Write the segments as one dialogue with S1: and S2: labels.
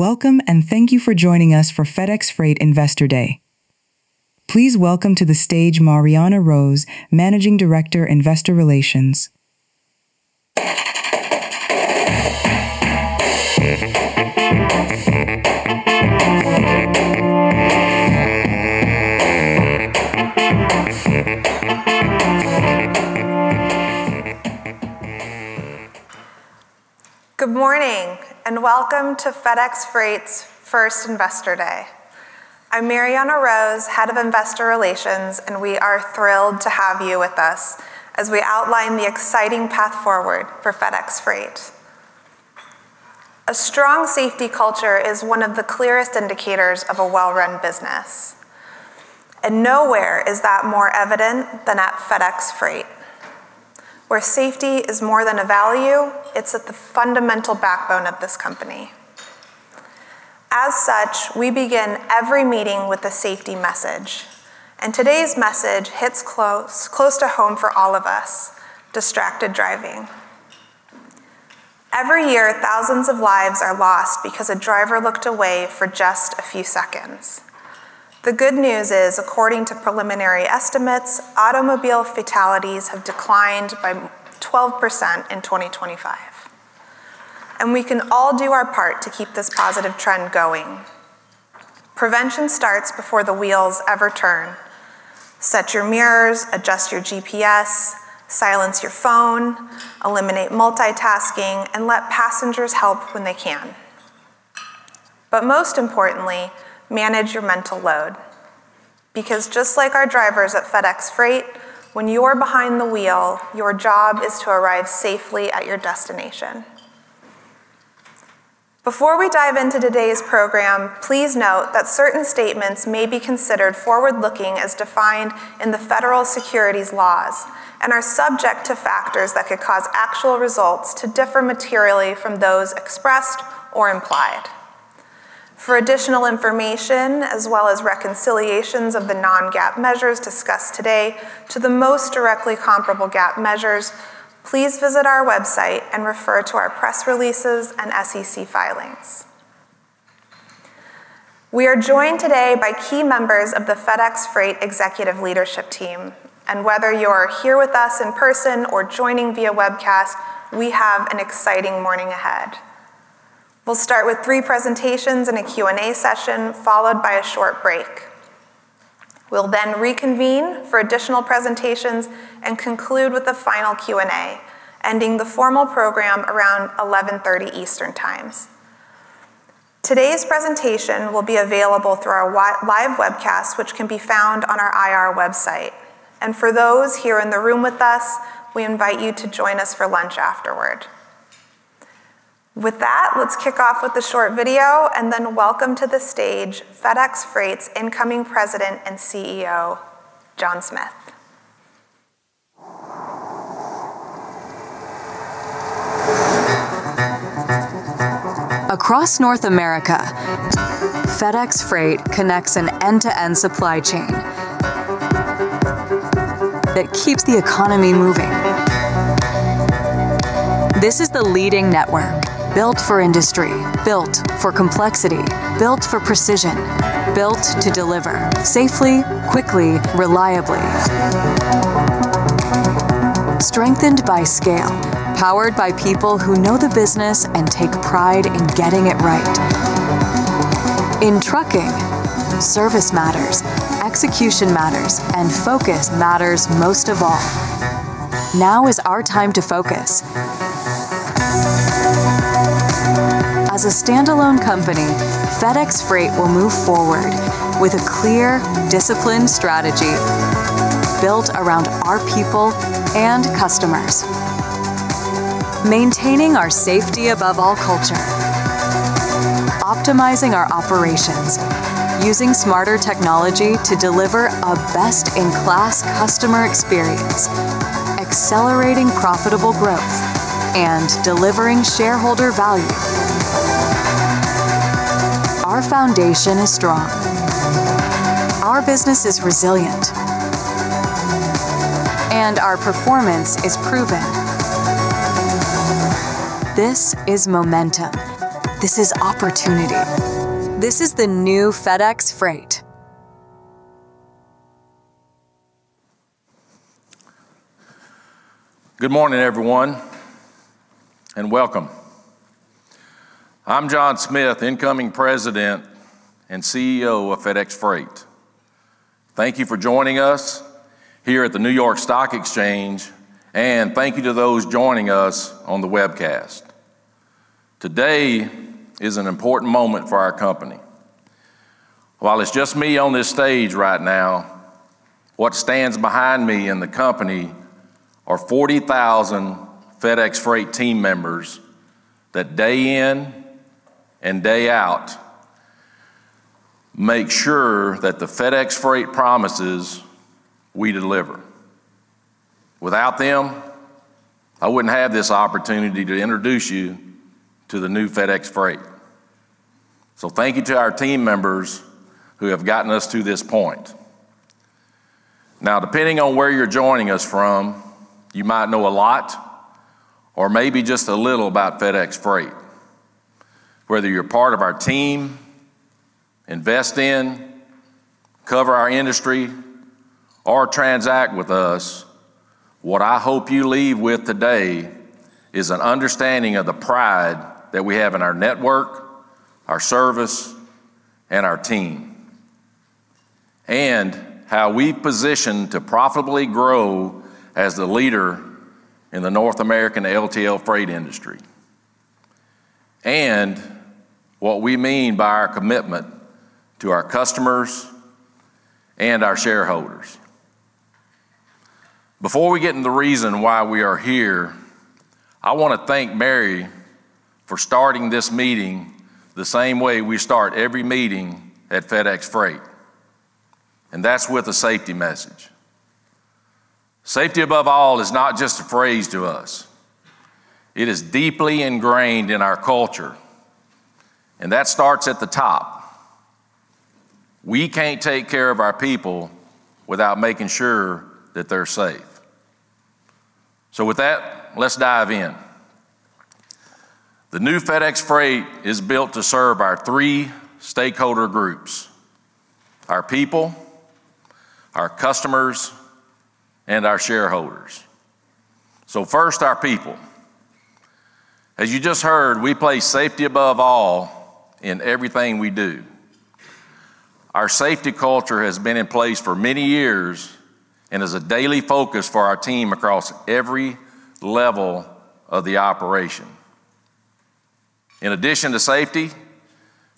S1: Welcome and thank you for joining us for FedEx Freight Investor Day. Please welcome to the stage Marianna Rose, Managing Director, Investor Relations.
S2: Good morning, welcome to FedEx Freight's first Investor Day. I'm Marianna Rose, Head of Investor Relations, and we are thrilled to have you with us as we outline the exciting path forward for FedEx Freight. A strong safety culture is one of the clearest indicators of a well-run business, and nowhere is that more evident than at FedEx Freight, where safety is more than a value, it's at the fundamental backbone of this company. As such, we begin every meeting with a safety message, and today's message hits close to home for all of us: distracted driving. Every year, thousands of lives are lost because a driver looked away for just a few seconds. The good news is, according to preliminary estimates, automobile fatalities have declined by 12% in 2025. We can all do our part to keep this positive trend going. Prevention starts before the wheels ever turn. Set your mirrors, adjust your GPS, silence your phone, eliminate multitasking, and let passengers help when they can. Most importantly, manage your mental load. Because just like our drivers at FedEx Freight, when you're behind the wheel, your job is to arrive safely at your destination. Before we dive into today's program, please note that certain statements may be considered forward-looking as defined in the federal securities laws and are subject to factors that could cause actual results to differ materially from those expressed or implied. For additional information, as well as reconciliations of the non-GAAP measures discussed today to the most directly comparable GAAP measures, please visit our website and refer to our press releases and SEC filings. We are joined today by key members of the FedEx Freight executive leadership team, and whether you're here with us in person or joining via webcast, we have an exciting morning ahead. We'll start with three presentations and a Q&A session, followed by a short break. We'll then reconvene for additional presentations and conclude with a final Q&A, ending the formal program around 11:30 A.M. Eastern Time. Today's presentation will be available through our live webcast, which can be found on our IR website. For those here in the room with us, we invite you to join us for lunch afterward. With that, let's kick off with a short video, and then welcome to the stage FedEx Freight's incoming President and CEO, John Smith. Across North America, FedEx Freight connects an end-to-end supply chain that keeps the economy moving.
S3: This is the leading network, built for industry, built for complexity, built for precision, built to deliver safely, quickly, reliably. Strengthened by scale, powered by people who know the business and take pride in getting it right. In trucking, service matters, execution matters. Focus matters most of all. Now is our time to focus. As a standalone company, FedEx Freight will move forward with a clear discipline strategy built around our people and customers. Maintaining our safety above all culture, optimizing our operations, using smarter technology to deliver a best-in-class customer experience, accelerating profitable growth, and delivering shareholder value. Our foundation is strong. Our business is resilient. Our performance is proven. This is momentum. This is opportunity. This is the new FedEx Freight.
S4: Good morning, everyone, and welcome. I'm John Smith, incoming President and Chief Executive Officer of FedEx Freight. Thank you for joining us here at the New York Stock Exchange. Thank you to those joining us on the webcast. Today is an important moment for our company. While it's just me on this stage right now, what stands behind me and the company are 40,000 FedEx Freight team members that day in and day out make sure that the FedEx Freight promises we deliver. Without them, I wouldn't have this opportunity to introduce you to the new FedEx Freight. Thank you to our team members who have gotten us to this point. Depending on where you're joining us from, you might know a lot or maybe just a little about FedEx Freight. Whether you're part of our team, invest in, cover our industry, or transact with us, what I hope you leave with today is an understanding of the pride that we have in our network, our service, and our team, and how we position to profitably grow as the leader in the North American LTL freight industry, and what we mean by our commitment to our customers and our shareholders. Before we get into the reason why we are here, I want to thank Mary for starting this meeting the same way we start every meeting at FedEx Freight. That's with a safety message. Safety above all is not just a phrase to us. It is deeply ingrained in our culture. That starts at the top. We can't take care of our people without making sure that they're safe. With that, let's dive in. The new FedEx Freight is built to serve our three stakeholder groups: our people, our customers, and our shareholders. First, our people. As you just heard, we place safety above all in everything we do. Our safety culture has been in place for many years and is a daily focus for our team across every level of the operation. In addition to safety,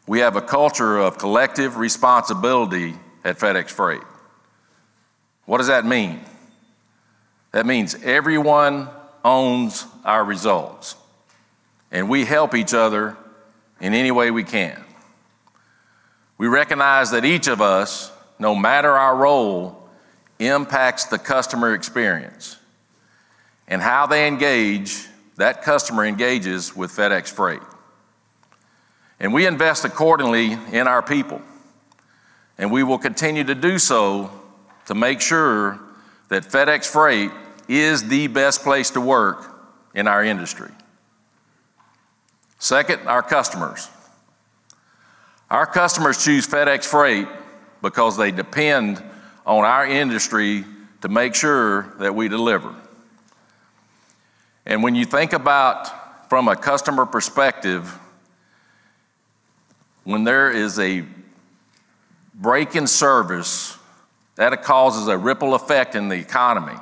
S4: we have a culture of collective responsibility at FedEx Freight. What does that mean? That means everyone owns our results. We help each other in any way we can. We recognize that each of us, no matter our role, impacts the customer experience and how that customer engages with FedEx Freight. We invest accordingly in our people, and we will continue to do so to make sure that FedEx Freight is the best place to work in our industry. Second, our customers. Our customers choose FedEx Freight because they depend on our industry to make sure that we deliver. When you think about from a customer perspective, when there is a break in service, that causes a ripple effect in the economy.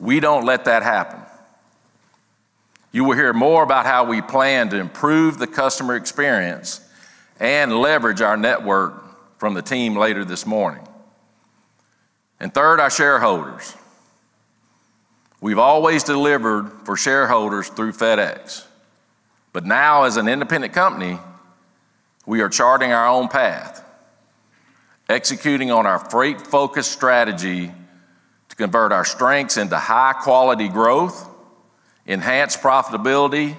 S4: We don't let that happen. You will hear more about how we plan to improve the customer experience and leverage our network from the team later this morning. Third, our shareholders. We've always delivered for shareholders through FedEx. Now as an independent company, we are charting our own path, executing on our freight-focused strategy to convert our strengths into high-quality growth, enhanced profitability,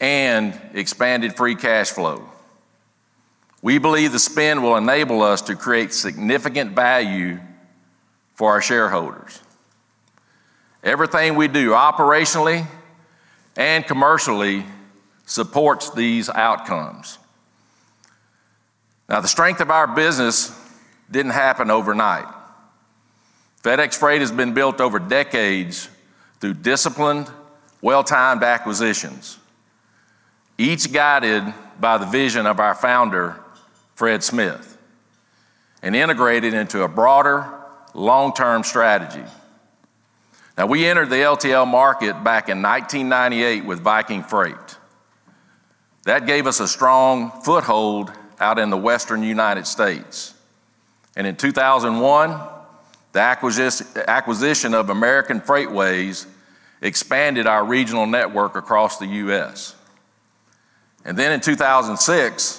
S4: and expanded free cash flow. We believe the spin will enable us to create significant value for our shareholders. Everything we do operationally and commercially supports these outcomes. The strength of our business didn't happen overnight. FedEx Freight has been built over decades through disciplined, well-timed acquisitions, each guided by the vision of our founder, Fred Smith, and integrated into a broader long-term strategy. We entered the LTL market back in 1998 with Viking Freight. That gave us a strong foothold out in the Western U.S. In 2001, the acquisition of American Freightways expanded our regional network across the U.S. In 2006,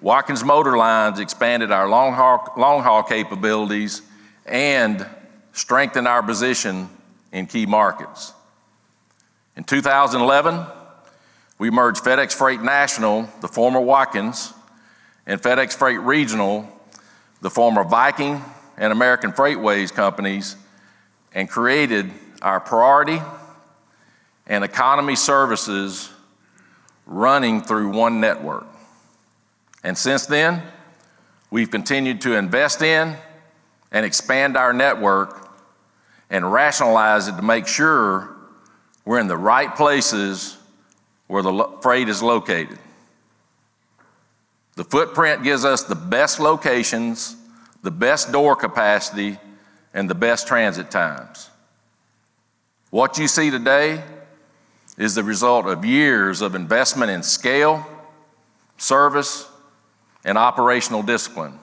S4: Watkins Motor Lines expanded our long-haul capabilities and strengthened our position in key markets. In 2011, we merged FedEx Freight National, the former Watkins, and FedEx Freight Regional, the former Viking and American Freightways companies, and created our priority and economy services running through one network. Since then, we've continued to invest in and expand our network and rationalize it to make sure we're in the right places where the freight is located. The footprint gives us the best locations, the best door capacity, and the best transit times. What you see today is the result of years of investment in scale, service, and operational discipline.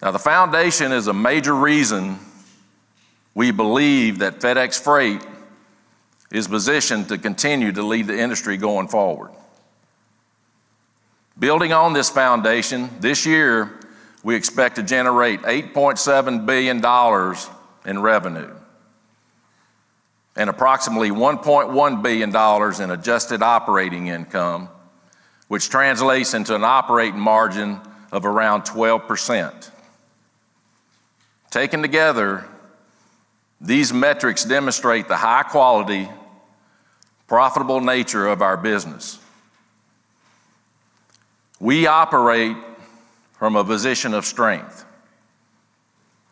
S4: The foundation is a major reason we believe that FedEx Freight is positioned to continue to lead the industry going forward. Building on this foundation, this year, we expect to generate $8.7 billion in revenue and approximately $1.1 billion in adjusted operating income, which translates into an operating margin of around 12%. Taken together, these metrics demonstrate the high-quality, profitable nature of our business. We operate from a position of strength.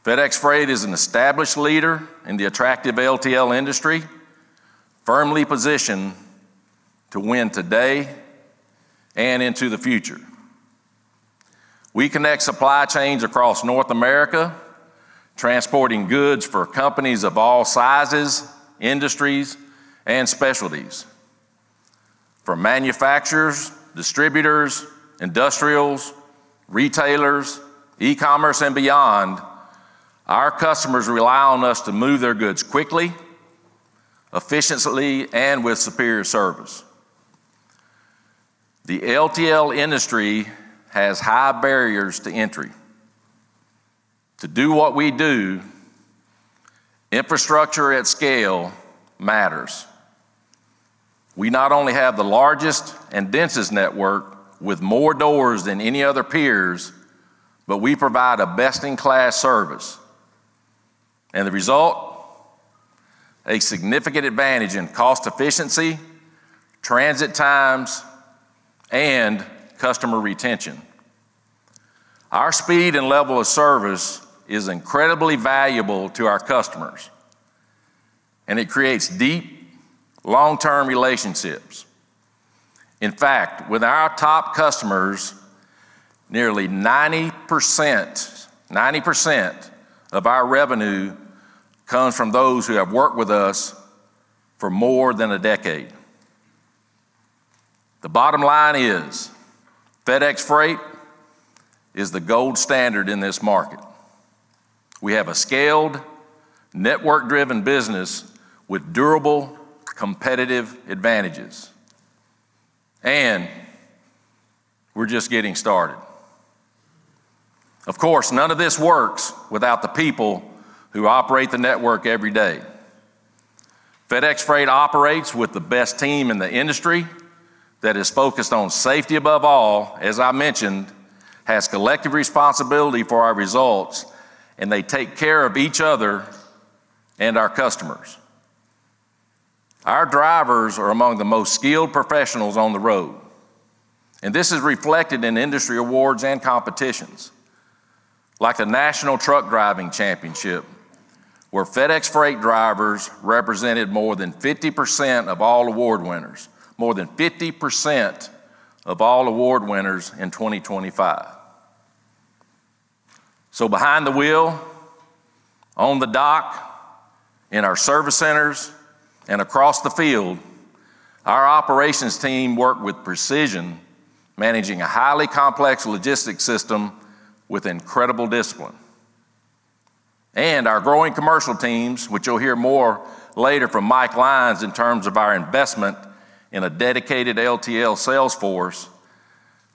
S4: FedEx Freight is an established leader in the attractive LTL industry, firmly positioned to win today and into the future. We connect supply chains across North America, transporting goods for companies of all sizes, industries, and specialties. For manufacturers, distributors, industrials, retailers, e-commerce, and beyond, our customers rely on us to move their goods quickly, efficiently, and with superior service. The LTL industry has high barriers to entry. To do what we do, infrastructure at scale matters. We not only have the largest and densest network with more doors than any other peers, but we provide a best-in-class service. The result, a significant advantage in cost efficiency, transit times, and customer retention. In fact, with our top customers, nearly 90% of our revenue comes from those who have worked with us for more than a decade. The bottom line is FedEx Freight is the gold standard in this market. We have a scaled, network-driven business with durable competitive advantages, and we're just getting started. Of course, none of this works without the people who operate the network every day. FedEx Freight operates with the best team in the industry that is focused on safety above all, as I mentioned, has collective responsibility for our results, and they take care of each other and our customers. Our drivers are among the most skilled professionals on the road, and this is reflected in industry awards and competitions like the National Truck Driving Championship, where FedEx Freight drivers represented more than 50% of all award winners in 2025. Behind the wheel, on the dock, in our service centers, and across the field, our operations team work with precision, managing a highly complex logistics system with incredible discipline. Our growing commercial teams, which you'll hear more later from Mike Lyons in terms of our investment in a dedicated LTL sales force,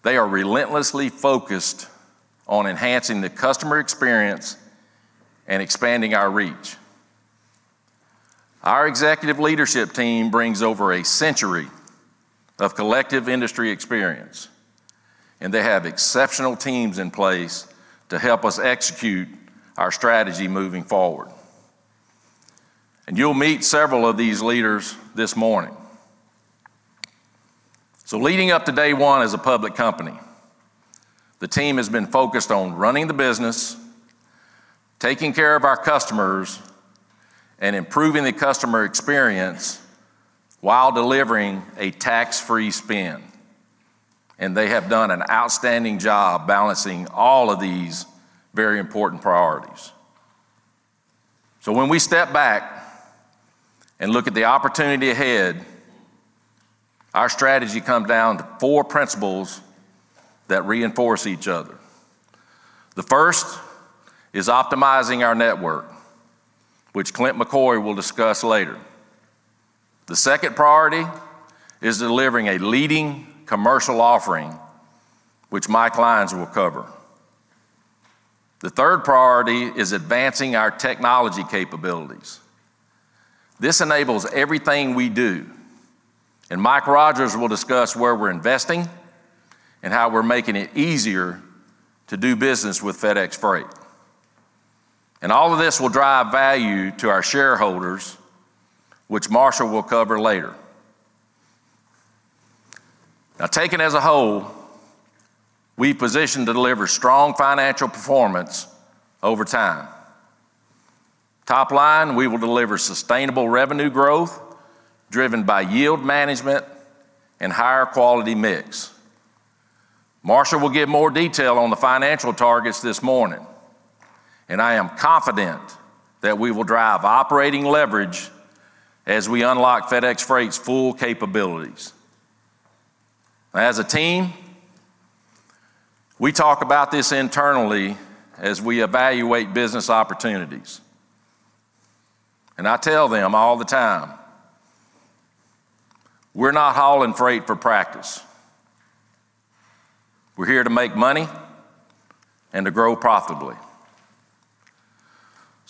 S4: they are relentlessly focused on enhancing the customer experience and expanding our reach. Our executive leadership team brings over a century of collective industry experience, and they have exceptional teams in place to help us execute our strategy moving forward. You'll meet several of these leaders this morning. Leading up to day one as a public company, the team has been focused on running the business, taking care of our customers, and improving the customer experience while delivering a tax-free spin. They have done an outstanding job balancing all of these very important priorities. When we step back and look at the opportunity ahead, our strategy comes down to four principles that reinforce each other. The first is optimizing our network, which Clint McCoy will discuss later. The second priority is delivering a leading commercial offering, which Mike Lyons will cover. The third priority is advancing our technology capabilities. This enables everything we do, and Mike Rodgers will discuss where we're investing and how we're making it easier to do business with FedEx Freight. All of this will drive value to our shareholders, which Marshall will cover later. Now taken as a whole, we position to deliver strong financial performance over time. Top line, we will deliver sustainable revenue growth driven by yield management and higher quality mix. Marshall will give more detail on the financial targets this morning, and I am confident that we will drive operating leverage as we unlock FedEx Freight's full capabilities. As a team, we talk about this internally as we evaluate business opportunities, and I tell them all the time We're not hauling freight for practice. We're here to make money and to grow profitably.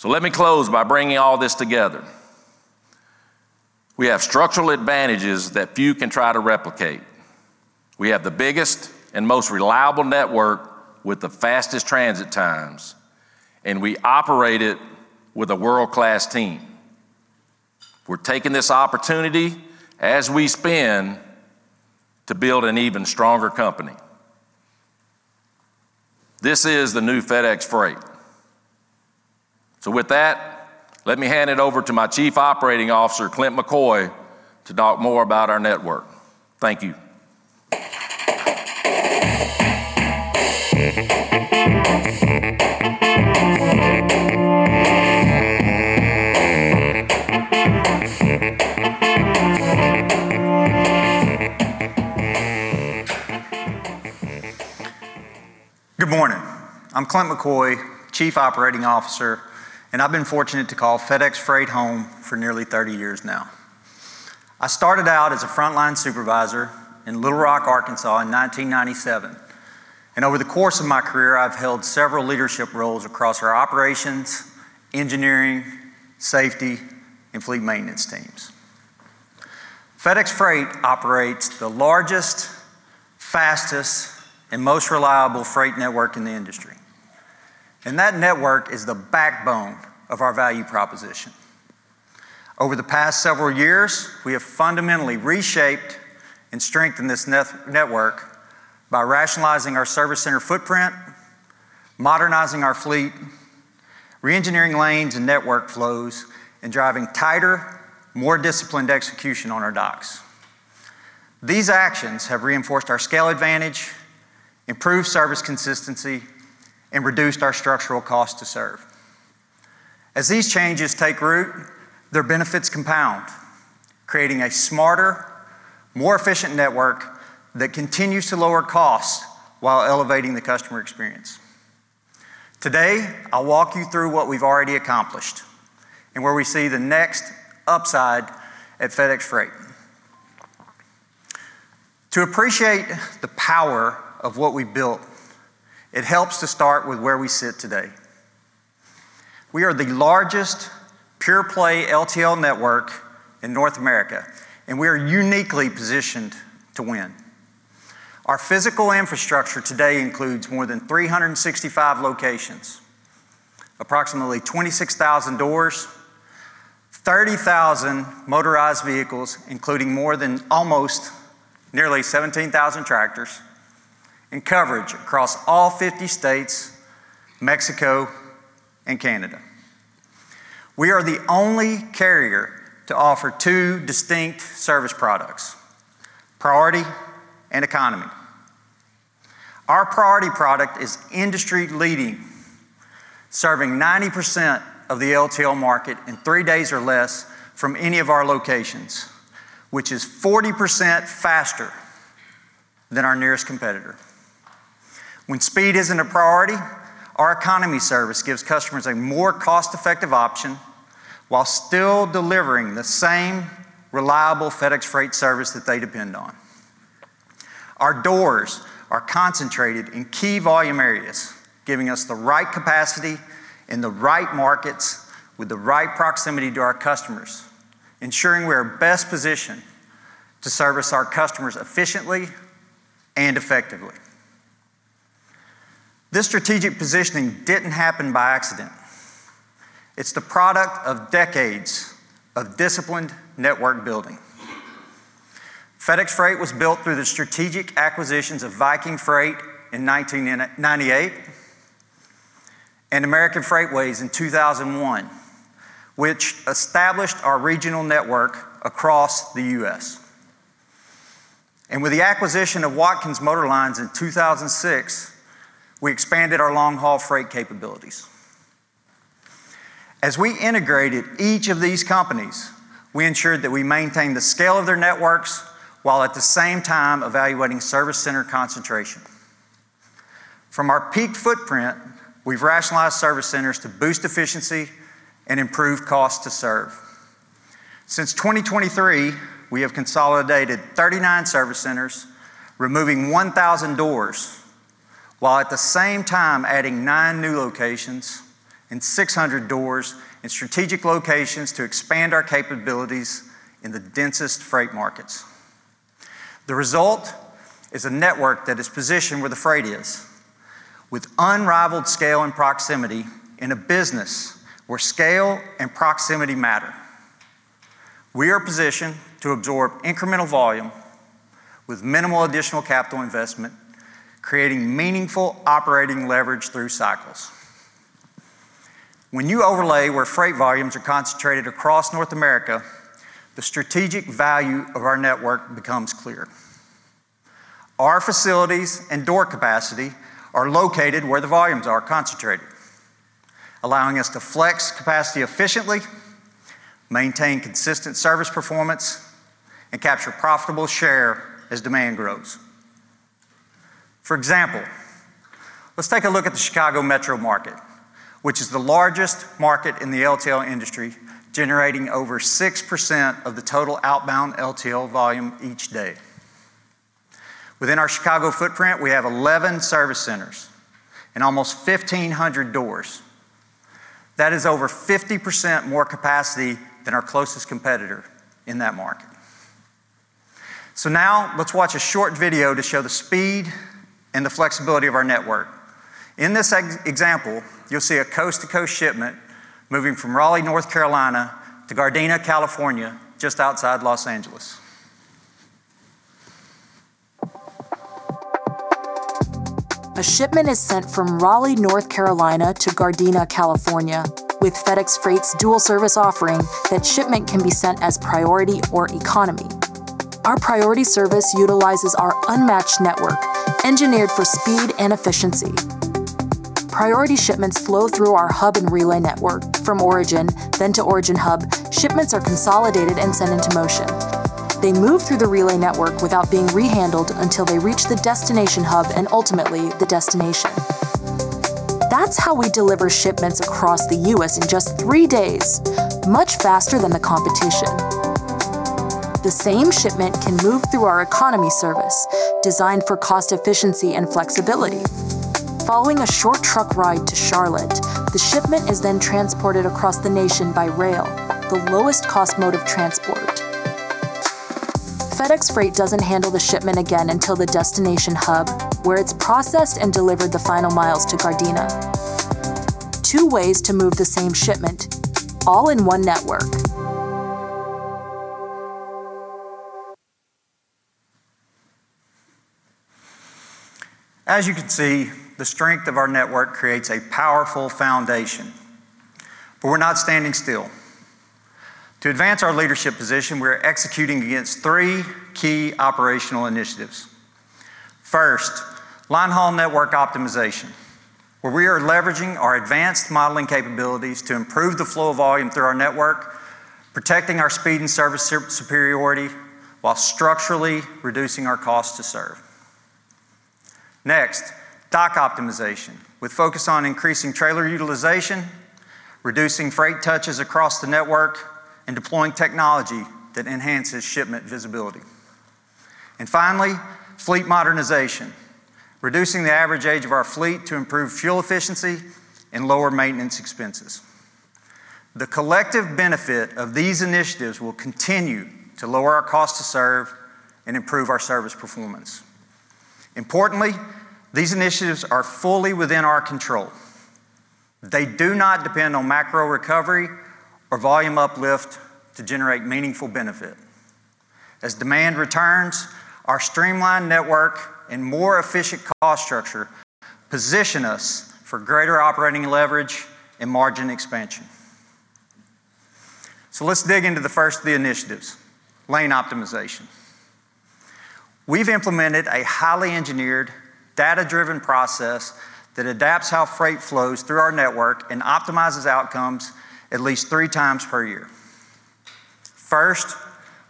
S4: Let me close by bringing all this together. We have structural advantages that few can try to replicate. We have the biggest and most reliable network with the fastest transit times, and we operate it with a world-class team. We're taking this opportunity as we spin to build an even stronger company. This is the new FedEx Freight. With that, let me hand it over to my Chief Operating Officer, Clint McCoy, to talk more about our network. Thank you.
S5: Good morning. I'm Clint McCoy, Chief Operating Officer, and I've been fortunate to call FedEx Freight home for nearly 30 years now. I started out as a frontline supervisor in Little Rock, Arkansas in 1997. Over the course of my career, I've held several leadership roles across our operations, engineering, safety, and fleet maintenance teams. FedEx Freight operates the largest, fastest, and most reliable freight network in the industry. That network is the backbone of our value proposition. Over the past several years, we have fundamentally reshaped and strengthened this network by rationalizing our service center footprint, modernizing our fleet, re-engineering lanes and network flows, and driving tighter, more disciplined execution on our docks. These actions have reinforced our scale advantage, improved service consistency, and reduced our structural cost to serve. As these changes take root, their benefits compound, creating a smarter, more efficient network that continues to lower costs while elevating the customer experience. Today, I'll walk you through what we've already accomplished and where we see the next upside at FedEx Freight. To appreciate the power of what we've built, it helps to start with where we sit today. We are the largest pure-play LTL network in North America, and we are uniquely positioned to win. Our physical infrastructure today includes more than 365 locations, approximately 26,000 doors, 30,000 motorized vehicles, including nearly 17,000 tractors, and coverage across all 50 states, Mexico, and Canada. We are the only carrier to offer two distinct service products, Priority and Economy. Our Priority product is industry leading, serving 90% of the LTL market in three days or less from any of our locations, which is 40% faster than our nearest competitor. When speed isn't a priority, our Economy service gives customers a more cost-effective option while still delivering the same reliable FedEx Freight service that they depend on. Our doors are concentrated in key volume areas, giving us the right capacity in the right markets with the right proximity to our customers, ensuring we're best positioned to service our customers efficiently and effectively. This strategic positioning didn't happen by accident. It's the product of decades of disciplined network building. FedEx Freight was built through the strategic acquisitions of Viking Freight in 1998 and American Freightways in 2001, which established our regional network across the U.S. With the acquisition of Watkins Motor Lines in 2006, we expanded our long-haul freight capabilities. As we integrated each of these companies, we ensured that we maintain the scale of their networks, while at the same time evaluating service center concentration. From our peak footprint, we've rationalized service centers to boost efficiency and improve cost to serve. Since 2023, we have consolidated 39 service centers, removing 1,000 doors, while at the same time adding nine new locations and 600 doors in strategic locations to expand our capabilities in the densest freight markets. The result is a network that is positioned where the freight is, with unrivaled scale and proximity in a business where scale and proximity matter. We are positioned to absorb incremental volume with minimal additional capital investment, creating meaningful operating leverage through cycles. When you overlay where freight volumes are concentrated across North America, the strategic value of our network becomes clear. Our facilities and door capacity are located where the volumes are concentrated, allowing us to flex capacity efficiently, maintain consistent service performance, and capture profitable share as demand grows. For example, let's take a look at the Chicago metro market, which is the largest market in the LTL industry, generating over 6% of the total outbound LTL volume each day. Within our Chicago footprint, we have 11 service centers and almost 1,500 doors. That is over 50% more capacity than our closest competitor in that market. Now let's watch a short video to show the speed and the flexibility of our network. In this example, you'll see a coast-to-coast shipment moving from Raleigh, North Carolina to Gardena, California, just outside Los Angeles.
S3: A shipment is sent from Raleigh, North Carolina to Gardena, California. With FedEx Freight's dual service offering, that shipment can be sent as Priority or Economy. Our Priority service utilizes our unmatched network, engineered for speed and efficiency. Priority shipments flow through our hub and relay network from origin, then to origin hub. Shipments are consolidated and sent into motion. They move through the relay network without being rehandled until they reach the destination hub and ultimately the destination. That's how we deliver shipments across the U.S. in just three days, much faster than the competition. The same shipment can move through our Economy service, designed for cost efficiency and flexibility. Following a short truck ride to Charlotte, the shipment is then transported across the nation by rail, the lowest cost mode of transport. FedEx Freight doesn't handle the shipment again until the destination hub, where it's processed and delivered the final miles to Gardena. Two ways to move the same shipment, all in one network.
S5: As you can see, the strength of our network creates a powerful foundation, we're not standing still. To advance our leadership position, we're executing against three key operational initiatives. First, line haul network optimization, where we are leveraging our advanced modeling capabilities to improve the flow of volume through our network, protecting our speed and service superiority while structurally reducing our cost to serve. Next, dock optimization with focus on increasing trailer utilization, reducing freight touches across the network, and deploying technology that enhances shipment visibility. Finally, fleet modernization, reducing the average age of our fleet to improve fuel efficiency and lower maintenance expenses. The collective benefit of these initiatives will continue to lower our cost to serve and improve our service performance. Importantly, these initiatives are fully within our control. They do not depend on macro recovery or volume uplift to generate meaningful benefit. As demand returns, our streamlined network and more efficient cost structure position us for greater operating leverage and margin expansion. Let's dig into the first of the initiatives, lane optimization. We've implemented a highly engineered, data-driven process that adapts how freight flows through our network and optimizes outcomes at least 3 times per year. First,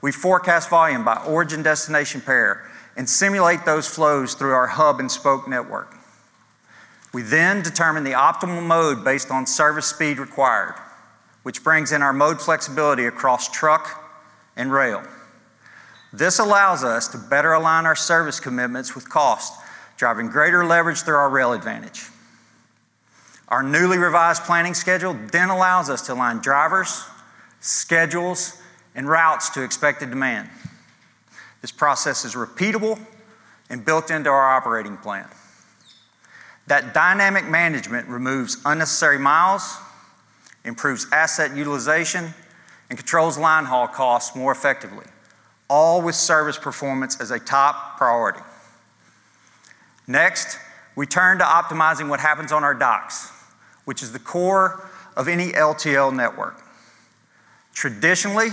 S5: we forecast volume by origin-destination pair and simulate those flows through our hub and spoke network. We determine the optimal mode based on service speed required, which brings in our mode flexibility across truck and rail. This allows us to better align our service commitments with cost, driving greater leverage through our rail advantage. Our newly revised planning schedule allows us to align drivers, schedules, and routes to expected demand. This process is repeatable and built into our operating plan. That dynamic management removes unnecessary miles, improves asset utilization, and controls line haul costs more effectively, all with service performance as a top priority. We turn to optimizing what happens on our docks, which is the core of any LTL network. Traditionally,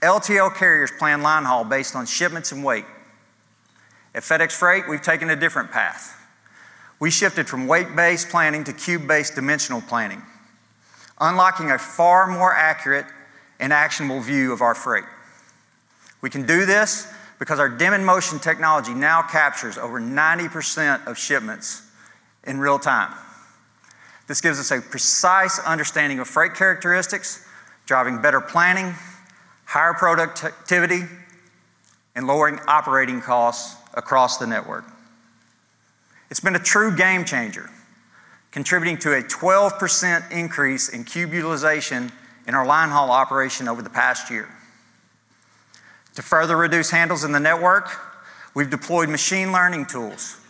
S5: LTL carriers plan line haul based on shipments and weight. At FedEx Freight, we've taken a different path. We shifted from weight-based planning to cube-based dimensional planning, unlocking a far more accurate and actionable view of our freight. We can do this because our Dim in Motion technology now captures over 90% of shipments in real time. This gives us a precise understanding of freight characteristics, driving better planning, higher productivity, and lowering operating costs across the network. It's been a true game changer, contributing to a 12% increase in cube utilization in our line haul operation over the past year. To further reduce handles in the network, we've deployed machine learning tools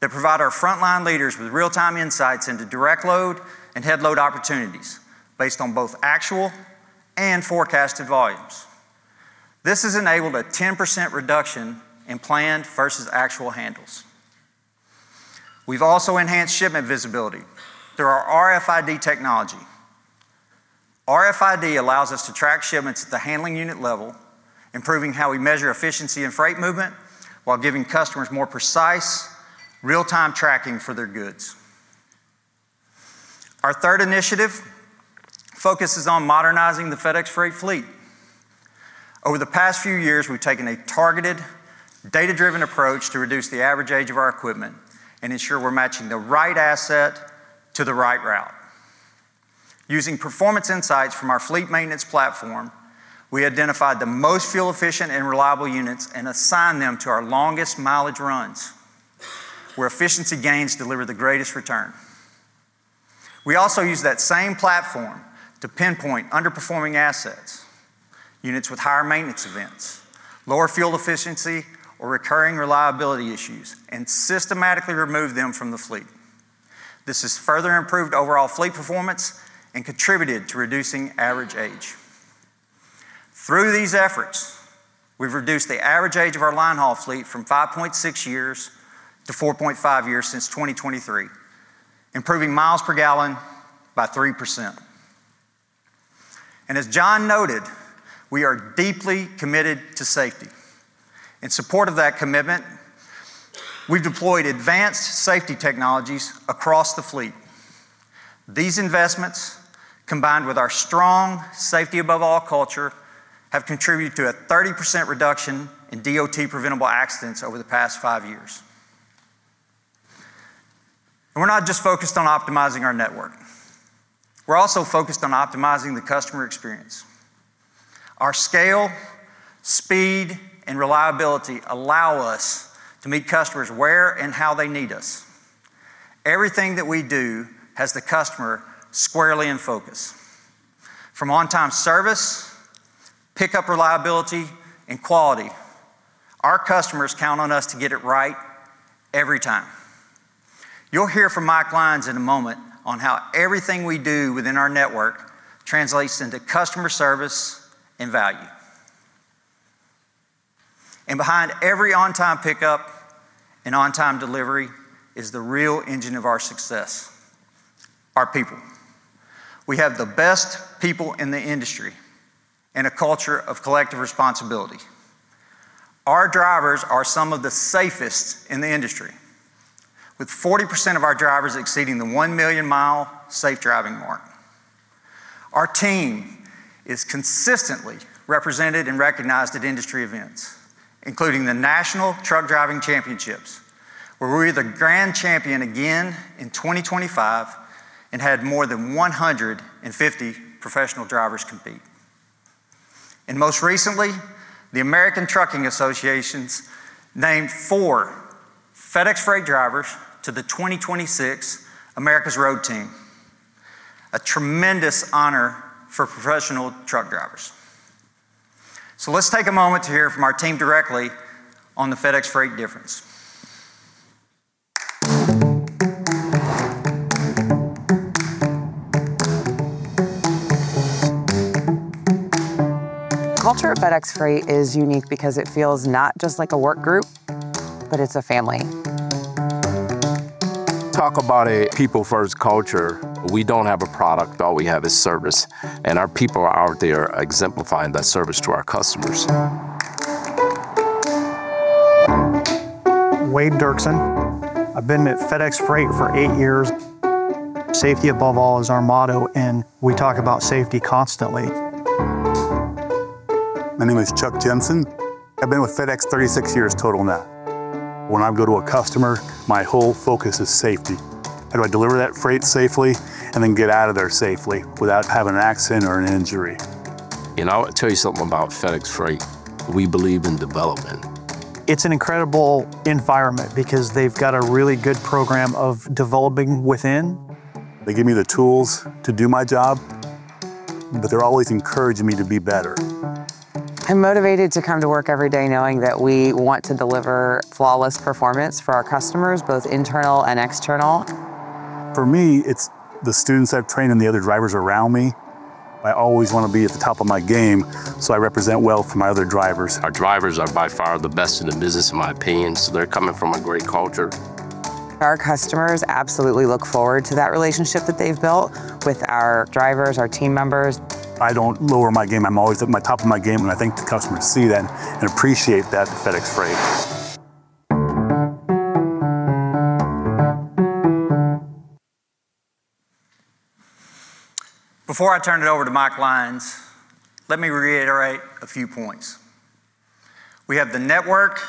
S5: that provide our frontline leaders with real-time insights into direct load and headload opportunities based on both actual and forecasted volumes. This has enabled a 10% reduction in planned versus actual handles. We've also enhanced shipment visibility through our RFID technology. RFID allows us to track shipments at the handling unit level, improving how we measure efficiency and freight movement while giving customers more precise, real-time tracking for their goods. Our third initiative focuses on modernizing the FedEx Freight fleet. Over the past few years, we've taken a targeted, data-driven approach to reduce the average age of our equipment and ensure we're matching the right asset to the right route. Using performance insights from our fleet maintenance platform, we identified the most fuel-efficient and reliable units and assigned them to our longest mileage runs, where efficiency gains deliver the greatest return. We also use that same platform to pinpoint underperforming assets, units with higher maintenance events, lower fuel efficiency, or recurring reliability issues, and systematically remove them from the fleet. This has further improved overall fleet performance and contributed to reducing average age. Through these efforts, we've reduced the average age of our line haul fleet from 5.6 years to 4.5 years since 2023, improving miles per gallon by 3%. As John noted, we are deeply committed to safety. In support of that commitment, we've deployed advanced safety technologies across the fleet. These investments, combined with our strong safety above all culture, have contributed to a 30% reduction in DOT preventable accidents over the past 5 years. We're not just focused on optimizing our network. We're also focused on optimizing the customer experience. Our scale, speed, and reliability allow us to meet customers where and how they need us. Everything that we do has the customer squarely in focus. From on-time service, pickup reliability, and quality, our customers count on us to get it right every time. You'll hear from Mike Lyons in a moment on how everything we do within our network translates into customer service and value. Behind every on-time pickup and on-time delivery is the real engine of our success, our people. We have the best people in the industry and a culture of collective responsibility. Our drivers are some of the safest in the industry, with 40% of our drivers exceeding the 1 million mile safe driving mark. Our team is consistently represented and recognized at industry events, including the National Truck Driving Championships, where we were the grand champion again in 2025 and had more than 150 professional drivers compete. Most recently, the American Trucking Associations named four FedEx Freight drivers to the 2026 America's Road Team, a tremendous honor for professional truck drivers. Let's take a moment to hear from our team directly on the FedEx Freight difference.
S6: Culture at FedEx Freight is unique because it feels not just like a work group, but it's a family. Talk about a people-first culture. We don't have a product. All we have is service, and our people out there exemplifying that service to our customers.
S7: Wade Derksen. I've been at FedEx Freight for eight years. Safety Above All is our motto. We talk about safety constantly.
S8: My name is Chuck Jensen. I've been with FedEx 36 years total now. When I go to a customer, my whole focus is safety. How do I deliver that freight safely then get out of there safely without having an accident or an injury?
S6: I will tell you something about FedEx Freight. We believe in development.
S7: It's an incredible environment because they've got a really good program of developing within.
S8: They give me the tools to do my job, they're always encouraging me to be better.
S6: I'm motivated to come to work every day knowing that we want to deliver flawless performance for our customers, both internal and external.
S8: For me, it's the students I've trained and the other drivers around me. I always want to be at the top of my game, I represent well for my other drivers.
S6: Our drivers are by far the best in the business, in my opinion, they're coming from a great culture. Our customers absolutely look forward to that relationship that they've built with our drivers, our team members.
S8: I don't lower my game. I'm always at my top of my game. I think the customers see that and appreciate that at FedEx Freight.
S5: Before I turn it over to Mike Lyons, let me reiterate a few points. We have the network,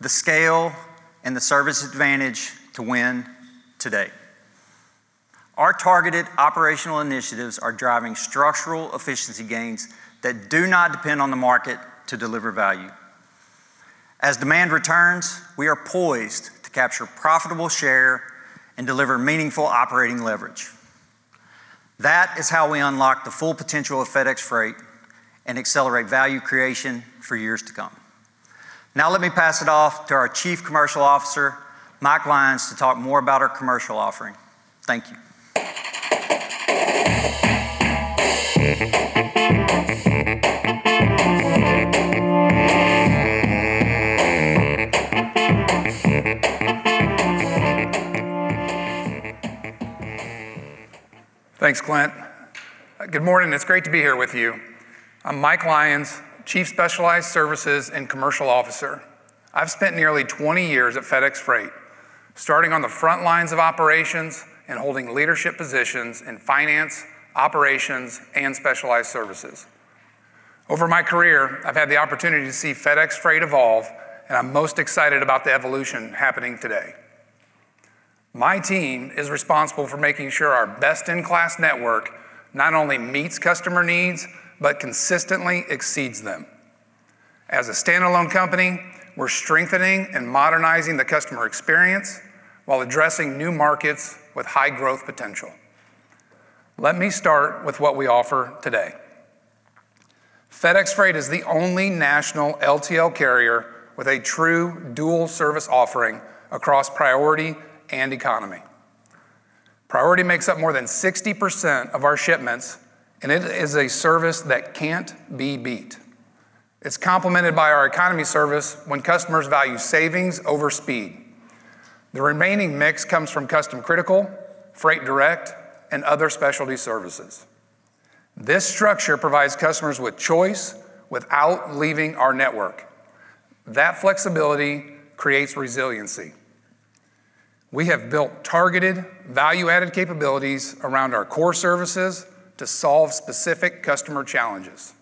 S5: the scale, and the service advantage to win today. Our targeted operational initiatives are driving structural efficiency gains that do not depend on the market to deliver value. As demand returns, we are poised to capture profitable share and deliver meaningful operating leverage. That is how we unlock the full potential of FedEx Freight and accelerate value creation for years to come. Now let me pass it off to our Chief Commercial Officer, Mike Lyons, to talk more about our commercial offering. Thank you.
S9: Thanks, Clint. Good morning. It's great to be here with you. I'm Mike Lyons, Chief Specialized Services and Commercial Officer. I've spent nearly 20 years at FedEx Freight, starting on the front lines of operations and holding leadership positions in finance, operations, and specialized services. Over my career, I've had the opportunity to see FedEx Freight evolve. I'm most excited about the evolution happening today. My team is responsible for making sure our best-in-class network not only meets customer needs but consistently exceeds them. As a standalone company, we're strengthening and modernizing the customer experience while addressing new markets with high growth potential. Let me start with what we offer today. FedEx Freight is the only national LTL carrier with a true dual service offering across FedEx Freight Priority and FedEx Freight® Economy. FedEx Freight Priority makes up more than 60% of our shipments. It is a service that can't be beat. It's complemented by our FedEx Freight® Economy service when customers value savings over speed. The remaining mix comes from FedEx Custom Critical, FedEx Freight Direct, and other specialty services. This structure provides customers with choice without leaving our network. That flexibility creates resiliency. We have built targeted, value-added capabilities around our core services to solve specific customer challenges.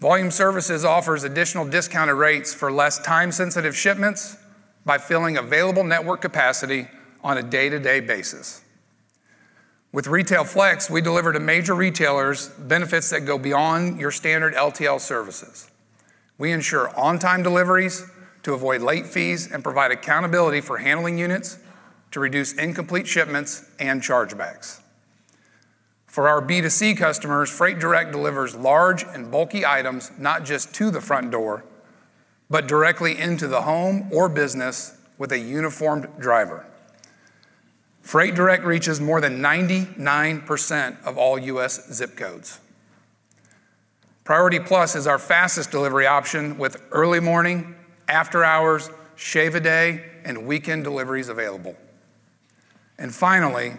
S9: FedEx Freight volume services offers additional discounted rates for less time-sensitive shipments by filling available network capacity on a day-to-day basis. With FedEx Freight Retail Flex, we deliver to major retailers benefits that go beyond your standard LTL services. We ensure on-time deliveries to avoid late fees and provide accountability for handling units to reduce incomplete shipments and chargebacks. For our B2C customers, FedEx Freight Direct delivers large and bulky items not just to the front door, but directly into the home or business with a uniformed driver. FedEx Freight Direct reaches more than 99% of all U.S. zip codes. FedEx Freight® Priority Plus is our fastest delivery option, with early morning, after-hours, shave a day, and weekend deliveries available. Finally,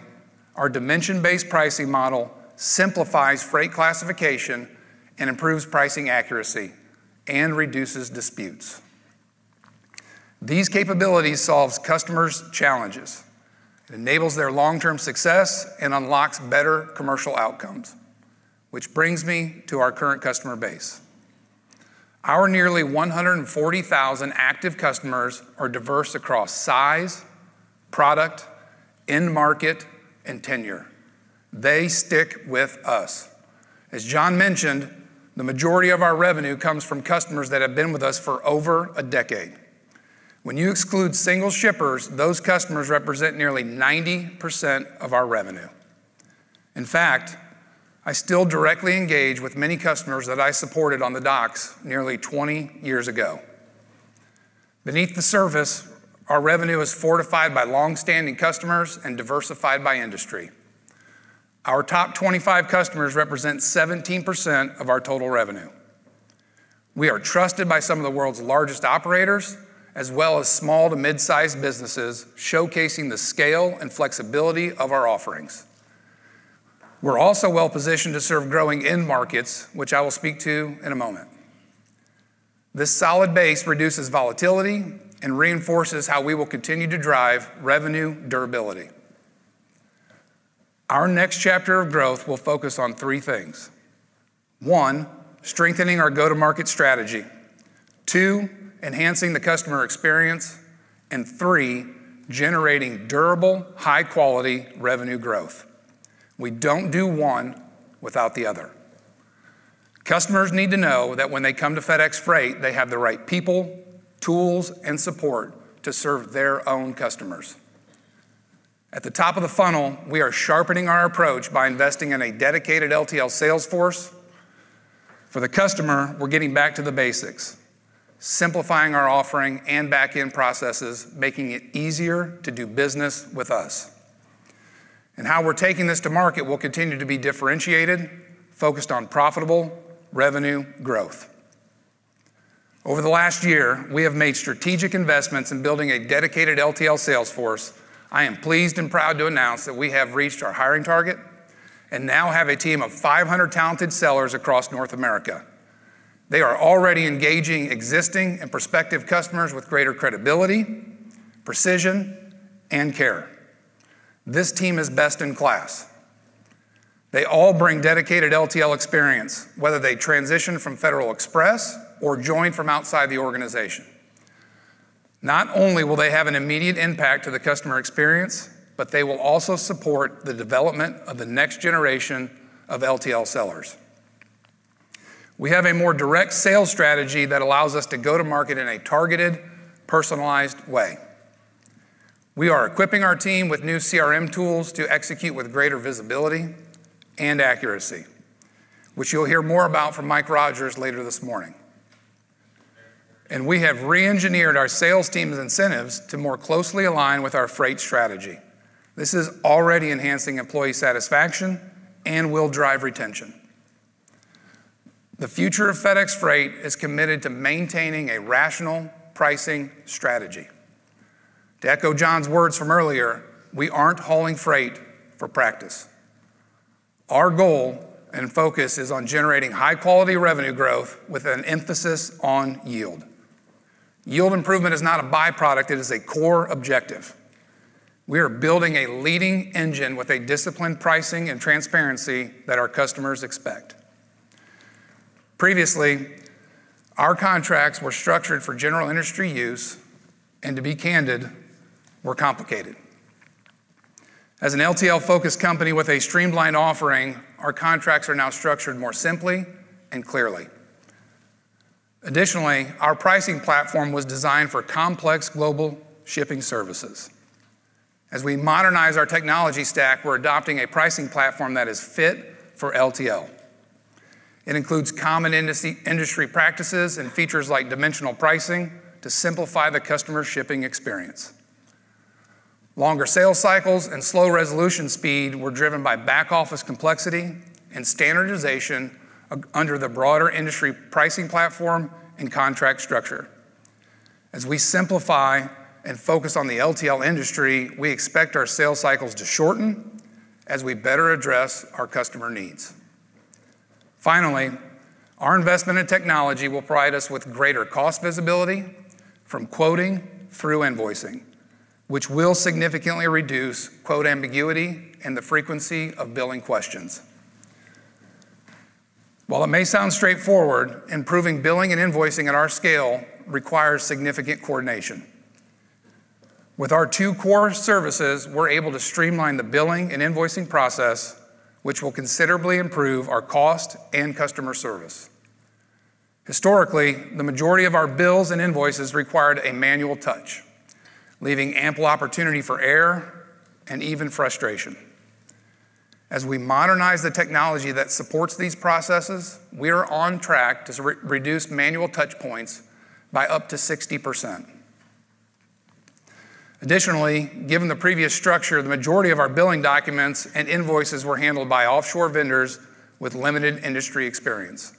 S9: our dimension-based pricing model simplifies freight classification and improves pricing accuracy and reduces disputes. These capabilities solves customers' challenges, enables their long-term success, and unlocks better commercial outcomes. This brings me to our current customer base. Our nearly 140,000 active customers are diverse across size, product, end market, and tenure. They stick with us. As John mentioned, the majority of our revenue comes from customers that have been with us for over a decade. When you exclude single shippers, those customers represent nearly 90% of our revenue. In fact, I still directly engage with many customers that I supported on the docks nearly 20 years ago. Beneath the surface, our revenue is fortified by longstanding customers and diversified by industry. Our top 25 customers represent 17% of our total revenue. We are trusted by some of the world's largest operators, as well as small to mid-size businesses, showcasing the scale and flexibility of our offerings. We're also well-positioned to serve growing end markets, which I will speak to in a moment. This solid base reduces volatility and reinforces how we will continue to drive revenue durability. Our next chapter of growth will focus on three things. 1, strengthening our go-to-market strategy. 2, enhancing the customer experience. 3, generating durable, high-quality revenue growth. We don't do one without the other. Customers need to know that when they come to FedEx Freight, they have the right people, tools, and support to serve their own customers. At the top of the funnel, we are sharpening our approach by investing in a dedicated LTL sales force. For the customer, we're getting back to the basics, simplifying our offering and back-end processes, making it easier to do business with us. How we're taking this to market will continue to be differentiated, focused on profitable revenue growth. Over the last year, we have made strategic investments in building a dedicated LTL sales force. I am pleased and proud to announce that we have reached our hiring target and now have a team of 500 talented sellers across North America. They are already engaging existing and prospective customers with greater credibility, precision, and care. This team is best in class. They all bring dedicated LTL experience, whether they transition from Federal Express or join from outside the organization. Not only will they have an immediate impact to the customer experience, but they will also support the development of the next generation of LTL sellers. We have a more direct sales strategy that allows us to go to market in a targeted, personalized way. We are equipping our team with new CRM tools to execute with greater visibility and accuracy, which you'll hear more about from Michael Rodgers later this morning. We have re-engineered our sales team's incentives to more closely align with our freight strategy. This is already enhancing employee satisfaction and will drive retention. The future of FedEx Freight is committed to maintaining a rational pricing strategy. To echo John's words from earlier, we aren't hauling freight for practice. Our goal and focus is on generating high-quality revenue growth with an emphasis on yield. Yield improvement is not a byproduct, it is a core objective. We are building a leading engine with a disciplined pricing and transparency that our customers expect. Previously, our contracts were structured for general industry use, and to be candid, were complicated. As an LTL-focused company with a streamlined offering, our contracts are now structured more simply and clearly. Additionally, our pricing platform was designed for complex global shipping services. As we modernize our technology stack, we're adopting a pricing platform that is fit for LTL. It includes common industry practices and features like dimensional pricing to simplify the customer shipping experience. Longer sales cycles and slow resolution speed were driven by back office complexity and standardization under the broader industry pricing platform and contract structure. As we simplify and focus on the LTL industry, we expect our sales cycles to shorten as we better address our customer needs. Finally, our investment in technology will provide us with greater cost visibility from quoting through invoicing, which will significantly reduce quote ambiguity and the frequency of billing questions. While it may sound straightforward, improving billing and invoicing at our scale requires significant coordination. With our two core services, we're able to streamline the billing and invoicing process, which will considerably improve our cost and customer service. Historically, the majority of our bills and invoices required a manual touch, leaving ample opportunity for error and even frustration. As we modernize the technology that supports these processes, we are on track to reduce manual touch points by up to 60%. Additionally, given the previous structure, the majority of our billing documents and invoices were handled by offshore vendors with limited industry experience.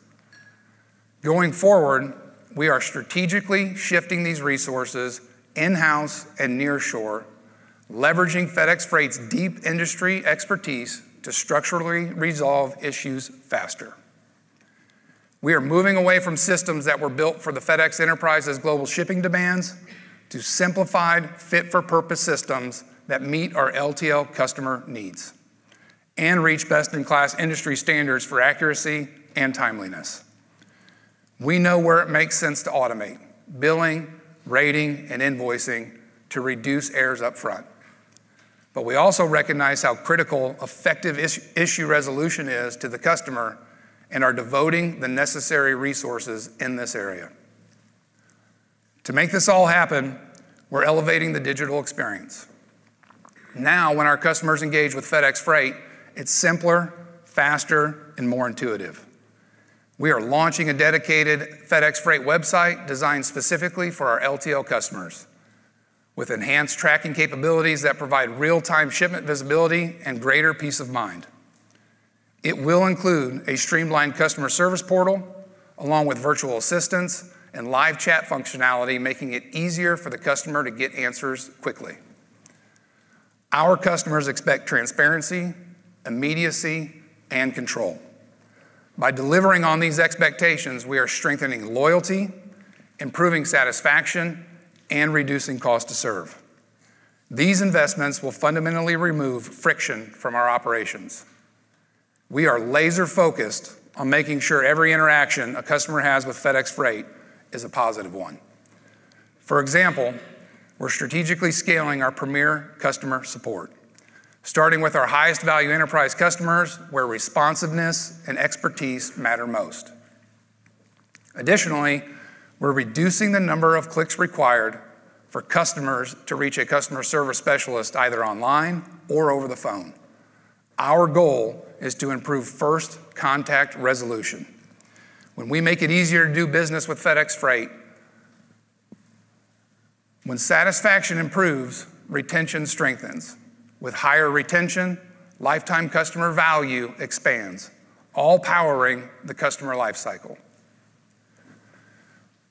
S9: Going forward, we are strategically shifting these resources in-house and near-shore, leveraging FedEx Freight's deep industry expertise to structurally resolve issues faster. We are moving away from systems that were built for the FedEx Enterprise's global shipping demands to simplified, fit-for-purpose systems that meet our LTL customer needs and reach best-in-class industry standards for accuracy and timeliness. We know where it makes sense to automate billing, rating, and invoicing to reduce errors upfront. We also recognize how critical effective issue resolution is to the customer and are devoting the necessary resources in this area. To make this all happen, we're elevating the digital experience. Now, when our customers engage with FedEx Freight, it's simpler, faster, and more intuitive. We are launching a dedicated FedEx Freight website designed specifically for our LTL customers with enhanced tracking capabilities that provide real-time shipment visibility and greater peace of mind. It will include a streamlined customer service portal along with virtual assistants and live chat functionality, making it easier for the customer to get answers quickly. Our customers expect transparency, immediacy, and control. By delivering on these expectations, we are strengthening loyalty, improving satisfaction, and reducing cost to serve. These investments will fundamentally remove friction from our operations. We are laser-focused on making sure every interaction a customer has with FedEx Freight is a positive one. For example, we're strategically scaling our premier customer support, starting with our highest-value enterprise customers, where responsiveness and expertise matter most. Additionally, we're reducing the number of clicks required for customers to reach a customer service specialist either online or over the phone. Our goal is to improve first-contact resolution. When we make it easier to do business with FedEx Freight, when satisfaction improves, retention strengthens. With higher retention, lifetime customer value expands, all powering the customer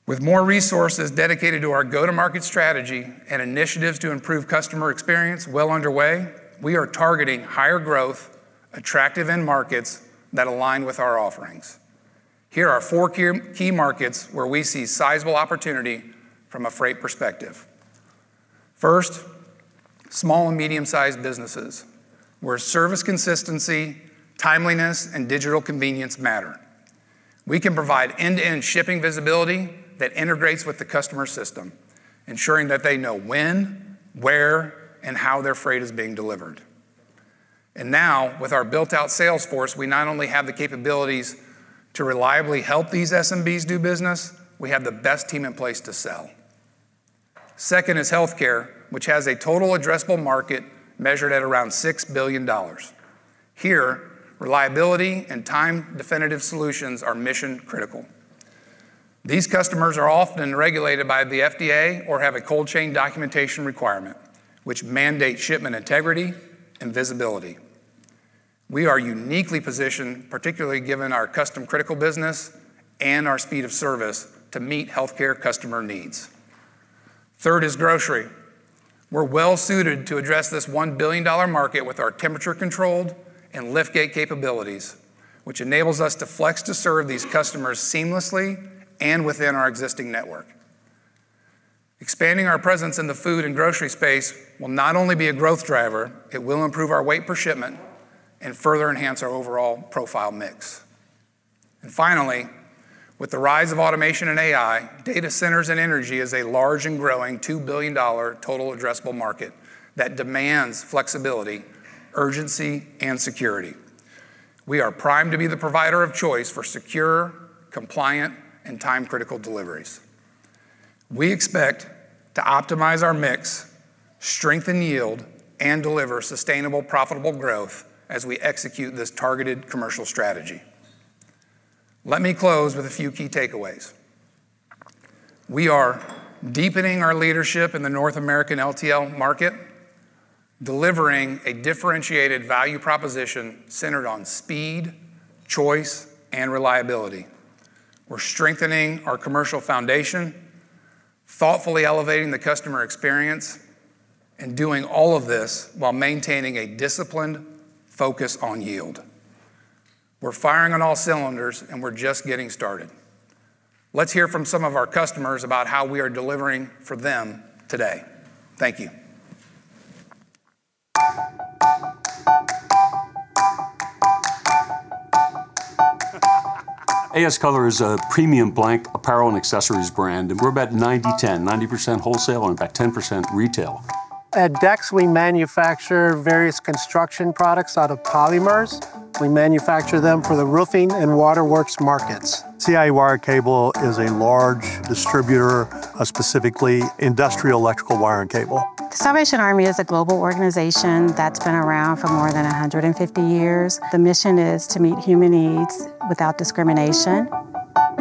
S9: life cycle. With more resources dedicated to our go-to-market strategy and initiatives to improve customer experience well underway, we are targeting higher growth, attractive end markets that align with our offerings. Here are four key markets where we see sizable opportunity from a freight perspective. First, small and medium-sized businesses, where service consistency, timeliness, and digital convenience matter. We can provide end-to-end shipping visibility that integrates with the customer system, ensuring that they know when, where, and how their freight is being delivered. Now, with our built-out sales force, we not only have the capabilities to reliably help these SMBs do business, we have the best team in place to sell. Second is healthcare, which has a total addressable market measured at around $6 billion. Here, reliability and time definitive solutions are mission critical. These customers are often regulated by the FDA or have a cold chain documentation requirement, which mandate shipment integrity and visibility. We are uniquely positioned, particularly given our Custom Critical business and our speed of service to meet healthcare customer needs. Third is grocery. We're well-suited to address this $1 billion market with our temperature controlled and lift gate capabilities, which enables us to flex to serve these customers seamlessly and within our existing network. Expanding our presence in the food and grocery space will not only be a growth driver, it will improve our weight per shipment and further enhance our overall profile mix. Finally, with the rise of automation and AI, data centers and energy is a large and growing $2 billion total addressable market that demands flexibility, urgency, and security. We are primed to be the provider of choice for secure, compliant, and time-critical deliveries. We expect to optimize our mix, strengthen yield, and deliver sustainable, profitable growth as we execute this targeted commercial strategy. Let me close with a few key takeaways. We are deepening our leadership in the North American LTL market, delivering a differentiated value proposition centered on speed, choice, and reliability. We're strengthening our commercial foundation, thoughtfully elevating the customer experience, and doing all of this while maintaining a disciplined focus on yield. We're firing on all cylinders, and we're just getting started. Let's hear from some of our customers about how we are delivering for them today. Thank you.
S10: AS Colour is a premium blank apparel and accessories brand, and we're about 90/10, 90% wholesale and about 10% retail.
S11: At Dex-O-Tex, we manufacture various construction products out of polymers. We manufacture them for the roofing and waterworks markets.
S12: C.I.E. Wire & Cable is a large distributor of specifically industrial electrical wire and cable.
S13: The Salvation Army is a global organization that's been around for more than 150 years. The mission is to meet human needs without discrimination.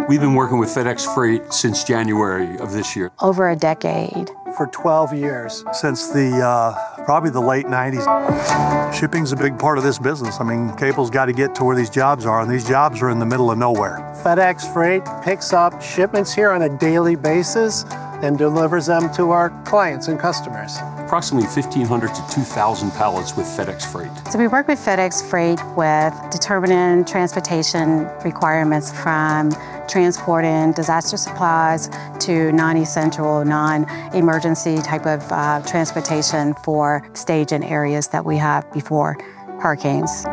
S10: We've been working with FedEx Freight since January of this year.
S13: Over a decade.
S11: For 12 years.
S12: Since probably the late '90s. Shipping's a big part of this business. Cable's got to get to where these jobs are, and these jobs are in the middle of nowhere.
S11: FedEx Freight picks up shipments here on a daily basis and delivers them to our clients and customers.
S10: Approximately 1,500-2,000 pallets with FedEx Freight.
S13: We work with FedEx Freight with determining transportation requirements from transporting disaster supplies to non-essential, non-emergency type of transportation for staging areas that we have before hurricanes.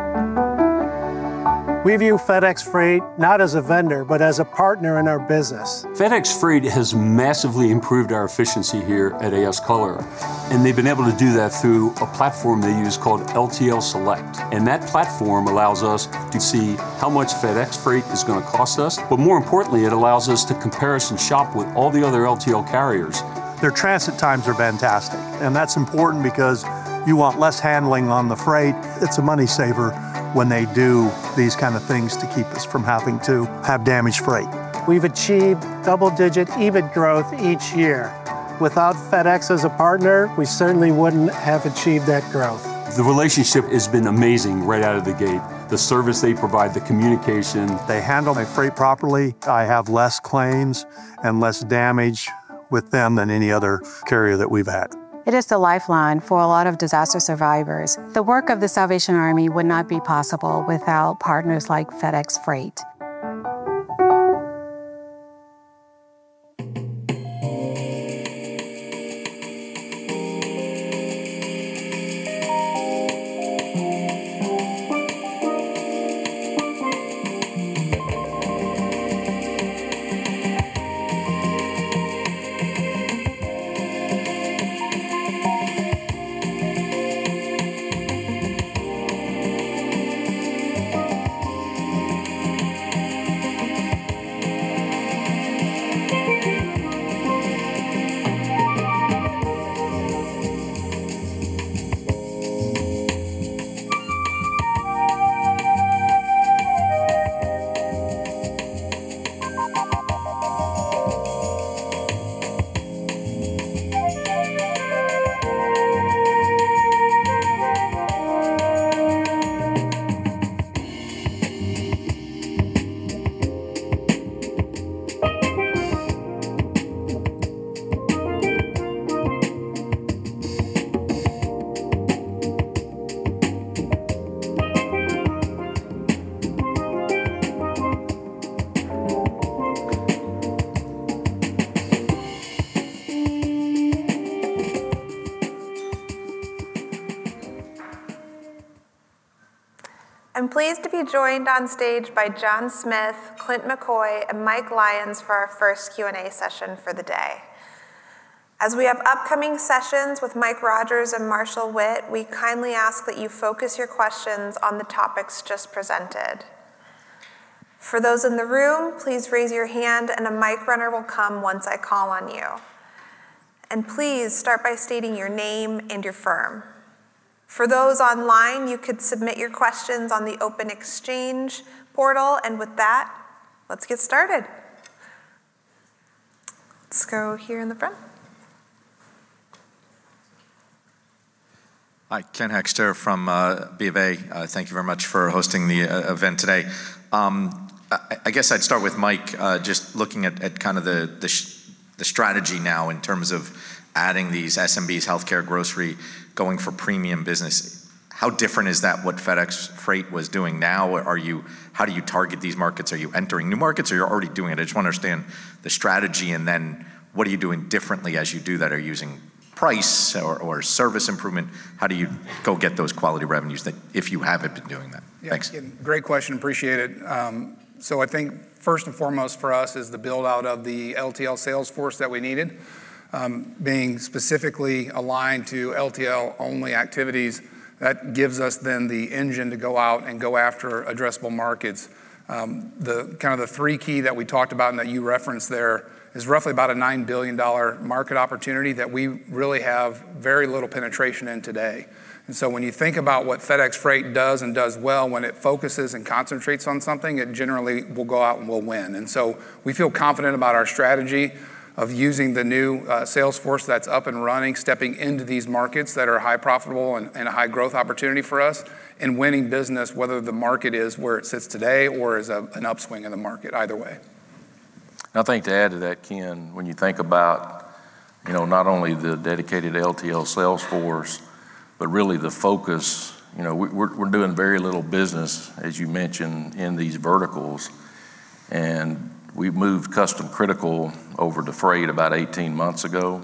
S11: We view FedEx Freight not as a vendor, but as a partner in our business.
S10: FedEx Freight has massively improved our efficiency here at AS Colour, and they've been able to do that through a platform they use called LTL Select. That platform allows us to see how much FedEx Freight is going to cost us. More importantly, it allows us to comparison shop with all the other LTL carriers.
S12: Their transit times are fantastic, and that's important because you want less handling on the freight. It's a money saver when they do these kind of things to keep us from having to have damaged freight.
S11: We've achieved double-digit EBIT growth each year. Without FedEx as a partner, we certainly wouldn't have achieved that growth.
S10: The relationship has been amazing right out of the gate, the service they provide, the communication.
S12: They handle my freight properly. I have less claims and less damage with them than any other carrier that we've had.
S13: It is the lifeline for a lot of disaster survivors. The work of The Salvation Army would not be possible without partners like FedEx Freight.
S2: I'm pleased to be joined on stage by John Smith, Clint McCoy, and Mike Lyons for our first Q&A session for the day. As we have upcoming sessions with Mike Rodgers and Marshall Witt, we kindly ask that you focus your questions on the topics just presented. For those in the room, please raise your hand and a mic runner will come once I call on you. Please start by stating your name and your firm. For those online, you could submit your questions on the OpenExchange portal. With that, let's get started. Let's go here in the front.
S14: Hi, Ken Hoexter from BofA. Thank you very much for hosting the event today. I guess I'd start with Mike, just looking at kind of the strategy now in terms of adding these SMBs, healthcare, grocery, going for premium business. How different is that, what FedEx Freight was doing now? How do you target these markets? Are you entering new markets or you're already doing it? I just want to understand the strategy and then what are you doing differently as you do that? Are you using price or service improvement? How do you go get those quality revenues if you haven't been doing that? Thanks.
S9: Yeah. Great question. Appreciate it. I think first and foremost for us is the build-out of the LTL sales force that we needed. Being specifically aligned to LTL-only activities, that gives us then the engine to go out and go after addressable markets. The kind of the three key that we talked about and that you referenced there is roughly about a $9 billion market opportunity that we really have very little penetration in today. When you think about what FedEx Freight does and does well, when it focuses and concentrates on something, it generally will go out and will win. We feel confident about our strategy of using the new sales force that's up and running, stepping into these markets that are high profitable and a high growth opportunity for us, and winning business, whether the market is where it sits today or is an upswing in the market, either way.
S4: I think to add to that, Ken, when you think about not only the dedicated LTL sales force, but really the focus, we're doing very little business, as you mentioned, in these verticals, and we've moved FedEx Custom Critical over to Freight about 18 months ago,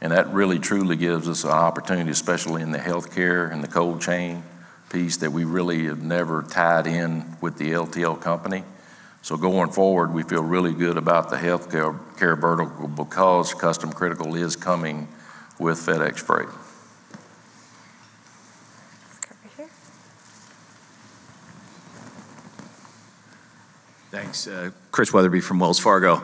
S4: and that really truly gives us an opportunity, especially in the healthcare and the cold chain piece that we really have never tied in with the LTL company. Going forward, we feel really good about the healthcare vertical because FedEx Custom Critical is coming with FedEx Freight.
S2: Let's go right here.
S15: Thanks. Chris Wetherbee from Wells Fargo.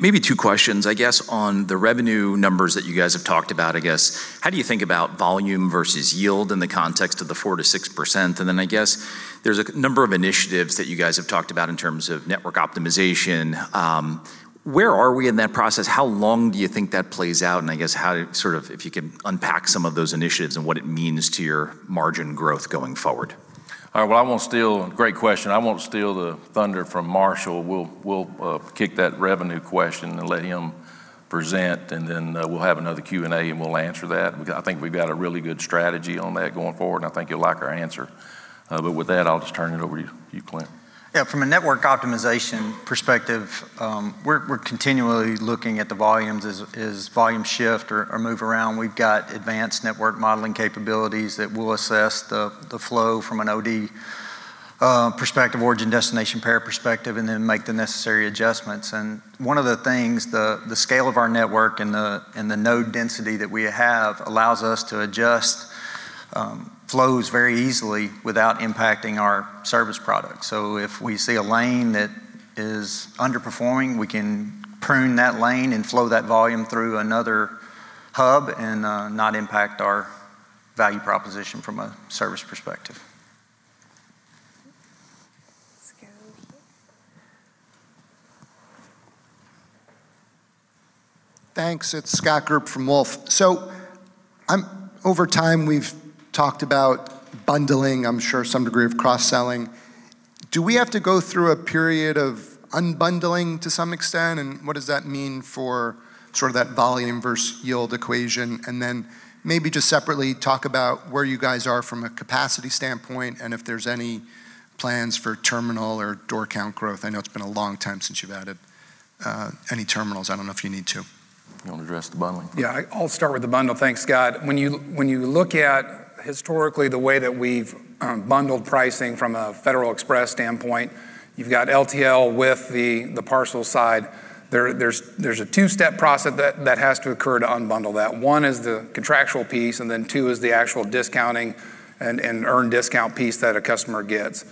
S15: Maybe two questions. On the revenue numbers that you guys have talked about, how do you think about volume versus yield in the context of the 4%-6%? There's a number of initiatives that you guys have talked about in terms of network optimization. Where are we in that process? How long do you think that plays out, and if you could unpack some of those initiatives and what it means to your margin growth going forward?
S4: All right. Great question. I won't steal the thunder from Marshall Witt. We'll kick that revenue question and let him present, then we'll have another Q&A, and we'll answer that. I think we've got a really good strategy on that going forward, and I think you'll like our answer. With that, I'll just turn it over to you, Clint McCoy.
S5: Yeah. From a network optimization perspective, we're continually looking at the volumes. As volumes shift or move around, we've got advanced network modeling capabilities that will assess the flow from an OD perspective, origin-destination pair perspective, then make the necessary adjustments. One of the things, the scale of our network and the node density that we have allows us to adjust flows very easily without impacting our service product. If we see a lane that is underperforming, we can prune that lane and flow that volume through another hub and not impact our value proposition from a service perspective.
S2: Let's go here.
S16: Thanks. It's Scott Group from Wolfe. Over time, we've talked about bundling. I'm sure some degree of cross-selling. Do we have to go through a period of unbundling to some extent? What does that mean for sort of that volume versus yield equation? Maybe just separately talk about where you guys are from a capacity standpoint and if there's any plans for terminal or door count growth. I know it's been a long time since you've added any terminals. I don't know if you need to.
S4: You want to address the bundling piece?
S9: Yeah, I'll start with the bundle. Thanks, Scott. When you look at historically the way that we've bundled pricing from a Federal Express standpoint, you've got LTL with the parcel side. There's a two-step process that has to occur to unbundle that. One is the contractual piece. Then two is the actual discounting and earn discount piece that a customer gets.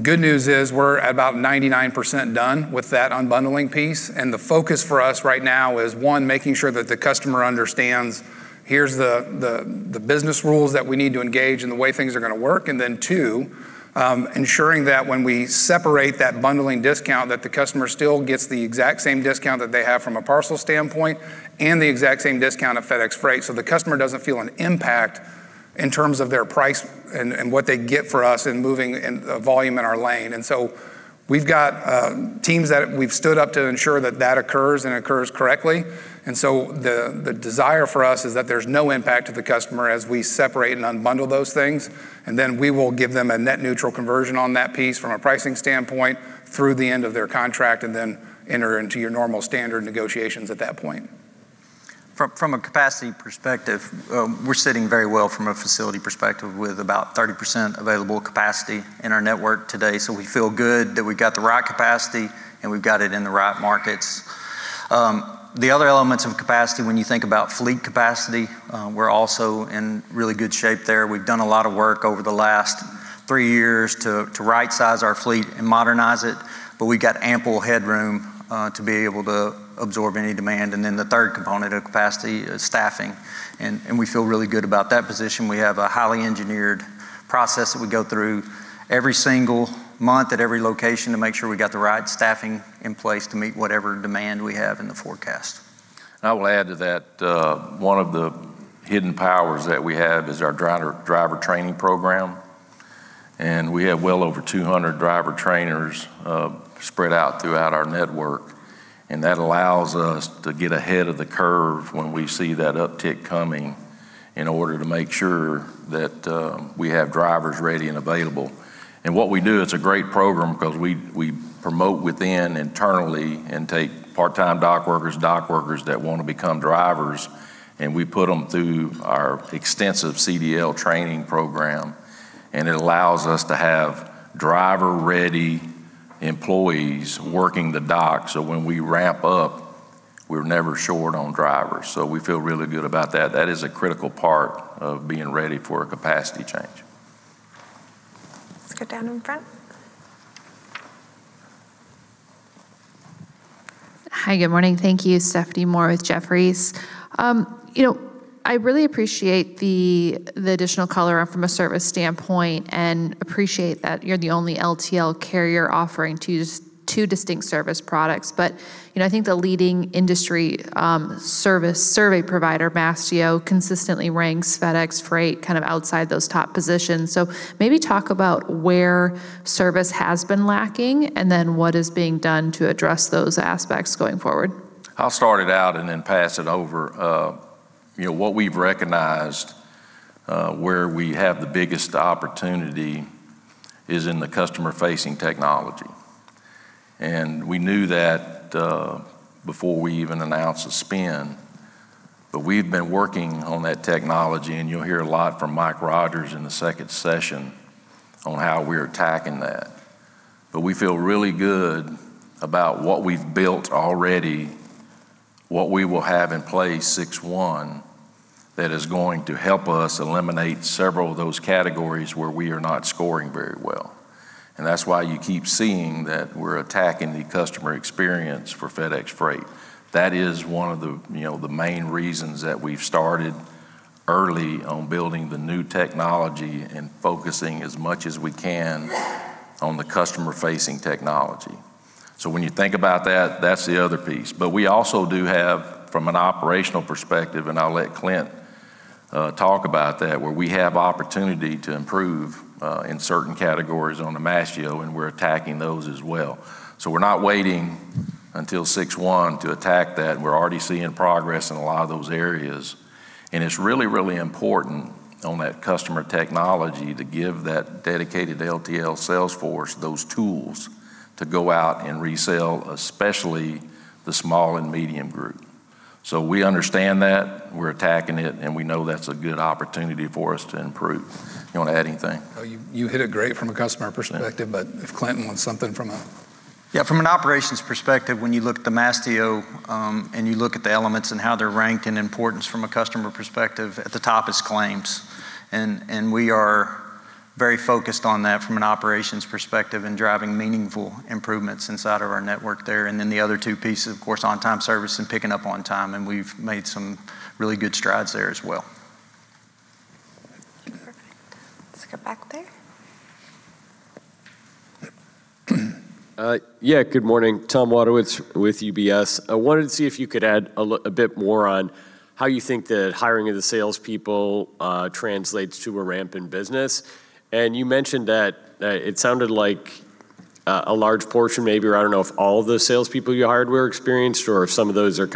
S9: Good news is we're about 99% done with that unbundling piece. The focus for us right now is, one, making sure that the customer understands here's the business rules that we need to engage and the way things are going to work. Two, ensuring that when we separate that bundling discount, that the customer still gets the exact same discount that they have from a parcel standpoint and the exact same discount at FedEx Freight, so the customer doesn't feel an impact in terms of their price and what they get for us in moving volume in our lane. We've got teams that we've stood up to ensure that that occurs and occurs correctly. The desire for us is that there's no impact to the customer as we separate and unbundle those things. We will give them a net neutral conversion on that piece from a pricing standpoint through the end of their contract and then enter into your normal standard negotiations at that point.
S5: From a capacity perspective, we're sitting very well from a facility perspective with about 30% available capacity in our network today. We feel good that we've got the right capacity and we've got it in the right markets. The other elements of capacity, when you think about fleet capacity, we're also in really good shape there. We've done a lot of work over the last three years to right-size our fleet and modernize it, but we've got ample headroom to be able to absorb any demand. The third component of capacity is staffing. We feel really good about that position. We have a highly engineered process that we go through every single month at every location to make sure we got the right staffing in place to meet whatever demand we have in the forecast.
S4: I will add to that, one of the hidden powers that we have is our driver training program. We have well over 200 driver trainers spread out throughout our network, and that allows us to get ahead of the curve when we see that uptick coming, in order to make sure that we have drivers ready and available. What we do, it's a great program because we promote within internally and take part-time dock workers, dock workers that want to become drivers, and we put them through our extensive CDL training program. It allows us to have driver-ready employees working the dock, so when we ramp up, we're never short on drivers. We feel really good about that. That is a critical part of being ready for a capacity change.
S2: Let's go down in front.
S17: Hi, good morning. Thank you. Stephanie Moore with Jefferies. I really appreciate the additional color from a service standpoint and appreciate that you're the only LTL carrier offering two distinct service products. I think the leading industry survey provider, Mastio, consistently ranks FedEx Freight outside those top positions. Maybe talk about where service has been lacking, and what is being done to address those aspects going forward.
S4: I'll start it out and then pass it over. What we've recognized, where we have the biggest opportunity is in the customer-facing technology. We knew that, before we even announced the spin, we've been working on that technology, and you'll hear a lot from Michael Rodgers in the second session on how we're attacking that. We feel really good about what we've built already, what we will have in place 06/01, that is going to help us eliminate several of those categories where we are not scoring very well. That's why you keep seeing that we're attacking the customer experience for FedEx Freight. That is one of the main reasons that we've started early on building the new technology and focusing as much as we can on the customer-facing technology. When you think about that's the other piece. We also do have, from an operational perspective, I'll let Clint talk about that, where we have opportunity to improve in certain categories on the Mastio, we're attacking those as well. We're not waiting until 06/01 to attack that. We're already seeing progress in a lot of those areas. It's really important on that customer technology to give that dedicated LTL sales force those tools to go out and resell, especially the small and medium group. We understand that, we're attacking it, and we know that's a good opportunity for us to improve. You want to add anything?
S9: You hit it great from a customer perspective.
S5: Yeah, from an operations perspective, when you look at the Mastio, you look at the elements and how they're ranked in importance from a customer perspective, at the top is claims. We are very focused on that from an operations perspective and driving meaningful improvements inside of our network there. The other two pieces, of course, on-time service and picking up on time, we've made some really good strides there as well.
S2: Perfect. Let's go back there.
S18: Yeah, good morning. Thomas Wadewitz with UBS. I wanted to see if you could add a bit more on how you think the hiring of the salespeople translates to a ramp in business. You mentioned that it sounded like a large portion maybe, or I don't know if all of the salespeople you hired were experienced or if some of those are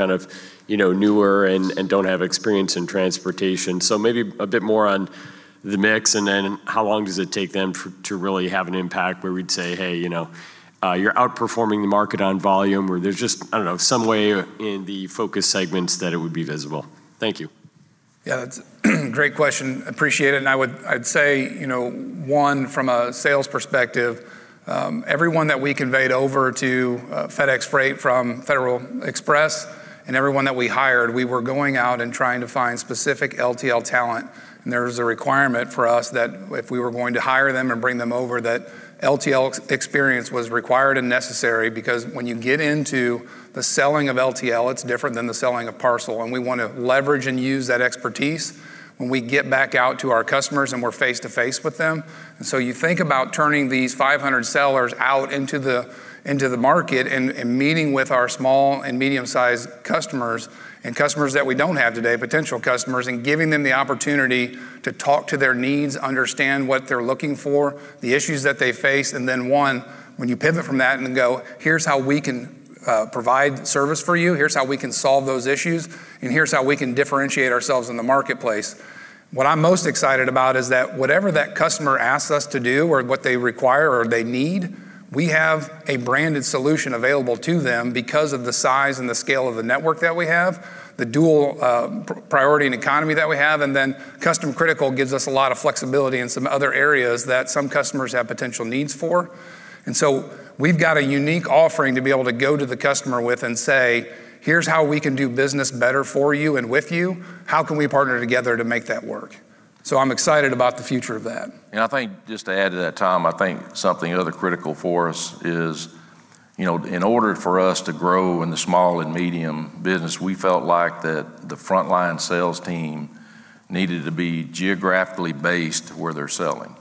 S18: newer and don't have experience in transportation. Maybe a bit more on the mix, and then how long does it take them to really have an impact where we'd say, "Hey, you're outperforming the market on volume," or there's just some way in the focus segments that it would be visible. Thank you.
S9: Yeah, that's a great question. Appreciate it. I'd say, one, from a sales perspective, everyone that we conveyed over to FedEx Freight from Federal Express and everyone that we hired, we were going out and trying to find specific LTL talent. There was a requirement for us that if we were going to hire them and bring them over, that LTL experience was required and necessary because when you get into the selling of LTL, it's different than the selling of parcel, and we want to leverage and use that expertise when we get back out to our customers, and we're face to face with them. You think about turning these 500 sellers out into the market and meeting with our small and medium-sized customers and customers that we don't have today, potential customers, and giving them the opportunity to talk to their needs, understand what they're looking for, the issues that they face, and then one, when you pivot from that and then go, "Here's how we can provide service for you, here's how we can solve those issues, and here's how we can differentiate ourselves in the marketplace." What I'm most excited about is that whatever that customer asks us to do or what they require or they need, we have a branded solution available to them because of the size and the scale of the network that we have, the dual Priority and Economy that we have, and then Custom Critical gives us a lot of flexibility in some other areas that some customers have potential needs for. We've got a unique offering to be able to go to the customer with and say, "Here's how we can do business better for you and with you. How can we partner together to make that work?" I'm excited about the future of that.
S4: I think just to add to that, Thomas, I think something other critical for us is in order for us to grow in the small and medium business, we felt like that the frontline sales team needed to be geographically based where they're selling.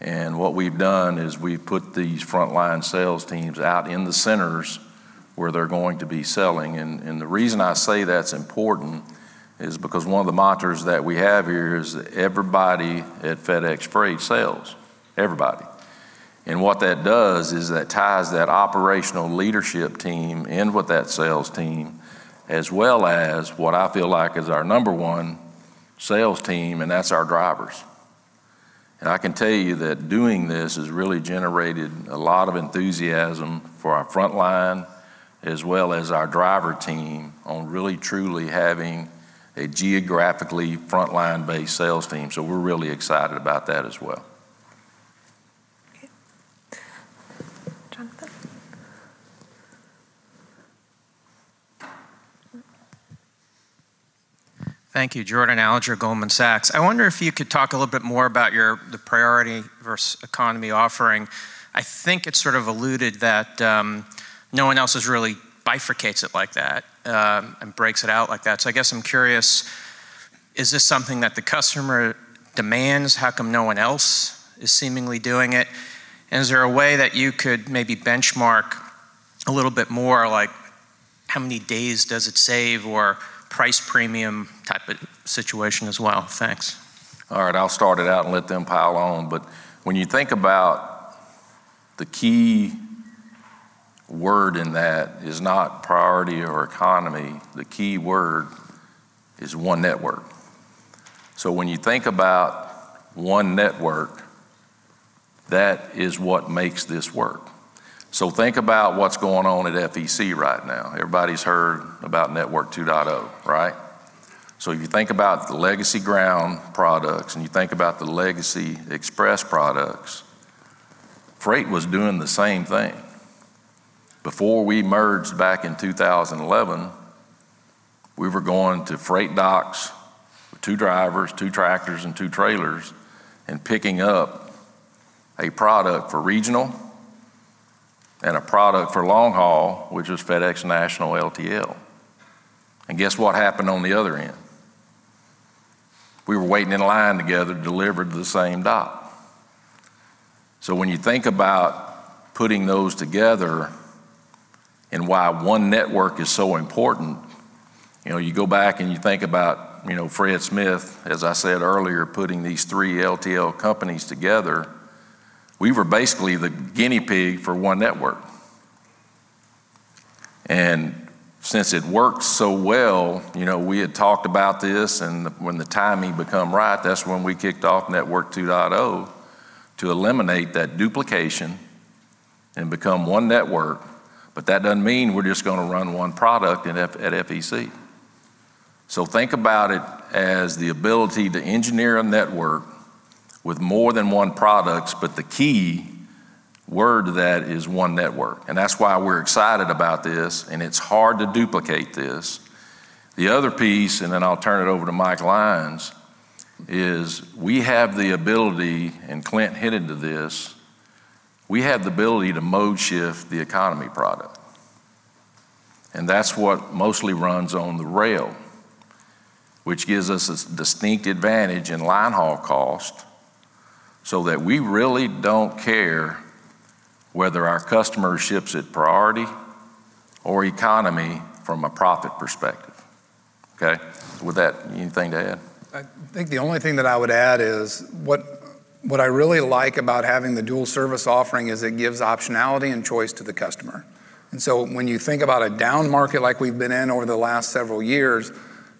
S4: What we've done is we've put these frontline sales teams out in the centers where they're going to be selling. The reason I say that's important is because one of the mantras that we have here is that everybody at FedEx Freight sells. Everybody. What that does is that ties that operational leadership team in with that sales team, as well as what I feel like is our number 1 sales team, and that's our drivers. I can tell you that doing this has really generated a lot of enthusiasm for our frontline, as well as our driver team, on really truly having a geographically frontline based sales team. We're really excited about that as well.
S2: Okay. Jonathan.
S19: Thank you. Jordan Alliger, Goldman Sachs. I wonder if you could talk a little bit more about the priority versus economy offering. I think it's sort of alluded that no one else has really bifurcates it like that, and breaks it out like that. I guess I'm curious, is this something that the customer demands? How come no one else is seemingly doing it? Is there a way that you could maybe benchmark a little bit more, like how many days does it save or price premium type of situation as well? Thanks.
S4: All right. I'll start it out and let them pile on. When you think about the key word in that is not priority or economy, the key word is one network. When you think about one network, that is what makes this work. Think about what's going on at FEC right now. Everybody's heard about Network 2.0, right? If you think about the legacy Ground products, and you think about the legacy Express products, Freight was doing the same thing. Before we merged back in 2011, we were going to freight docks with two drivers, two tractors, and two trailers, and picking up a product for Regional and a product for long haul, which was FedEx National LTL. Guess what happened on the other end? We were waiting in line together to deliver to the same dock. When you think about putting those together and why one network is so important, you go back and you think about Fred Smith, as I said earlier, putting these three LTL companies together. We were basically the guinea pig for one network. Since it worked so well, we had talked about this, and when the timing become right, that's when we kicked off Network 2.0 to eliminate that duplication and become one network. That doesn't mean we're just going to run one product at FEC. Think about it as the ability to engineer a network with more than one products, the key word to that is one network. That's why we're excited about this, and it's hard to duplicate this. The other piece, then I'll turn it over to Mike Lyons, is we have the ability, and Clint hinted to this, we have the ability to mode shift the economy product. That's what mostly runs on the rail, which gives us a distinct advantage in line haul cost, so that we really don't care whether our customer ships it priority or economy from a profit perspective. Okay? With that, anything to add?
S9: I think the only thing that I would add is what I really like about having the dual service offering is it gives optionality and choice to the customer. When you think about a down market like we've been in over the last several years,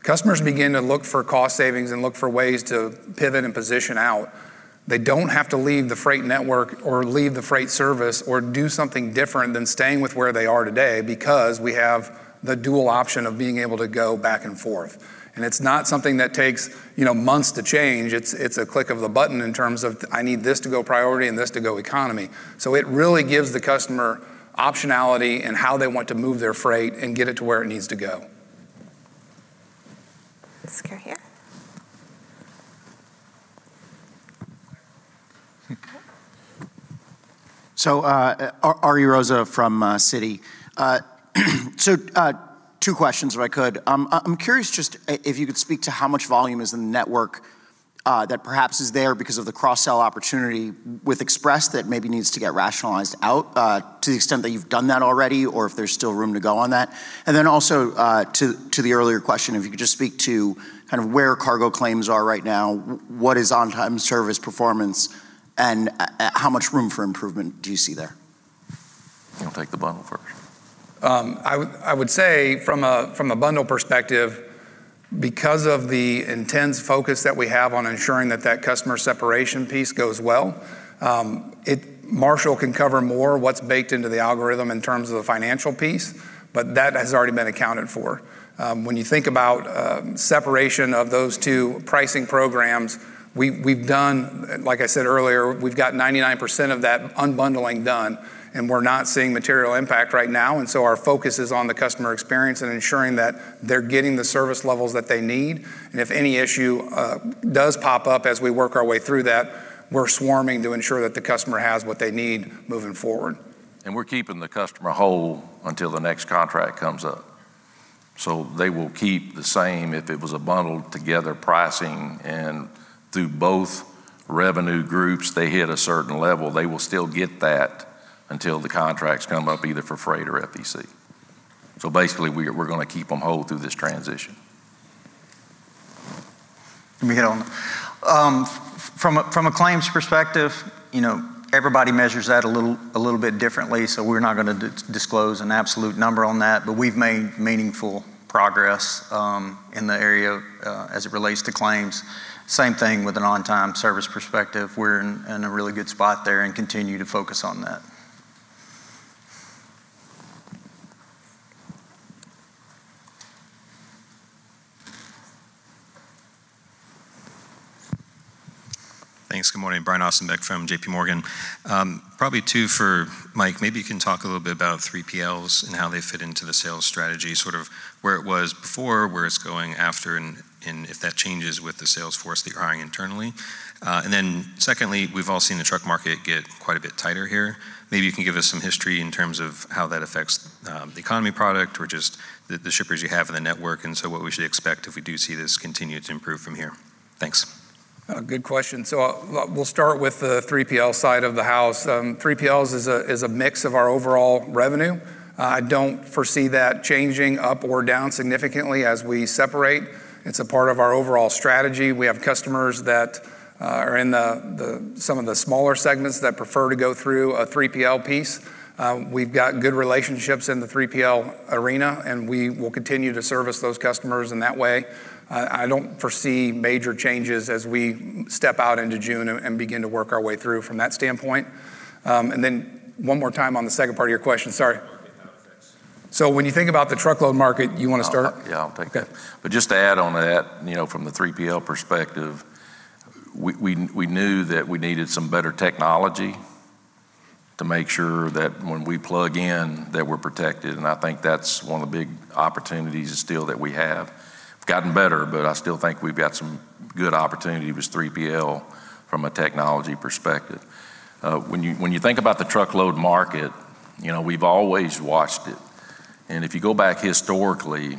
S9: customers begin to look for cost savings and look for ways to pivot and position out. They don't have to leave the freight network or leave the freight service or do something different than staying with where they are today because we have the dual option of being able to go back and forth. It's not something that takes months to change. It's a click of a button in terms of, I need this to go priority and this to go economy. It really gives the customer optionality in how they want to move their freight and get it to where it needs to go.
S2: This guy here.
S20: Ariel Rosa from Citi. Two questions if I could. I'm curious just if you could speak to how much volume is in the network that perhaps is there because of the cross-sell opportunity with Express that maybe needs to get rationalized out, to the extent that you've done that already or if there's still room to go on that. To the earlier question, if you could just speak to kind of where cargo claims are right now, what is on-time service performance, and how much room for improvement do you see there?
S4: You want to take the bundle first?
S9: I would say from a bundle perspective, because of the intense focus that we have on ensuring that that customer separation piece goes well, Marshall can cover more what's baked into the algorithm in terms of the financial piece, that has already been accounted for. When you think about separation of those two pricing programs, we've done, like I said earlier, we've got 99% of that unbundling done, and we're not seeing material impact right now. Our focus is on the customer experience and ensuring that they're getting the service levels that they need. If any issue does pop up as we work our way through that, we're swarming to ensure that the customer has what they need moving forward.
S4: We're keeping the customer whole until the next contract comes up. They will keep the same if it was a bundled together pricing and through both revenue groups, they hit a certain level, they will still get that until the contracts come up, either for freight or FEC. Basically, we're going to keep them whole through this transition.
S5: Let me get on. From a claims perspective, everybody measures that a little bit differently, we're not going to disclose an absolute number on that. We've made meaningful progress in the area as it relates to claims. Same thing with an on-time service perspective. We're in a really good spot there and continue to focus on that.
S21: Thanks. Good morning, Brian Ossenbeck from J.P. Morgan. Probably two for Mike, maybe you can talk a little bit about 3PLs and how they fit into the sales strategy, sort of where it was before, where it's going after, and if that changes with the sales force that you're hiring internally. Secondly, we've all seen the truck market get quite a bit tighter here. Maybe you can give us some history in terms of how that affects the FedEx Freight® Economy product or just the shippers you have in the network, what we should expect if we do see this continue to improve from here. Thanks.
S9: Good question. We'll start with the 3PL side of the house. 3PL is a mix of our overall revenue. I don't foresee that changing up or down significantly as we separate. It's a part of our overall strategy. We have customers that are in some of the smaller segments that prefer to go through a 3PL piece. We've got good relationships in the 3PL arena, we will continue to service those customers in that way. I don't foresee major changes as we step out into June and begin to work our way through from that standpoint. One more time on the second part of your question, sorry.
S21: How it affects.
S9: When you think about the truckload market, you want to start?
S4: Yeah, I'll take that.
S9: Okay.
S4: Just to add on to that, from the 3PL perspective, we knew that we needed some better technology to make sure that when we plug in, that we're protected, and I think that's one of the big opportunities still that we have. We've gotten better, but I still think we've got some good opportunity with 3PL from a technology perspective. When you think about the truckload market, we've always watched it, and if you go back historically,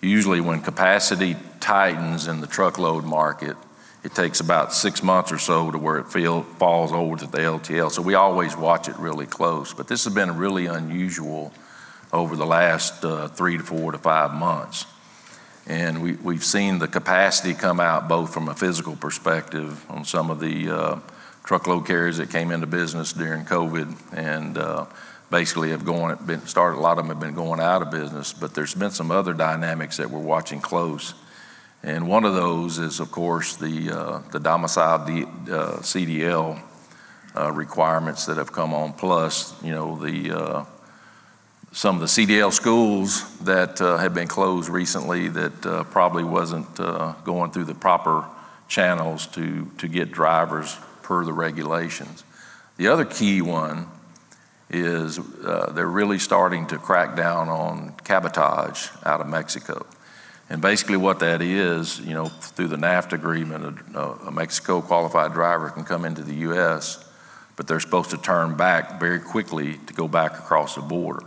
S4: usually when capacity tightens in the truckload market, it takes about six months or so to where it falls over to the LTL. We always watch it really close. This has been really unusual over the last three to four to five months, and we've seen the capacity come out both from a physical perspective on some of the truckload carriers that came into business during COVID, and basically, a lot of them have been going out of business, but there's been some other dynamics that we're watching close. One of those is, of course, the domicile CDL requirements that have come on, plus some of the CDL schools that have been closed recently that probably wasn't going through the proper channels to get drivers per the regulations. The other key one is they're really starting to crack down on cabotage out of Mexico, and basically what that is, through the NAFTA agreement, a Mexico-qualified driver can come into the U.S., but they're supposed to turn back very quickly to go back across the border.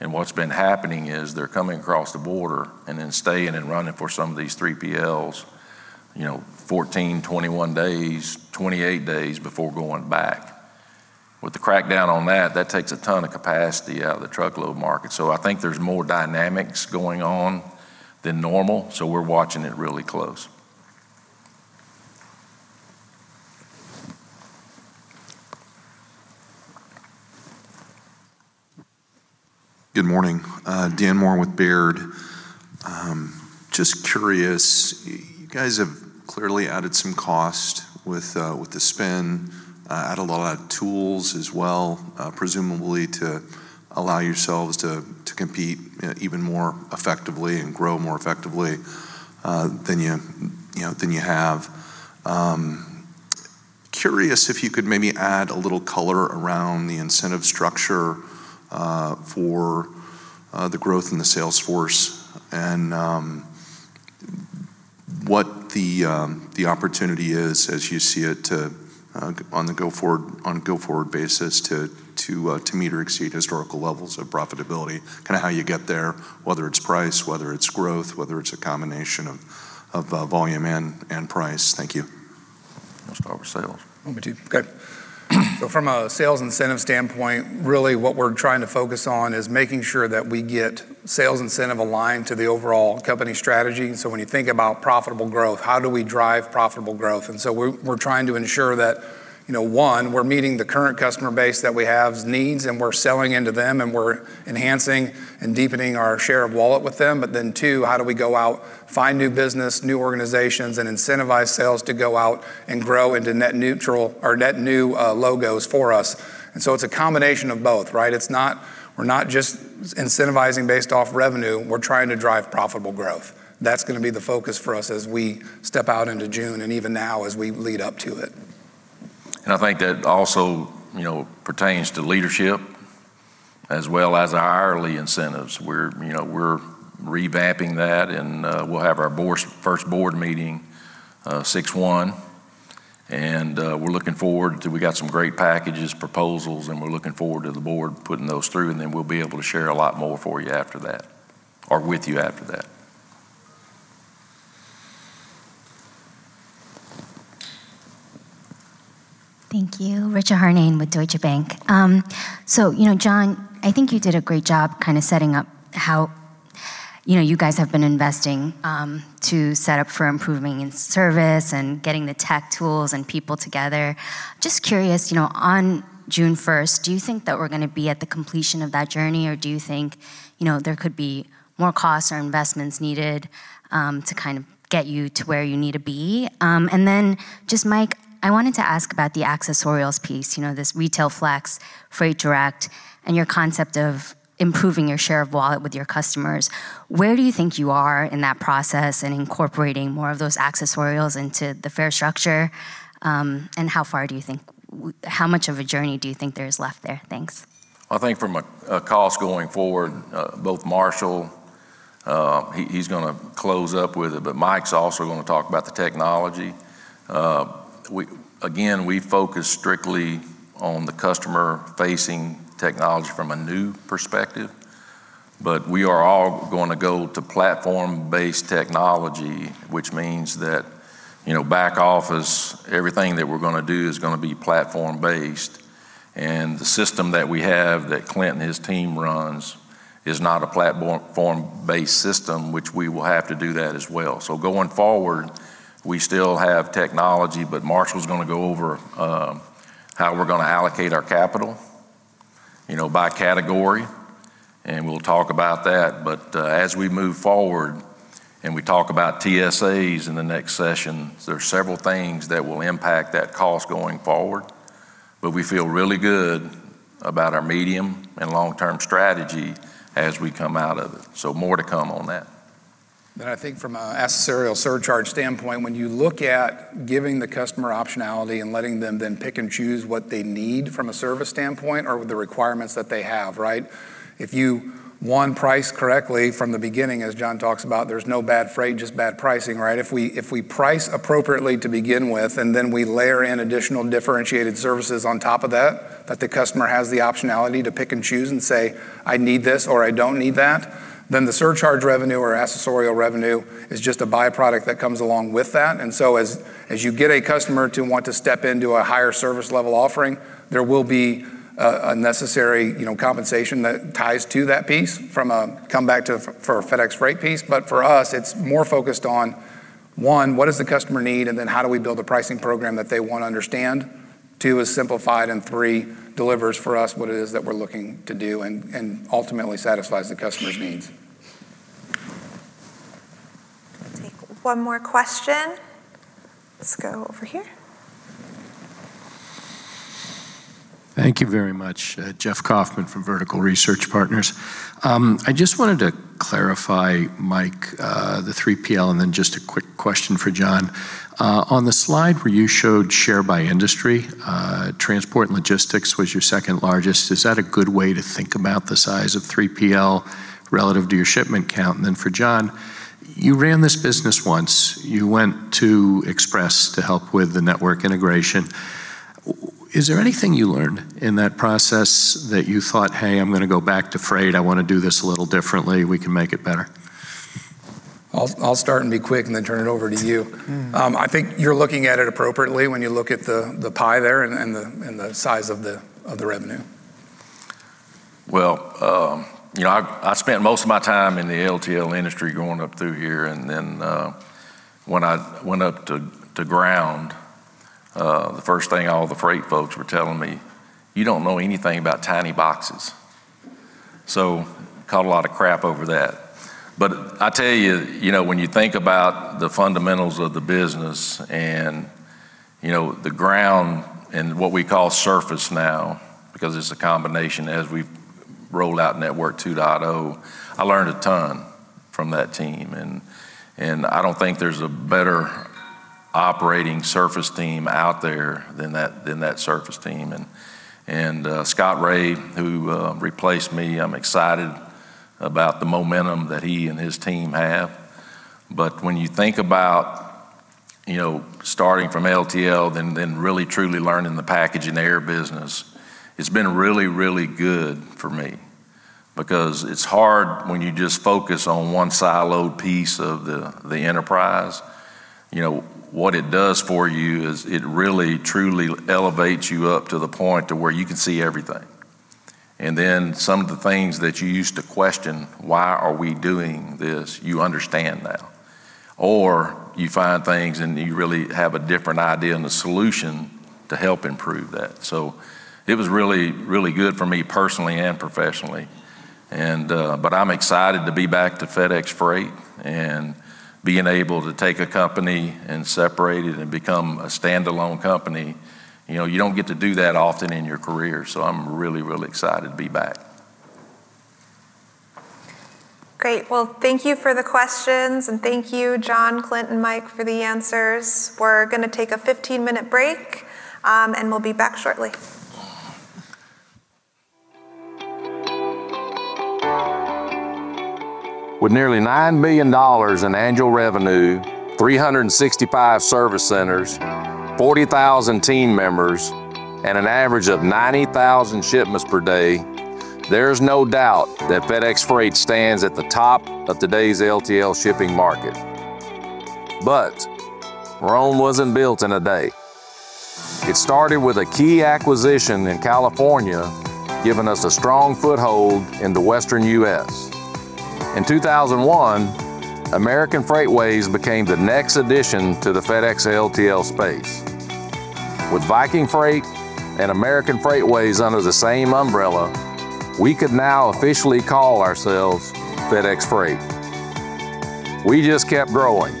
S4: What's been happening is they're coming across the border and then staying and running for some of these 3PLs, 14, 21 days, 28 days before going back. With the crackdown on that takes a ton of capacity out of the truckload market. I think there's more dynamics going on than normal, so we're watching it really close.
S22: Good morning, Garrett Moore with Baird. Just curious, you guys have clearly added some cost with the spend, added a lot of tools as well, presumably to allow yourselves to compete even more effectively and grow more effectively than you have. Curious if you could maybe add a little color around the incentive structure for the growth in the sales force and what the opportunity is as you see it on a go-forward basis to meet or exceed historical levels of profitability, kind of how you get there, whether it's price, whether it's growth, whether it's a combination of volume and price. Thank you.
S4: I'll start with sales.
S9: Want me to? Okay. From a sales incentive standpoint, really what we're trying to focus on is making sure that we get sales incentive aligned to the overall company strategy. When you think about profitable growth, how do we drive profitable growth? We're trying to ensure that, one, we're meeting the current customer base that we have's needs, and we're selling into them, and we're enhancing and deepening our share of wallet with them. Two, how do we go out, find new business, new organizations, and incentivize sales to go out and grow into net new logos for us? It's a combination of both, right? We're not just incentivizing based off revenue. We're trying to drive profitable growth. That's going to be the focus for us as we step out into June and even now as we lead up to it.
S4: I think that also pertains to leadership as well as our hourly incentives. We're revamping that, we'll have our first board meeting 6-1. We're looking forward to, we got some great packages, proposals, and we're looking forward to the board putting those through, and then we'll be able to share a lot more for you after that, or with you after that.
S23: Thank you. Richa Harnain with Deutsche Bank. John, I think you did a great job kind of setting up how you guys have been investing to set up for improving in service and getting the tech tools and people together. Just curious, on June 1st, do you think that we're going to be at the completion of that journey? Do you think there could be more costs or investments needed to kind of get you to where you need to be? Mike, I wanted to ask about the accessorial piece, this Retail Flex, Freight Direct, and your concept of improving your share of wallet with your customers. Where do you think you are in that process in incorporating more of those accessorial into the fare structure? How much of a journey do you think there is left there? Thanks.
S4: From a cost going forward, both Marshall, he's going to close up with it, Mike's also going to talk about the technology. We focus strictly on the customer-facing technology from a new perspective, we are all going to go to platform-based technology, which means that back office, everything that we're going to do is going to be platform-based. The system that we have, that Clint and his team runs is not a platform-based system, which we will have to do that as well. Going forward, we still have technology, Marshall's going to go over how we're going to allocate our capital by category, we'll talk about that. As we move forward, we talk about TSAs in the next session, there's several things that will impact that cost going forward. We feel really good about our medium and long-term strategy as we come out of it. More to come on that.
S9: From an accessorial surcharge standpoint, when you look at giving the customer optionality and letting them then pick and choose what they need from a service standpoint or the requirements that they have, right? If you, one, price correctly from the beginning, as John talks about, there's no bad freight, just bad pricing, right? If we price appropriately to begin with, we layer in additional differentiated services on top of that the customer has the optionality to pick and choose and say, "I need this," or, "I don't need that," the surcharge revenue or accessorial revenue is just a byproduct that comes along with that. As you get a customer to want to step into a higher service level offering, there will be a necessary compensation that ties to that piece from a come back to for a FedEx Freight piece. for us, it's more focused on, one, what does the customer need, and then how do we build a pricing program that they want to understand? Two is simplified, and three delivers for us what it is that we're looking to do and ultimately satisfies the customer's needs.
S2: Take one more question. Let's go over here.
S24: Thank you very much. Jeff Kauffman from Vertical Research Partners. I just wanted to clarify, Mike, the 3PL, and then just a quick question for John. On the slide where you showed share by industry, transport and logistics was your second largest. Is that a good way to think about the size of 3PL relative to your shipment count? And then for John, you ran this business once. You went to Express to help with the network integration. Is there anything you learned in that process that you thought, "Hey, I'm going to go back to freight. I want to do this a little differently. We can make it better"?
S9: I'll start and be quick and then turn it over to you. I think you're looking at it appropriately when you look at the pie there and the size of the revenue.
S4: I spent most of my time in the LTL industry going up through here, then when I went up to Ground, the first thing all the freight folks were telling me, "You don't know anything about tiny boxes." I caught a lot of crap over that. I tell you, when you think about the fundamentals of the business and the Ground and what we call surface now, because it's a combination as we roll out Network 2.0, I learned a ton from that team, I don't think there's a better operating surface team out there than that surface team. Scott Ray, who replaced me, I'm excited about the momentum that he and his team have. When you think about starting from LTL, then really, truly learning the package and air business, it's been really, really good for me because it's hard when you just focus on one siloed piece of the enterprise. What it does for you is it really, truly elevates you up to the point to where you can see everything. Then some of the things that you used to question, why are we doing this, you understand now. You find things, and you really have a different idea and a solution to help improve that. It was really, really good for me personally and professionally. I'm excited to be back to FedEx Freight and being able to take a company and separate it and become a standalone company. You don't get to do that often in your career. I'm really, really excited to be back.
S2: Great. Well, thank you for the questions, and thank you John, Clint, and Mike for the answers. We're going to take a 15-minute break, and we'll be back shortly.
S3: With nearly $9 million in annual revenue, 365 service centers, 40,000 team members, and an average of 90,000 shipments per day, there's no doubt that FedEx Freight stands at the top of today's LTL shipping market. Rome wasn't built in a day. It started with a key acquisition in California, giving us a strong foothold in the Western U.S. In 2001, American Freightways became the next addition to the FedEx LTL space. With Viking Freight and American Freightways under the same umbrella, we could now officially call ourselves FedEx Freight. We just kept growing.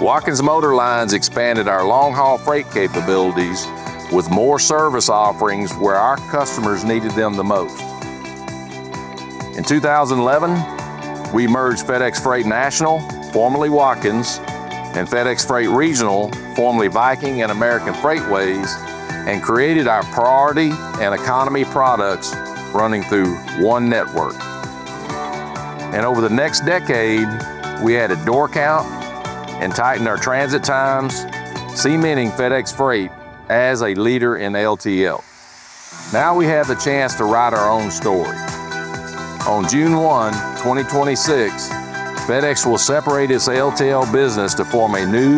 S3: Watkins Motor Lines expanded our long-haul freight capabilities with more service offerings where our customers needed them the most. In 2011, we merged FedEx Freight National, formerly Watkins, and FedEx Freight Regional, formerly Viking and American Freightways, and created our Priority and Economy products running through one network.
S4: Over the next decade, we added door count and tightened our transit times, cementing FedEx Freight as a leader in LTL. Now we have the chance to write our own story. On June 1, 2026, FedEx will separate its LTL business to form a new,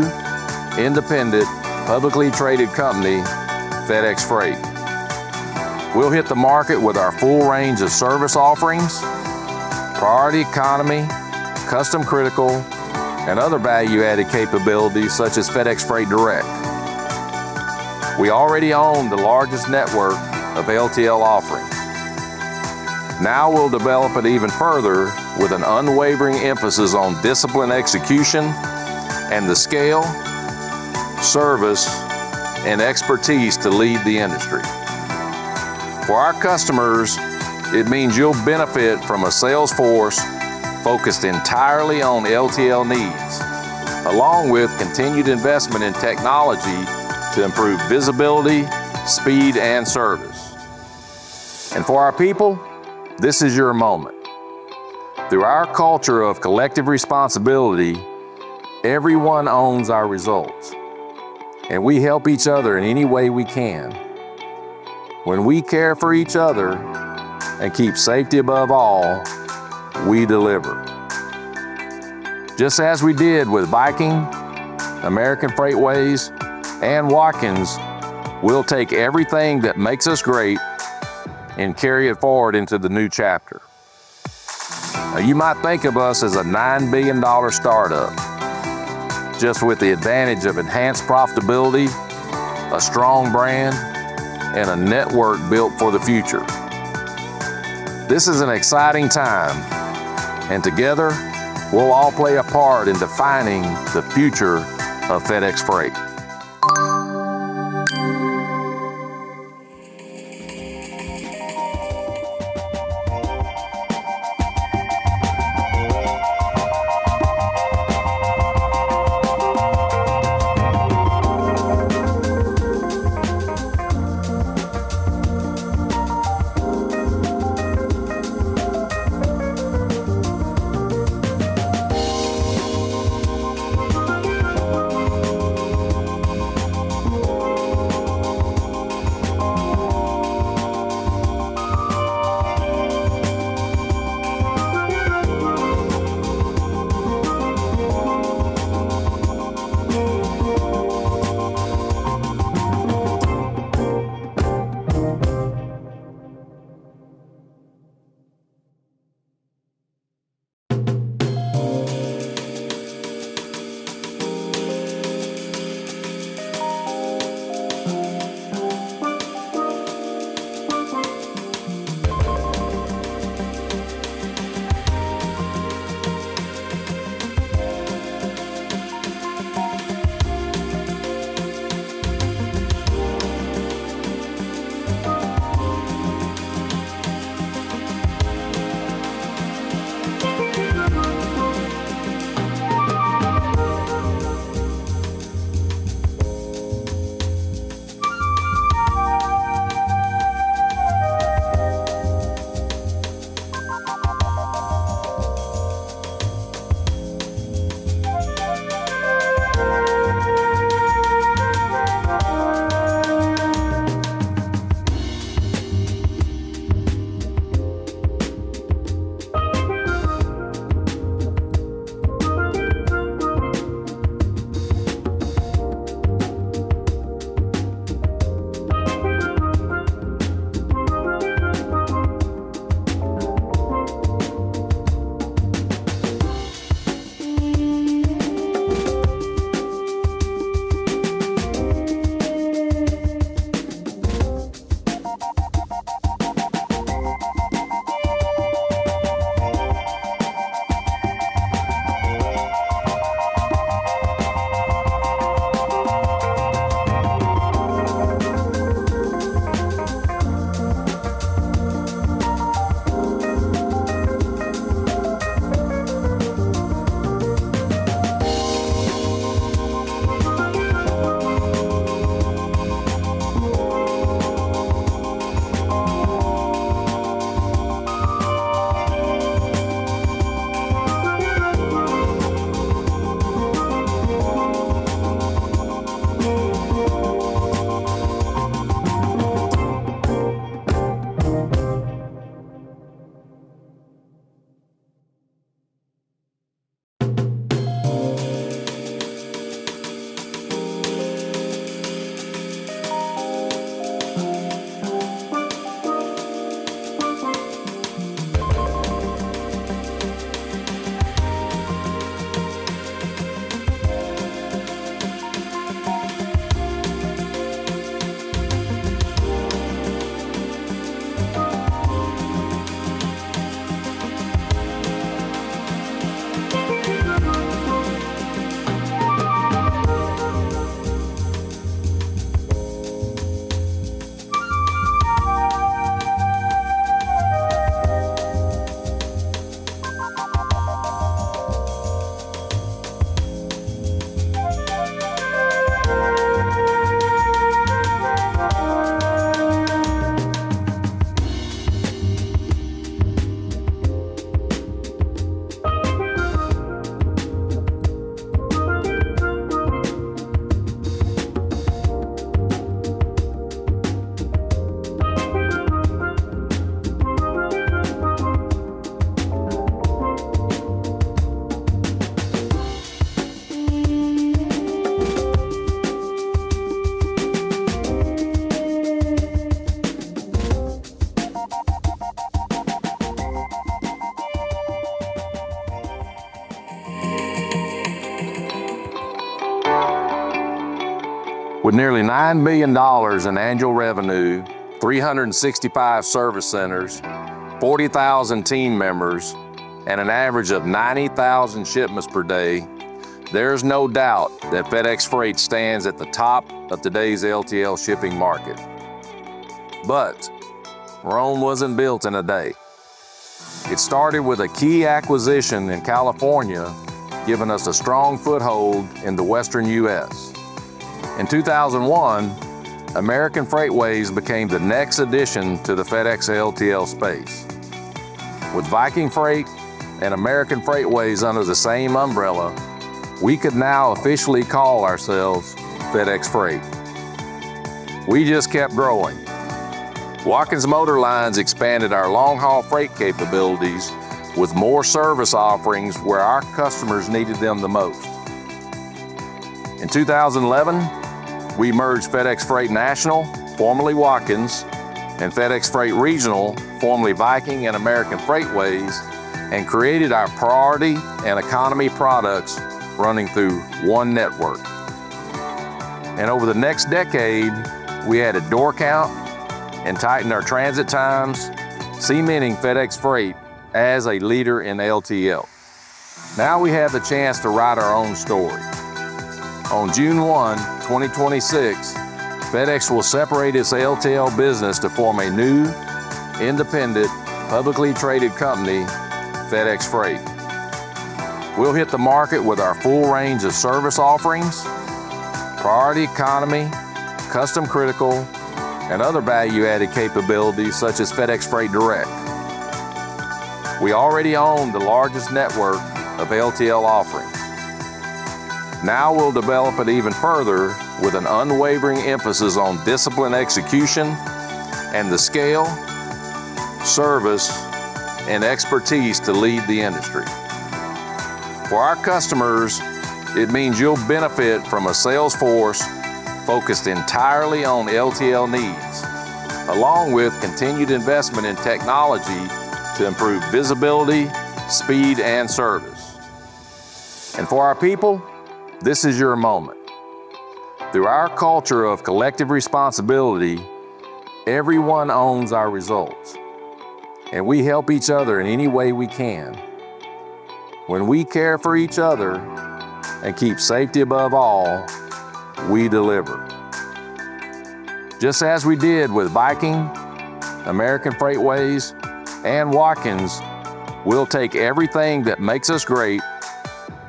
S4: independent, publicly traded company, FedEx Freight. We will hit the market with our full range of service offerings, Priority Economy, Custom Critical, and other value-added capabilities such as FedEx Freight Direct. We already own the largest network of LTL offerings. this is your moment. Through our culture of collective responsibility, everyone owns our results, and we help each other in any way we can. When we care for each other and keep safety above all, we deliver. Just as we did with Viking, American Freightways, and Watkins, we'll take everything that makes us great and carry it forward into the new chapter. You might think of us as a $9 billion startup, just with the advantage of enhanced profitability, a strong brand, and a network built for the future. This is an exciting time,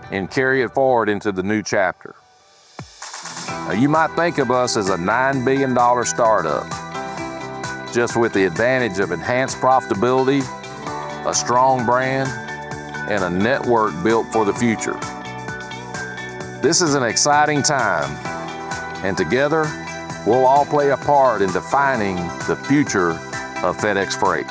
S4: together we'll all play a part in defining the future of FedEx Freight.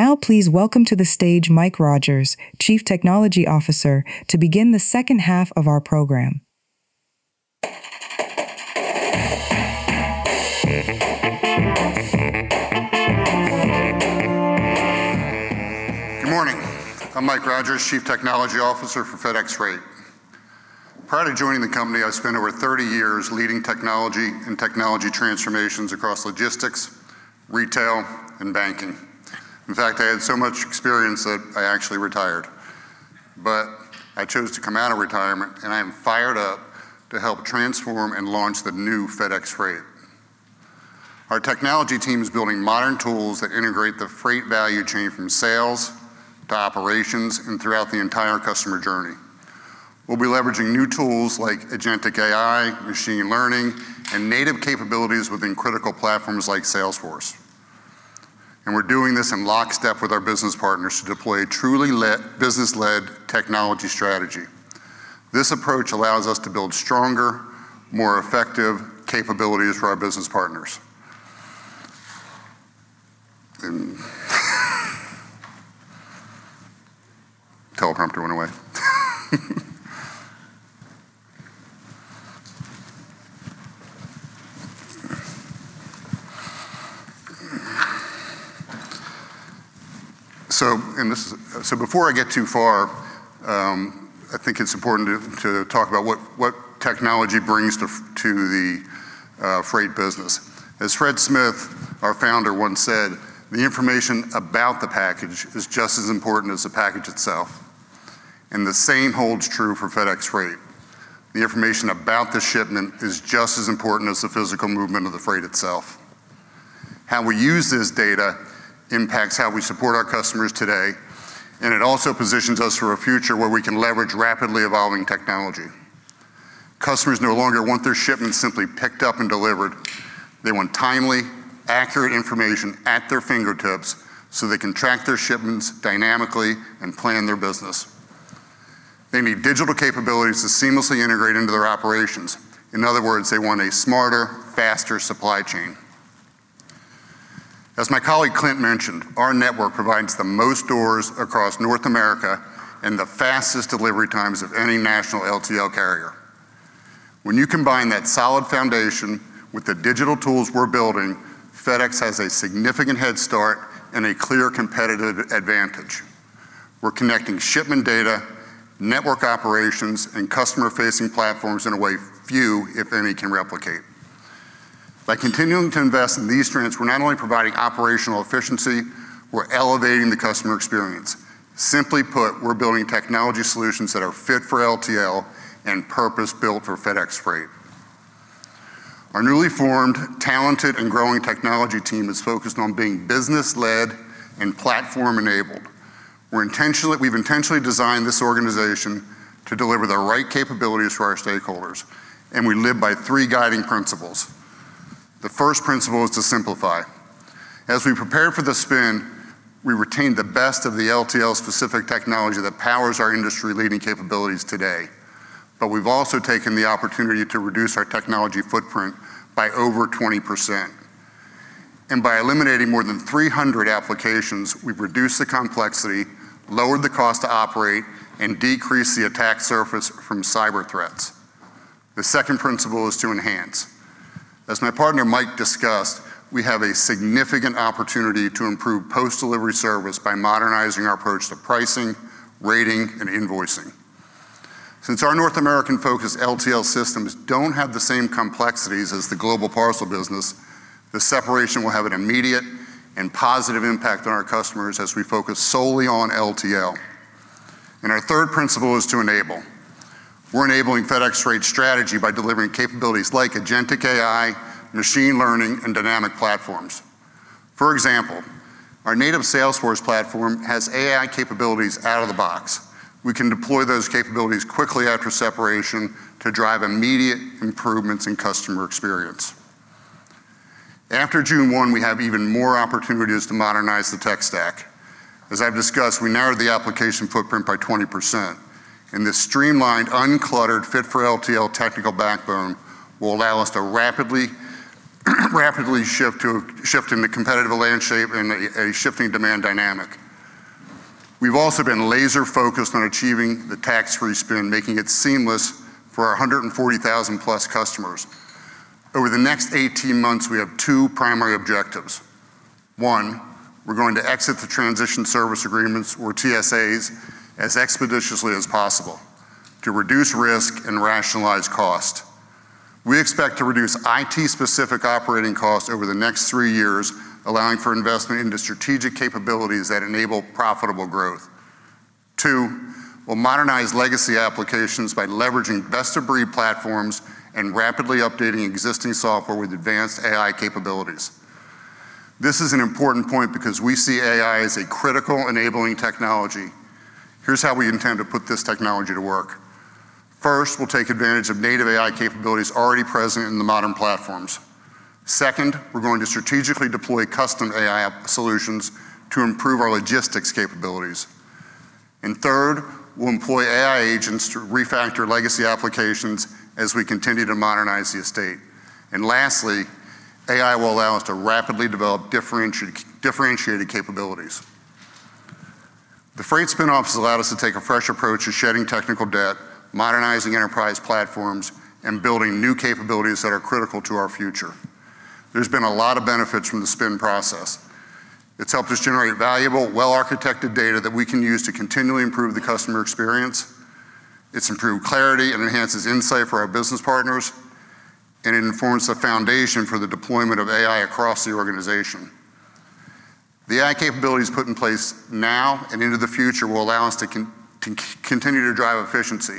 S1: Now please welcome to the stage Michael Rodgers, Chief Technology Officer, to begin the second half of our program.
S25: Good morning. I'm Mike Rodgers, Chief Technology Officer for FedEx Freight. Prior to joining the company, I spent over 30 years leading technology and technology transformations across logistics, retail, and banking. In fact, I had so much experience that I actually retired. I chose to come out of retirement, I am fired up to help transform and launch the new FedEx Freight. Our technology team is building modern tools that integrate the freight value chain from sales to operations and throughout the entire customer journey. We'll be leveraging new tools like agentic AI, machine learning, and native capabilities within critical platforms like Salesforce. We're doing this in lockstep with our business partners to deploy a truly business-led technology strategy. This approach allows us to build stronger, more effective capabilities for our business partners. Teleprompter went away. Before I get too far, I think it's important to talk about what technology brings to the freight business. As Fred Smith, our founder, once said, "The information about the package is just as important as the package itself." The same holds true for FedEx Freight. The information about the shipment is just as important as the physical movement of the freight itself. How we use this data impacts how we support our customers today, and it also positions us for a future where we can leverage rapidly evolving technology. Customers no longer want their shipments simply picked up and delivered. They want timely, accurate information at their fingertips so they can track their shipments dynamically and plan their business. They need digital capabilities to seamlessly integrate into their operations. In other words, they want a smarter, faster supply chain. As my colleague Clint mentioned, our network provides the most doors across North America and the fastest delivery times of any national LTL carrier. When you combine that solid foundation with the digital tools we are building, FedEx has a significant head start and a clear competitive advantage. We are connecting shipment data, network operations, and customer-facing platforms in a way few, if any, can replicate. By continuing to invest in these trends, we are not only providing operational efficiency, we are elevating the customer experience. Simply put, we are building technology solutions that are fit for LTL and purpose-built for FedEx Freight. Our newly formed, talented, and growing technology team is focused on being business-led and platform-enabled. We have intentionally designed this organization to deliver the right capabilities for our stakeholders, and we live by three guiding principles. The first principle is to simplify. As we prepare for the spin, we retain the best of the LTL specific technology that powers our industry-leading capabilities today. We have also taken the opportunity to reduce our technology footprint by over 20%. By eliminating more than 300 applications, we have reduced the complexity, lowered the cost to operate, and decreased the attack surface from cyber threats. The second principle is to enhance. As my partner Mike discussed, we have a significant opportunity to improve post-delivery service by modernizing our approach to pricing, rating, and invoicing. Since our North American-focused LTL systems do not have the same complexities as the global parcel business, the separation will have an immediate and positive impact on our customers as we focus solely on LTL. Our third principle is to enable. We are enabling FedEx Rate strategy by delivering capabilities like agentic AI, machine learning, and dynamic platforms. For example, our native Salesforce platform has AI capabilities out of the box. We can deploy those capabilities quickly after separation to drive immediate improvements in customer experience. After June 1, we have even more opportunities to modernize the tech stack. As I have discussed, we narrowed the application footprint by 20%, and this streamlined, uncluttered fit for LTL technical backbone will allow us to rapidly shift in the competitive landscape and a shifting demand dynamic. We have also been laser-focused on achieving the tax-free spin, making it seamless for our 140,000-plus customers. Over the next 18 months, we have two primary objectives. One, we are going to exit the transition service agreements, or TSAs, as expeditiously as possible to reduce risk and rationalize cost. We expect to reduce IT-specific operating costs over the next three years, allowing for investment into strategic capabilities that enable profitable growth. Two, we will modernize legacy applications by leveraging best-of-breed platforms and rapidly updating existing software with advanced AI capabilities. This is an important point because we see AI as a critical enabling technology. Here is how we intend to put this technology to work. First, we will take advantage of native AI capabilities already present in the modern platforms. Second, we are going to strategically deploy custom AI solutions to improve our logistics capabilities. Third, we will employ AI agents to refactor legacy applications as we continue to modernize the estate. Lastly, AI will allow us to rapidly develop differentiated capabilities. The freight spin-off has allowed us to take a fresh approach to shedding technical debt, modernizing enterprise platforms, and building new capabilities that are critical to our future. There has been a lot of benefits from the spin process. It's helped us generate valuable, well-architected data that we can use to continually improve the customer experience. It's improved clarity and enhances insight for our business partners. It informs the foundation for the deployment of AI across the organization. The AI capabilities put in place now and into the future will allow us to continue to drive efficiency.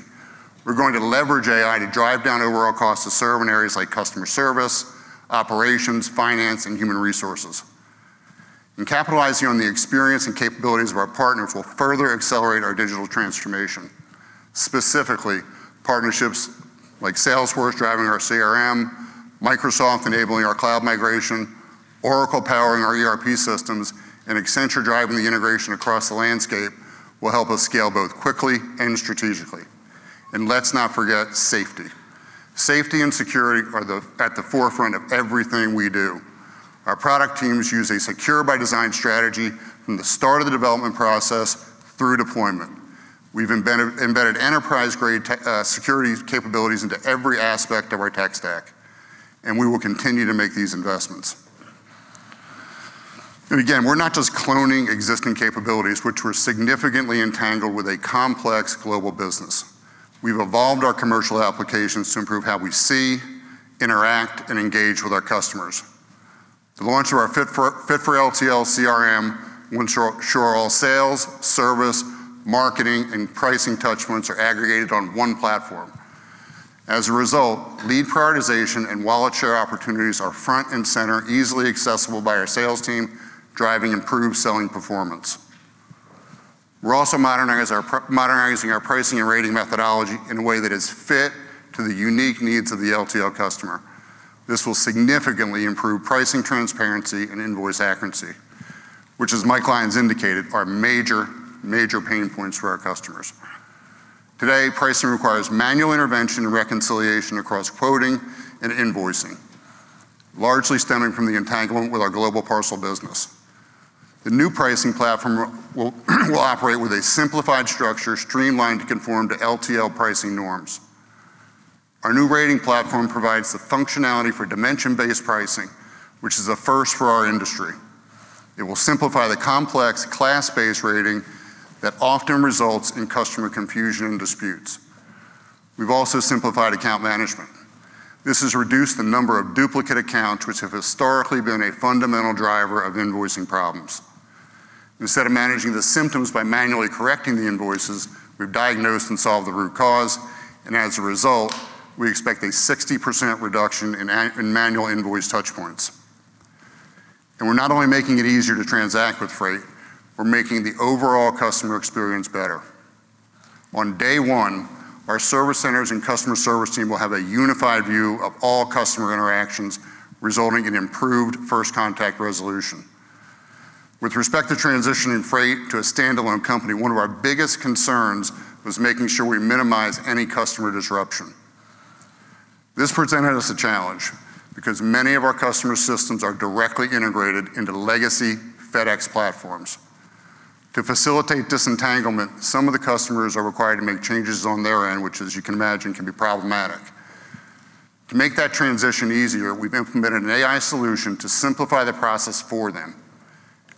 S25: We're going to leverage AI to drive down overall cost to serve in areas like customer service, operations, finance, and human resources. Capitalizing on the experience and capabilities of our partners will further accelerate our digital transformation. Specifically, partnerships like Salesforce driving our CRM, Microsoft enabling our cloud migration, Oracle powering our ERP systems, and Accenture driving the integration across the landscape will help us scale both quickly and strategically. Let's not forget safety. Safety and security are at the forefront of everything we do. Our product teams use a secure-by-design strategy from the start of the development process through deployment. We've embedded enterprise-grade security capabilities into every aspect of our tech stack, and we will continue to make these investments. Again, we're not just cloning existing capabilities, which were significantly entangled with a complex global business. We've evolved our commercial applications to improve how we see, interact, and engage with our customers. The launch of our fit for LTL CRM will ensure all sales, service, marketing, and pricing touch points are aggregated on one platform. As a result, lead prioritization and wallet share opportunities are front and center, easily accessible by our sales team, driving improved selling performance. We're also modernizing our pricing and rating methodology in a way that is fit to the unique needs of the LTL customer. This will significantly improve pricing transparency and invoice accuracy, which as Mike Lyons indicated, are major pain points for our customers. Today, pricing requires manual intervention and reconciliation across quoting and invoicing. Largely stemming from the entanglement with our global parcel business. The new pricing platform will operate with a simplified structure, streamlined to conform to LTL pricing norms. Our new rating platform provides the functionality for dimension-based pricing, which is a first for our industry. It will simplify the complex class-based rating that often results in customer confusion and disputes. We've also simplified account management. This has reduced the number of duplicate accounts, which have historically been a fundamental driver of invoicing problems. Instead of managing the symptoms by manually correcting the invoices, we've diagnosed and solved the root cause, and as a result, we expect a 60% reduction in manual invoice touch points. We're not only making it easier to transact with Freight, we're making the overall customer experience better. On day one, our service centers and customer service team will have a unified view of all customer interactions, resulting in improved first-contact resolution. With respect to transitioning Freight to a standalone company, one of our biggest concerns was making sure we minimize any customer disruption. This presented us a challenge because many of our customer systems are directly integrated into legacy FedEx platforms. To facilitate disentanglement, some of the customers are required to make changes on their end, which as you can imagine, can be problematic. To make that transition easier, we've implemented an AI solution to simplify the process for them.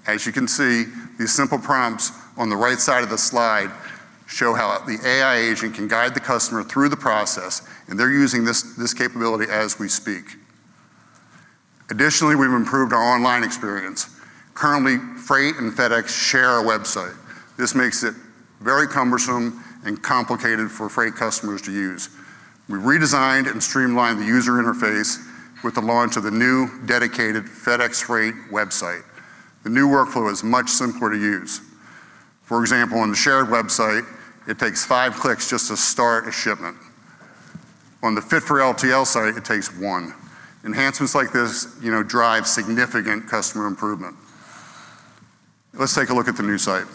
S25: As you can see, these simple prompts on the right side of the slide show how the AI agent can guide the customer through the process. They're using this capability as we speak. Additionally, we've improved our online experience. Currently, FedEx Freight and FedEx share a website. This makes it very cumbersome and complicated for FedEx Freight customers to use. We redesigned and streamlined the user interface with the launch of the new dedicated FedEx Freight website. The new workflow is much simpler to use. For example, on the shared website, it takes 5 clicks just to start a shipment. On the Fit for LTL site, it takes one. Enhancements like this drive significant customer improvement. Let's take a look at the new site.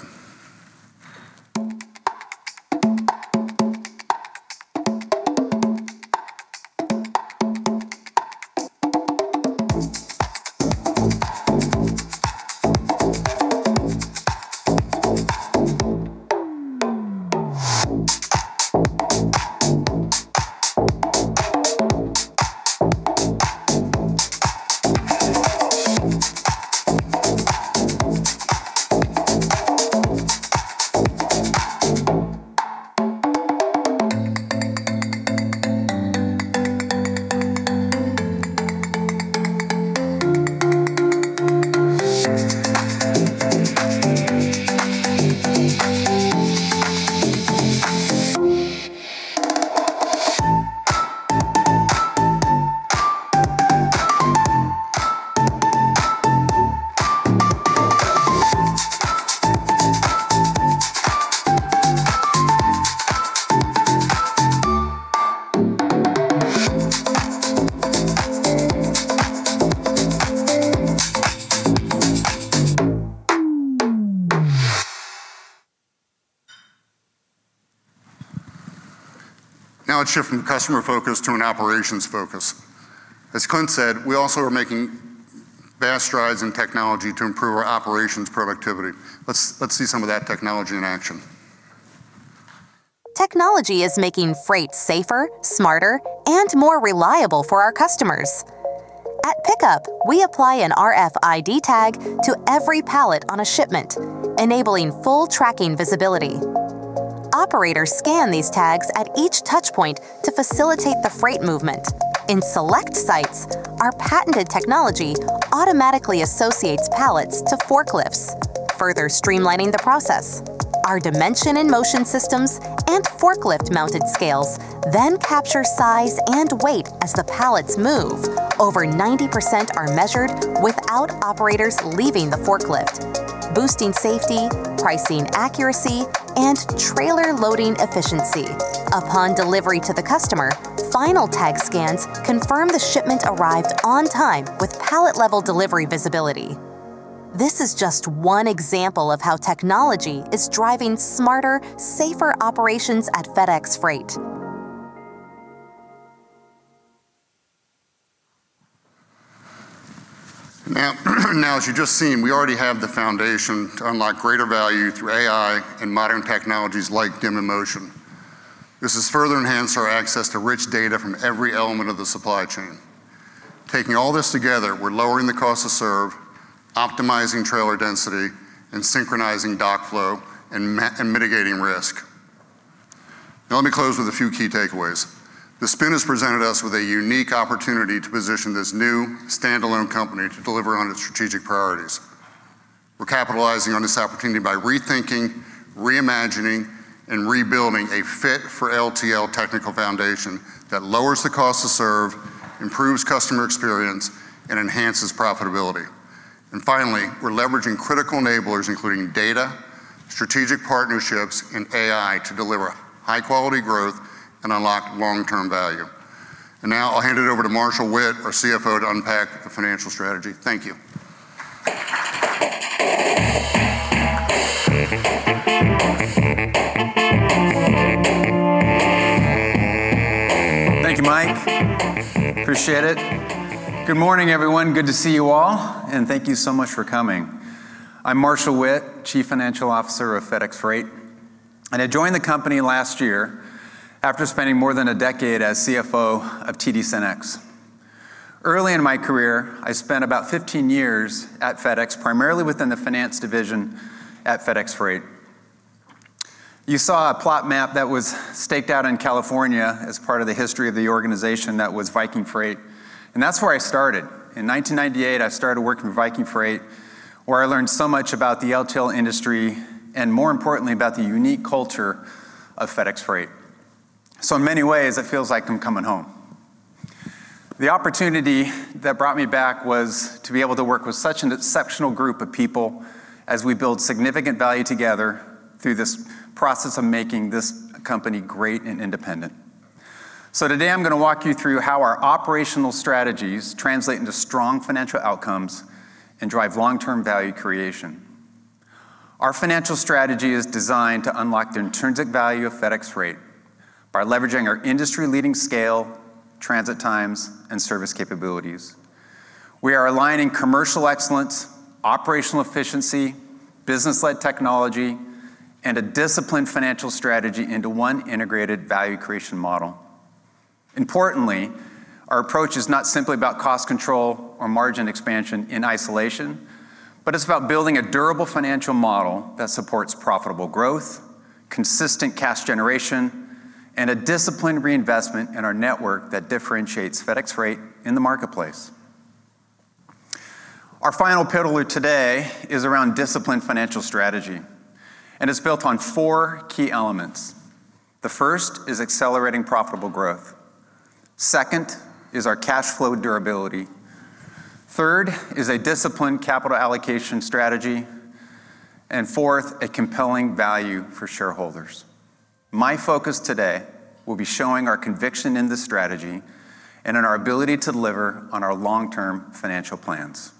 S25: Now let's shift from customer focus to an operations focus. As Clint said, we also are making vast strides in technology to improve our operations productivity. Let's see some of that technology in action.
S3: Technology is making freight safer, smarter, and more reliable for our customers. At pickup, we apply an RFID tag to every pallet on a shipment, enabling full tracking visibility. Operators scan these tags at each touchpoint to facilitate the freight movement. In select sites, our patented technology automatically associates pallets to forklifts, further streamlining the process. Our Dimension in Motion systems and forklift-mounted scales then capture size and weight as the pallets move. Over 90% are measured without operators leaving the forklift, boosting safety, pricing accuracy, and trailer loading efficiency. Upon delivery to the customer, final tag scans confirm the shipment arrived on time with pallet-level delivery visibility. This is just one example of how technology is driving smarter, safer operations at FedEx Freight.
S25: As you've just seen, we already have the foundation to unlock greater value through AI and modern technologies like Dimension in Motion. This has further enhanced our access to rich data from every element of the supply chain. Taking all this together, we're lowering the cost to serve, optimizing trailer density, synchronizing dock flow, and mitigating risk. Let me close with a few key takeaways. The spin has presented us with a unique opportunity to position this new standalone company to deliver on its strategic priorities. We're capitalizing on this opportunity by rethinking, reimagining, and rebuilding a fit-for-LTL technical foundation that lowers the cost to serve, improves customer experience, and enhances profitability. Finally, we're leveraging critical enablers, including data, strategic partnerships, and AI to deliver high-quality growth and unlock long-term value. Now I'll hand it over to Marshall Witt, our CFO, to unpack the financial strategy. Thank you.
S26: Thank you, Mike. Appreciate it. Good morning, everyone. Good to see you all, and thank you so much for coming. I'm Marshall Witt, Chief Financial Officer of FedEx Freight, and I joined the company last year after spending more than a decade as CFO of TD Synnex. Early in my career, I spent about 15 years at FedEx, primarily within the finance division at FedEx Freight. You saw a plot map that was staked out in California as part of the history of the organization that was Viking Freight, and that's where I started. In 1998, I started working with Viking Freight, where I learned so much about the LTL industry and, more importantly, about the unique culture of FedEx Freight. In many ways, it feels like I'm coming home. The opportunity that brought me back was to be able to work with such an exceptional group of people as we build significant value together through this process of making this company great and independent. Today, I'm going to walk you through how our operational strategies translate into strong financial outcomes and drive long-term value creation. Our financial strategy is designed to unlock the intrinsic value of FedEx Freight by leveraging our industry-leading scale, transit times, and service capabilities. We are aligning commercial excellence, operational efficiency, business-led technology, and a disciplined financial strategy into one integrated value creation model. Importantly, our approach is not simply about cost control or margin expansion in isolation, but it's about building a durable financial model that supports profitable growth, consistent cash generation, and a disciplined reinvestment in our network that differentiates FedEx Freight in the marketplace. Our final pillar today is around disciplined financial strategy, and it's built on four key elements. The first is accelerating profitable growth. Second is our cash flow durability. Third is a disciplined capital allocation strategy. Fourth, a compelling value for shareholders. My focus today will be showing our conviction in this strategy and in our ability to deliver on our long-term financial plans.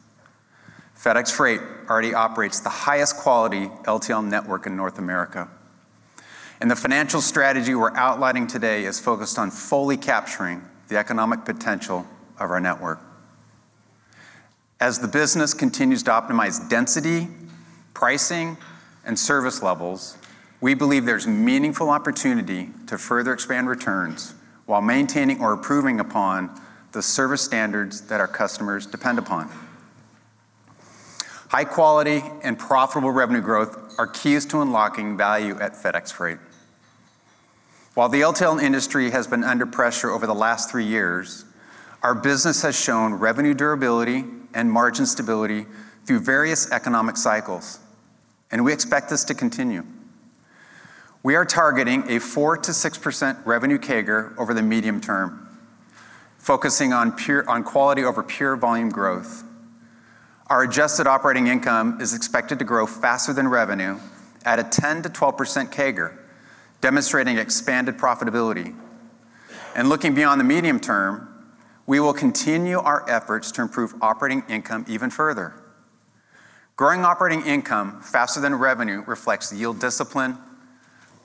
S26: FedEx Freight already operates the highest quality LTL network in North America. The financial strategy we're outlining today is focused on fully capturing the economic potential of our network. As the business continues to optimize density, pricing, and service levels, we believe there's meaningful opportunity to further expand returns while maintaining or improving upon the service standards that our customers depend upon. High quality and profitable revenue growth are keys to unlocking value at FedEx Freight. While the LTL industry has been under pressure over the last three years, our business has shown revenue durability and margin stability through various economic cycles, and we expect this to continue. We are targeting a 4%-6% revenue CAGR over the medium term, focusing on quality over pure volume growth. Our adjusted operating income is expected to grow faster than revenue at a 10%-12% CAGR, demonstrating expanded profitability. Looking beyond the medium term, we will continue our efforts to improve operating income even further. Growing operating income faster than revenue reflects yield discipline,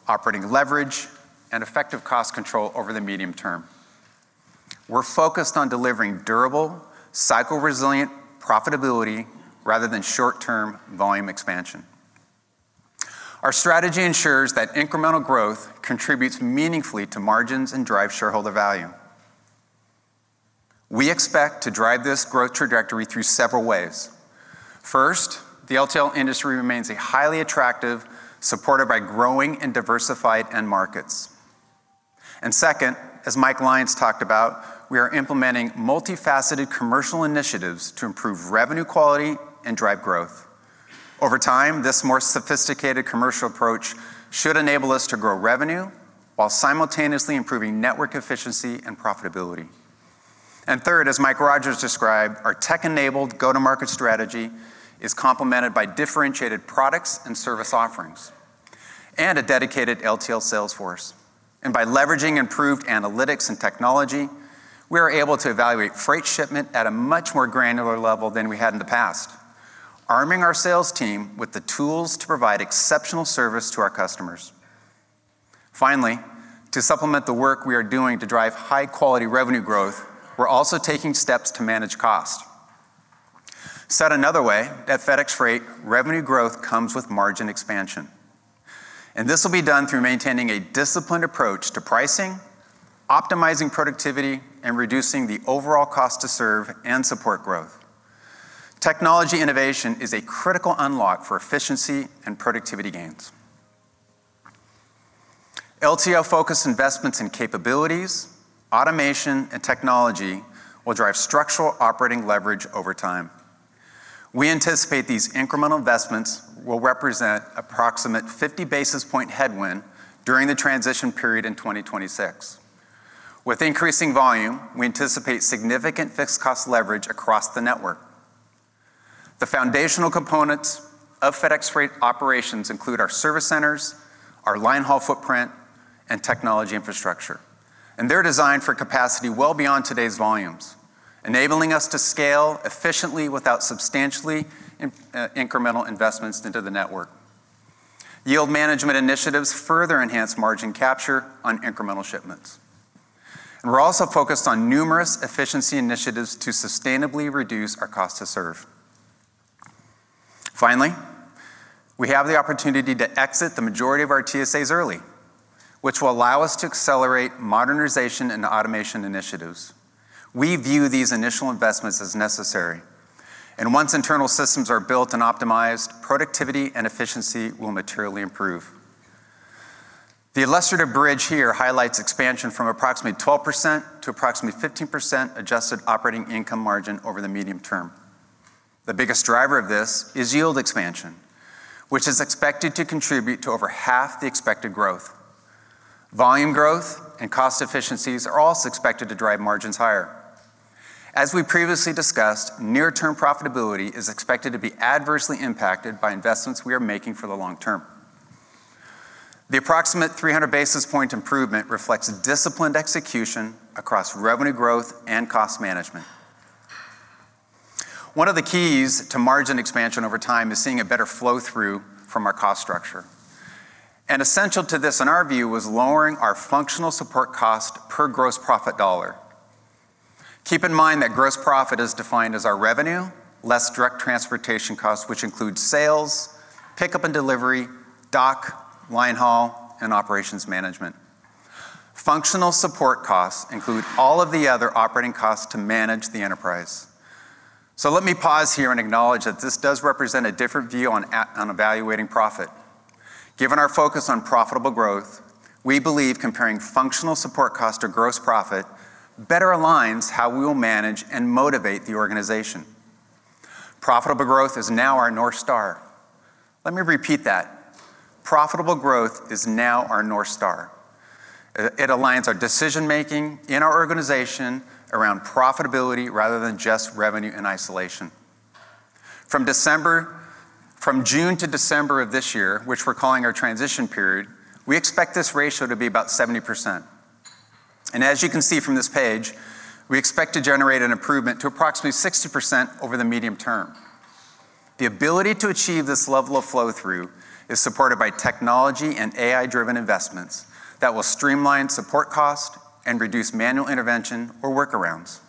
S26: operating leverage, and effective cost control over the medium term. We're focused on delivering durable, cycle-resilient profitability rather than short-term volume expansion. Our strategy ensures that incremental growth contributes meaningfully to margins and drives shareholder value. We expect to drive this growth trajectory through several ways. First, the LTL industry remains a highly attractive, supported by growing and diversified end markets. Second, as Mike Lyons talked about, we are implementing multifaceted commercial initiatives to improve revenue quality and drive growth. Over time, this more sophisticated commercial approach should enable us to grow revenue while simultaneously improving network efficiency and profitability. Third, as Mike Rodgers described, our tech-enabled go-to-market strategy is complemented by differentiated products and service offerings and a dedicated LTL sales force. By leveraging improved analytics and technology, we are able to evaluate freight shipment at a much more granular level than we had in the past, arming our sales team with the tools to provide exceptional service to our customers. Finally, to supplement the work we are doing to drive high-quality revenue growth, we're also taking steps to manage cost. Said another way, at FedEx Freight, revenue growth comes with margin expansion. This will be done through maintaining a disciplined approach to pricing, optimizing productivity, and reducing the overall cost to serve and support growth. Technology innovation is a critical unlock for efficiency and productivity gains. LTL-focused investments in capabilities, automation, and technology will drive structural operating leverage over time. We anticipate these incremental investments will represent approximate 50 basis point headwind during the transition period in 2026. With increasing volume, we anticipate significant fixed cost leverage across the network. The foundational components of FedEx Freight operations include our service centers, our line haul footprint, and technology infrastructure. They're designed for capacity well beyond today's volumes, enabling us to scale efficiently without substantially incremental investments into the network. Yield management initiatives further enhance margin capture on incremental shipments. We're also focused on numerous efficiency initiatives to sustainably reduce our cost to serve. Finally, we have the opportunity to exit the majority of our TSAs early, which will allow us to accelerate modernization and automation initiatives. We view these initial investments as necessary, and once internal systems are built and optimized, productivity and efficiency will materially improve. The illustrative bridge here highlights expansion from approximately 12%-15% adjusted operating income margin over the medium term. The biggest driver of this is yield expansion, which is expected to contribute to over half the expected growth. Volume growth and cost efficiencies are also expected to drive margins higher. As we previously discussed, near-term profitability is expected to be adversely impacted by investments we are making for the long term. The approximate 300 basis point improvement reflects disciplined execution across revenue growth and cost management. One of the keys to margin expansion over time is seeing a better flow-through from our cost structure. Essential to this, in our view, was lowering our functional support cost per gross profit dollar. Keep in mind that gross profit is defined as our revenue less direct transportation costs, which includes sales, pickup and delivery, dock, line haul, and operations management. Functional support costs include all of the other operating costs to manage the enterprise. Let me pause here and acknowledge that this does represent a different view on evaluating profit. Given our focus on profitable growth, we believe comparing functional support cost or gross profit better aligns how we will manage and motivate the organization. Profitable growth is now our North Star. Let me repeat that. Profitable growth is now our North Star. It aligns our decision-making in our organization around profitability rather than just revenue in isolation. From June to December of this year, which we're calling our transition period, we expect this ratio to be about 70%. As you can see from this page, we expect to generate an improvement to approximately 60% over the medium term. The ability to achieve this level of flow-through is supported by technology and AI-driven investments that will streamline support cost and reduce manual intervention or workarounds.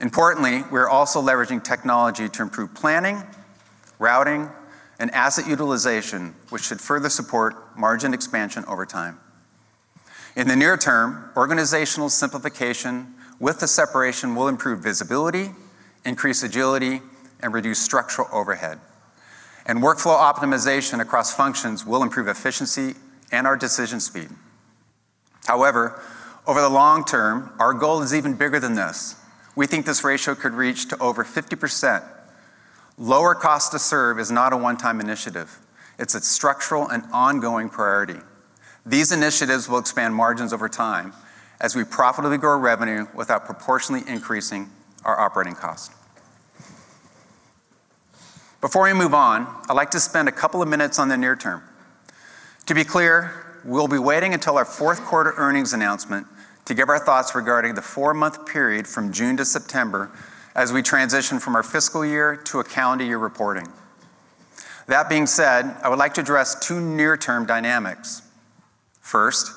S26: Importantly, we are also leveraging technology to improve planning, routing, and asset utilization, which should further support margin expansion over time. In the near term, organizational simplification with the separation will improve visibility, increase agility, and reduce structural overhead. Workflow optimization across functions will improve efficiency and our decision speed. Over the long term, our goal is even bigger than this. We think this ratio could reach to over 50%. Lower cost to serve is not a one-time initiative. It's a structural and ongoing priority. These initiatives will expand margins over time as we profitably grow revenue without proportionally increasing our operating cost. Before we move on, I'd like to spend a couple of minutes on the near term. To be clear, we'll be waiting until our fourth quarter earnings announcement to give our thoughts regarding the four-month period from June to September as we transition from our fiscal year to a calendar year reporting. That being said, I would like to address two near-term dynamics. First,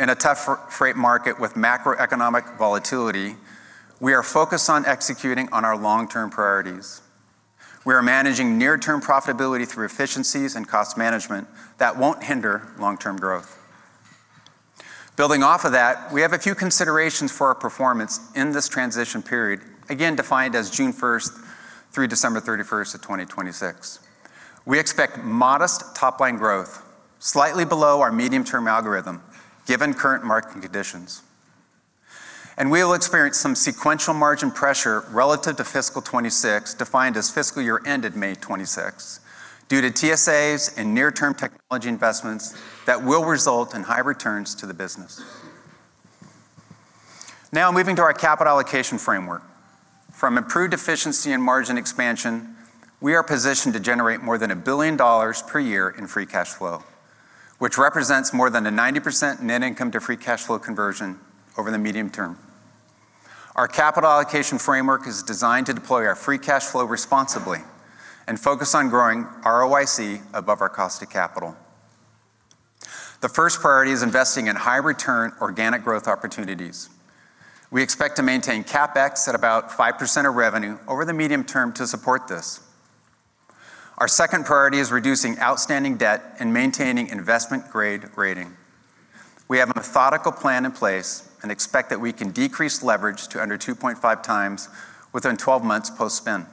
S26: in a tough freight market with macroeconomic volatility, we are focused on executing on our long-term priorities. We are managing near-term profitability through efficiencies and cost management that won't hinder long-term growth. Building off of that, we have a few considerations for our performance in this transition period, again, defined as June 1st through December 31st of 2026. We expect modest top-line growth, slightly below our medium-term algorithm, given current market conditions. We will experience some sequential margin pressure relative to fiscal 2026, defined as fiscal year ended May 2026, due to TSAs and near-term technology investments that will result in high returns to the business. Moving to our capital allocation framework. From improved efficiency and margin expansion, we are positioned to generate more than $1 billion per year in free cash flow, which represents more than a 90% net income to free cash flow conversion over the medium term. Our capital allocation framework is designed to deploy our free cash flow responsibly and focus on growing ROIC above our cost of capital. The first priority is investing in high-return organic growth opportunities. We expect to maintain CapEx at about 5% of revenue over the medium term to support this. Our second priority is reducing outstanding debt and maintaining investment-grade rating. We have a methodical plan in place and expect that we can decrease leverage to under 2.5 times within 12 months post-spin.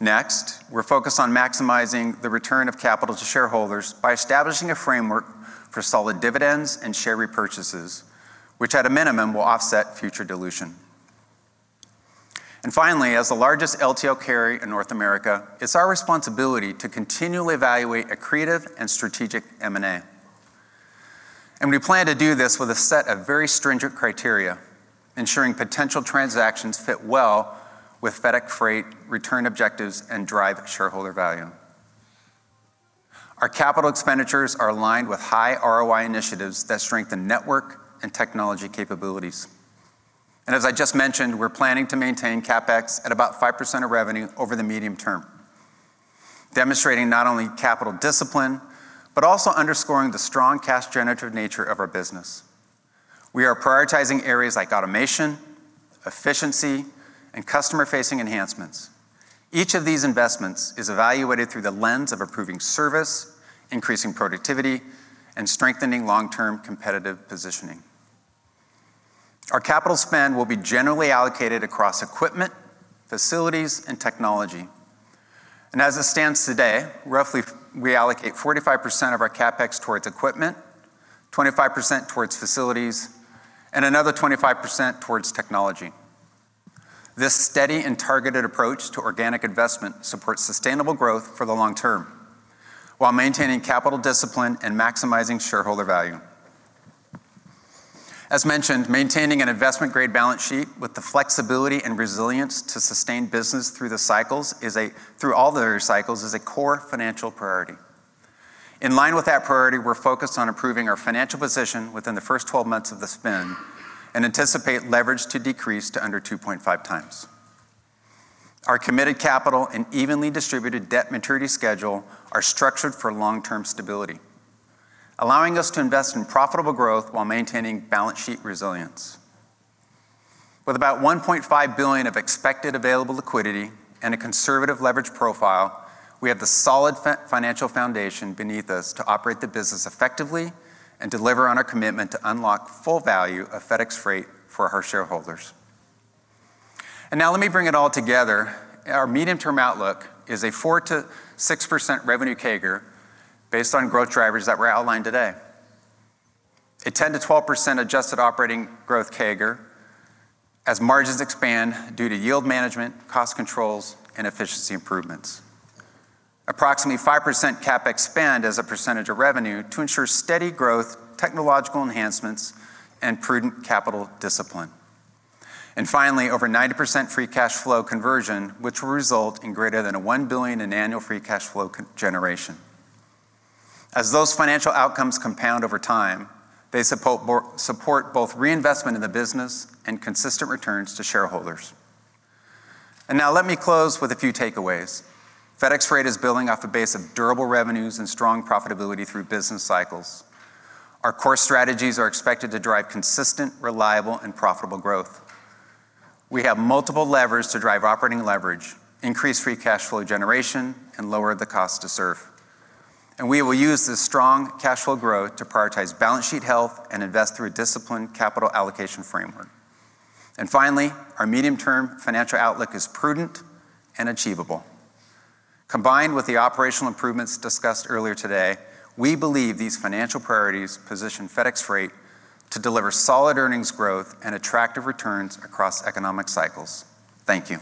S26: Next, we're focused on maximizing the return of capital to shareholders by establishing a framework for solid dividends and share repurchases, which at a minimum will offset future dilution. Finally, as the largest LTL carrier in North America, it's our responsibility to continually evaluate accretive and strategic M&A. We plan to do this with a set of very stringent criteria, ensuring potential transactions fit well with FedEx Freight return objectives and drive shareholder value. Our capital expenditures are aligned with high ROI initiatives that strengthen network and technology capabilities. As I just mentioned, we're planning to maintain CapEx at about 5% of revenue over the medium term, demonstrating not only capital discipline, but also underscoring the strong cash generative nature of our business. We are prioritizing areas like automation, efficiency, and customer-facing enhancements. Each of these investments is evaluated through the lens of improving service, increasing productivity, and strengthening long-term competitive positioning. Our capital spend will be generally allocated across equipment, facilities, and technology. As it stands today, roughly, we allocate 45% of our CapEx towards equipment, 25% towards facilities, and another 25% towards technology. This steady and targeted approach to organic investment supports sustainable growth for the long term while maintaining capital discipline and maximizing shareholder value. As mentioned, maintaining an investment-grade balance sheet with the flexibility and resilience to sustain business through all the cycles is a core financial priority. In line with that priority, we're focused on improving our financial position within the first 12 months of the spend and anticipate leverage to decrease to under 2.5 times. Our committed capital and evenly distributed debt maturity schedule are structured for long-term stability, allowing us to invest in profitable growth while maintaining balance sheet resilience. With about $1.5 billion of expected available liquidity and a conservative leverage profile, we have the solid financial foundation beneath us to operate the business effectively and deliver on our commitment to unlock full value of FedEx Freight for our shareholders. Now let me bring it all together. Our medium-term outlook is a 4%-6% revenue CAGR based on growth drivers that were outlined today. A 10%-12% adjusted operating growth CAGR as margins expand due to yield management, cost controls, and efficiency improvements. Approximately 5% CapEx spend as a percentage of revenue to ensure steady growth, technological enhancements, and prudent capital discipline. Finally, over 90% free cash flow conversion, which will result in greater than a $1 billion in annual free cash flow generation. As those financial outcomes compound over time, they support both reinvestment in the business and consistent returns to shareholders. Now let me close with a few takeaways. FedEx Freight is building off a base of durable revenues and strong profitability through business cycles. Our core strategies are expected to drive consistent, reliable, and profitable growth. We have multiple levers to drive operating leverage, increase free cash flow generation, and lower the cost to serve. We will use this strong cash flow growth to prioritize balance sheet health and invest through a disciplined capital allocation framework. Finally, our medium-term financial outlook is prudent and achievable. Combined with the operational improvements discussed earlier today, we believe these financial priorities position FedEx Freight to deliver solid earnings growth and attractive returns across economic cycles. Thank you.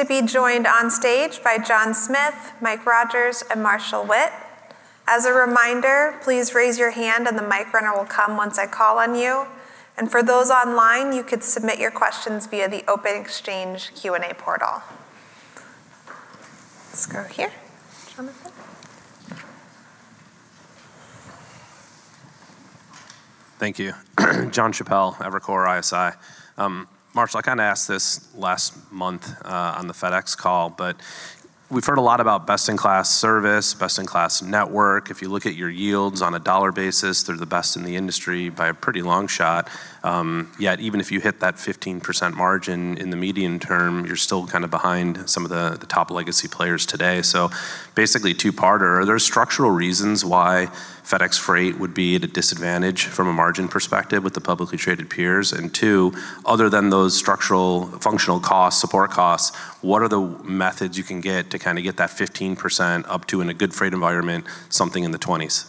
S2: I am pleased to be joined on stage by John Smith, Mike Rodgers, and Marshall Witt. As a reminder, please raise your hand and the mic runner will come once I call on you. For those online, you could submit your questions via the OpenExchange Q&A portal. Let's go here. Jonathan.
S27: Thank you. John Chappell, Evercore ISI. Marshall, I kind of asked this last month on the FedEx call. We've heard a lot about best-in-class service, best-in-class network. If you look at your yields on a $ basis, they're the best in the industry by a pretty long shot. Yet, even if you hit that 15% margin in the medium term, you're still kind of behind some of the top legacy players today. Basically, two-parter, are there structural reasons why FedEx Freight would be at a disadvantage from a margin perspective with the publicly traded peers? Two, other than those structural functional costs, support costs, what are the methods you can get to kind of get that 15% up to, in a good freight environment, something in the 20s?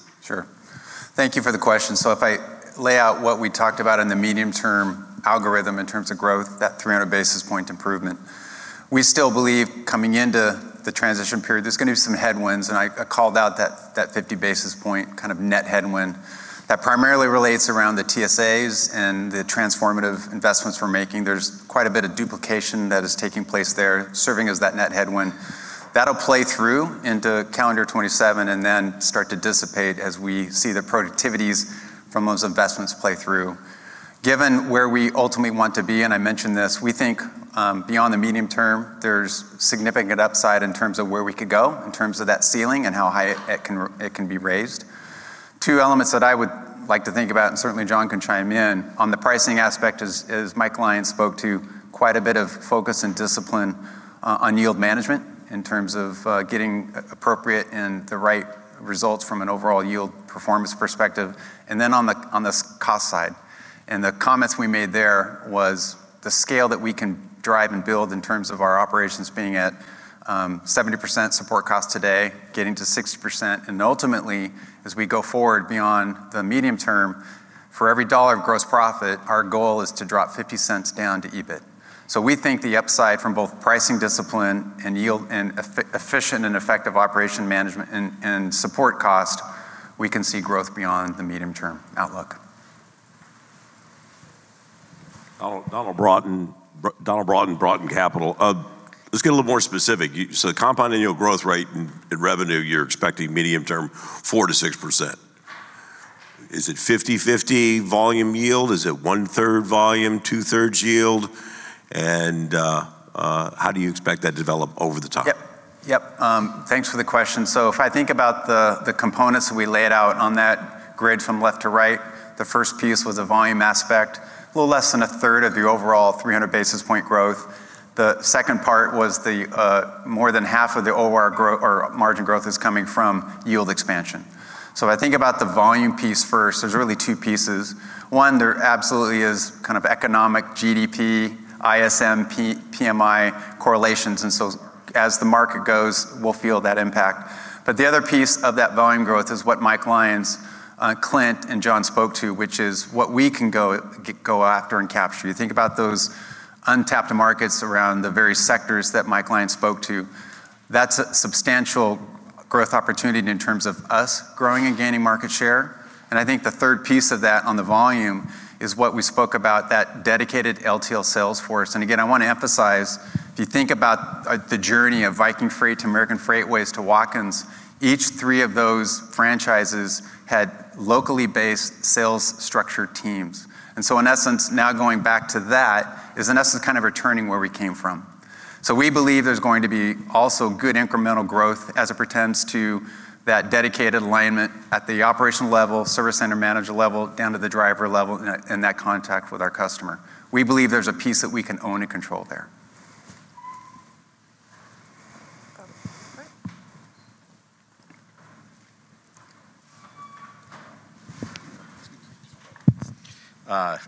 S26: Thank you for the question. If I lay out what we talked about in the medium-term algorithm in terms of growth, that 300 basis points improvement, we still believe coming into the transition period, there's going to be some headwinds, and I called out that 50 basis points kind of net headwind that primarily relates around the TSAs and the transformative investments we're making. There's quite a bit of duplication that is taking place there, serving as that net headwind. That'll play through into calendar 2027 and then start to dissipate as we see the productivities from those investments play through. Given where we ultimately want to be, and I mentioned this, we think, beyond the medium term, there's significant upside in terms of where we could go, in terms of that ceiling and how high it can be raised. Two elements that I would like to think about, and certainly John can chime in, on the pricing aspect, as Mike Lyons spoke to quite a bit of focus and discipline on yield management in terms of getting appropriate and the right results from an overall yield performance perspective. Then on the cost side. The comments we made there was the scale that we can drive and build in terms of our operations being at 70% support cost today, getting to 60%, and ultimately, as we go forward beyond the medium term, for every USD of gross profit, our goal is to drop $0.50 down to EBIT. We think the upside from both pricing discipline and efficient and effective operation management and support cost, we can see growth beyond the medium-term outlook.
S28: Donald Broughton of Broughton Capital. Let's get a little more specific. The compound annual growth rate in revenue, you're expecting medium term 4%-6%. Is it 50/50 volume yield? Is it one-third volume, two-thirds yield? How do you expect that to develop over the top?
S26: Yep. Thanks for the question. If I think about the components we laid out on that grid from left to right, the first piece was a volume aspect, a little less than a third of the overall 300 basis points growth. The second part was more than half of the OR margin growth is coming from yield expansion. I think about the volume piece first. There's really two pieces. One, there absolutely is kind of economic GDP, ISM, PMI correlations, and so as the market goes, we'll feel that impact. The other piece of that volume growth is what my clients, Clint and John spoke to, which is what we can go after and capture. You think about those untapped markets around the very sectors that my clients spoke to. That's a substantial growth opportunity in terms of us growing and gaining market share. I think the third piece of that on the volume is what we spoke about, that dedicated LTL sales force. Again, I want to emphasize, if you think about the journey of Viking Freight to American Freightways to Watkins, each three of those franchises had locally based sales structure teams. In essence, now going back to that is in essence kind of returning where we came from. We believe there's going to be also good incremental growth as it pertains to that dedicated alignment at the operational level, service center manager level, down to the driver level, and that contact with our customer. We believe there's a piece that we can own and control there.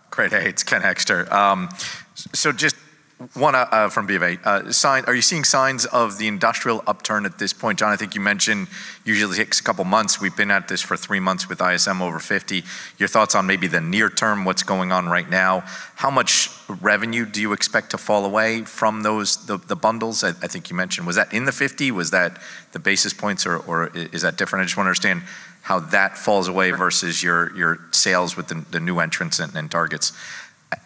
S14: Great. It's Ken Hoexter. Just one from BofA. Are you seeing signs of the industrial upturn at this point? John, I think you mentioned usually it takes a couple of months. We've been at this for three months with ISM over 50. Your thoughts on maybe the near term, what's going on right now? How much revenue do you expect to fall away from the bundles? I think you mentioned. Was that in the 50? Was that the basis points or is that different? I just want to understand how that falls away versus your sales with the new entrants and targets.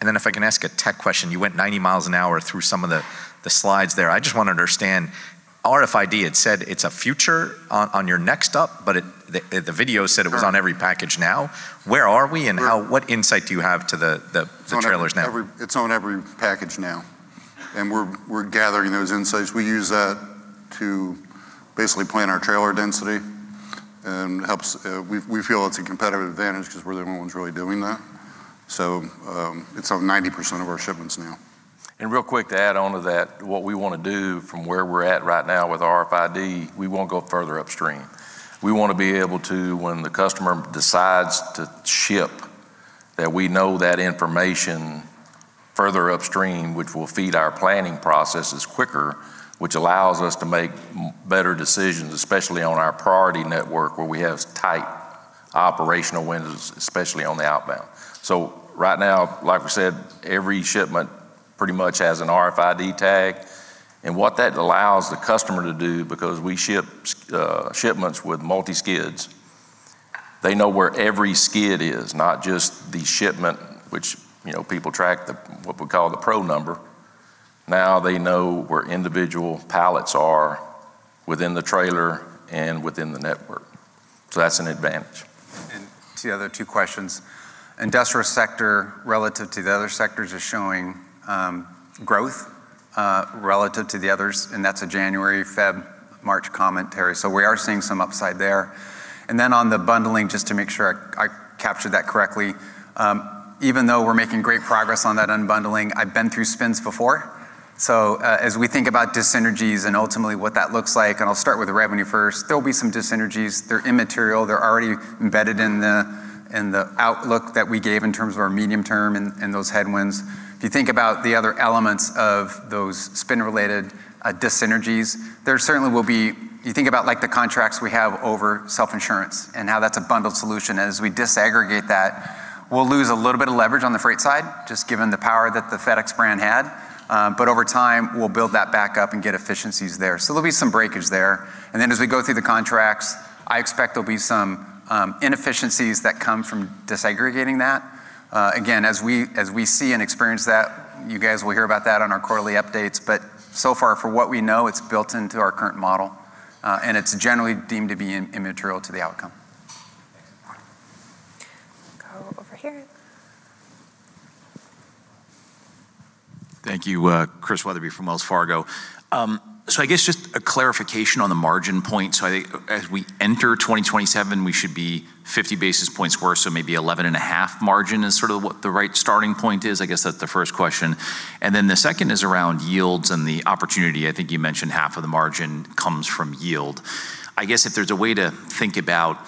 S14: Then if I can ask a tech question, you went 90 miles an hour through some of the slides there. I just want to understand, RFID, it said it's a future on your next up, but the video said it was on every package now. Where are we and what insight do you have to the trailers now?
S25: It's on every package now, and we're gathering those insights. We use that to basically plan our trailer density, and we feel it's a competitive advantage because we're the only ones really doing that. It's on 90% of our shipments now.
S4: Real quick to add on to that, what we want to do from where we're at right now with RFID, we want to go further upstream. We want to be able to, when the customer decides to ship, that we know that information further upstream, which will feed our planning processes quicker, which allows us to make better decisions, especially on our priority network where we have tight operational windows, especially on the outbound. Right now, like we said, every shipment pretty much has an RFID tag. What that allows the customer to do, because we ship shipments with multi-skids, they know where every skid is, not just the shipment, which people track what we call the pro number. Now they know where individual pallets are within the trailer and within the network. That's an advantage.
S26: To the other two questions. Industrial sector relative to the other sectors is showing growth relative to the others, and that's a January, February, March commentary. We are seeing some upside there. Then on the bundling, just to make sure I captured that correctly. Even though we're making great progress on that unbundling, I've been through spins before. As we think about dyssynergies and ultimately what that looks like, and I'll start with the revenue first, there'll be some dyssynergies. They're immaterial. They're already embedded in the outlook that we gave in terms of our medium term and those headwinds. If you think about the other elements of those spin-related dyssynergies, you think about the contracts we have over self-insurance and how that's a bundled solution, and as we disaggregate that, we'll lose a little bit of leverage on the freight side, just given the power that the FedEx brand had. Over time, we'll build that back up and get efficiencies there. There'll be some breakage there. Then as we go through the contracts, I expect there'll be some inefficiencies that come from disaggregating that. Again, as we see and experience that, you guys will hear about that on our quarterly updates. So far, for what we know, it's built into our current model, and it's generally deemed to be immaterial to the outcome.
S4: Thanks.
S2: Go over here.
S15: Thank you. Chris Wetherbee from Wells Fargo. I guess just a clarification on the margin point. I think as we enter 2027, we should be 50 basis points worse, so maybe 11.5 margin is sort of what the right starting point is. I guess that's the first question. The second is around yields and the opportunity. I think you mentioned half of the margin comes from yield. I guess if there's a way to think about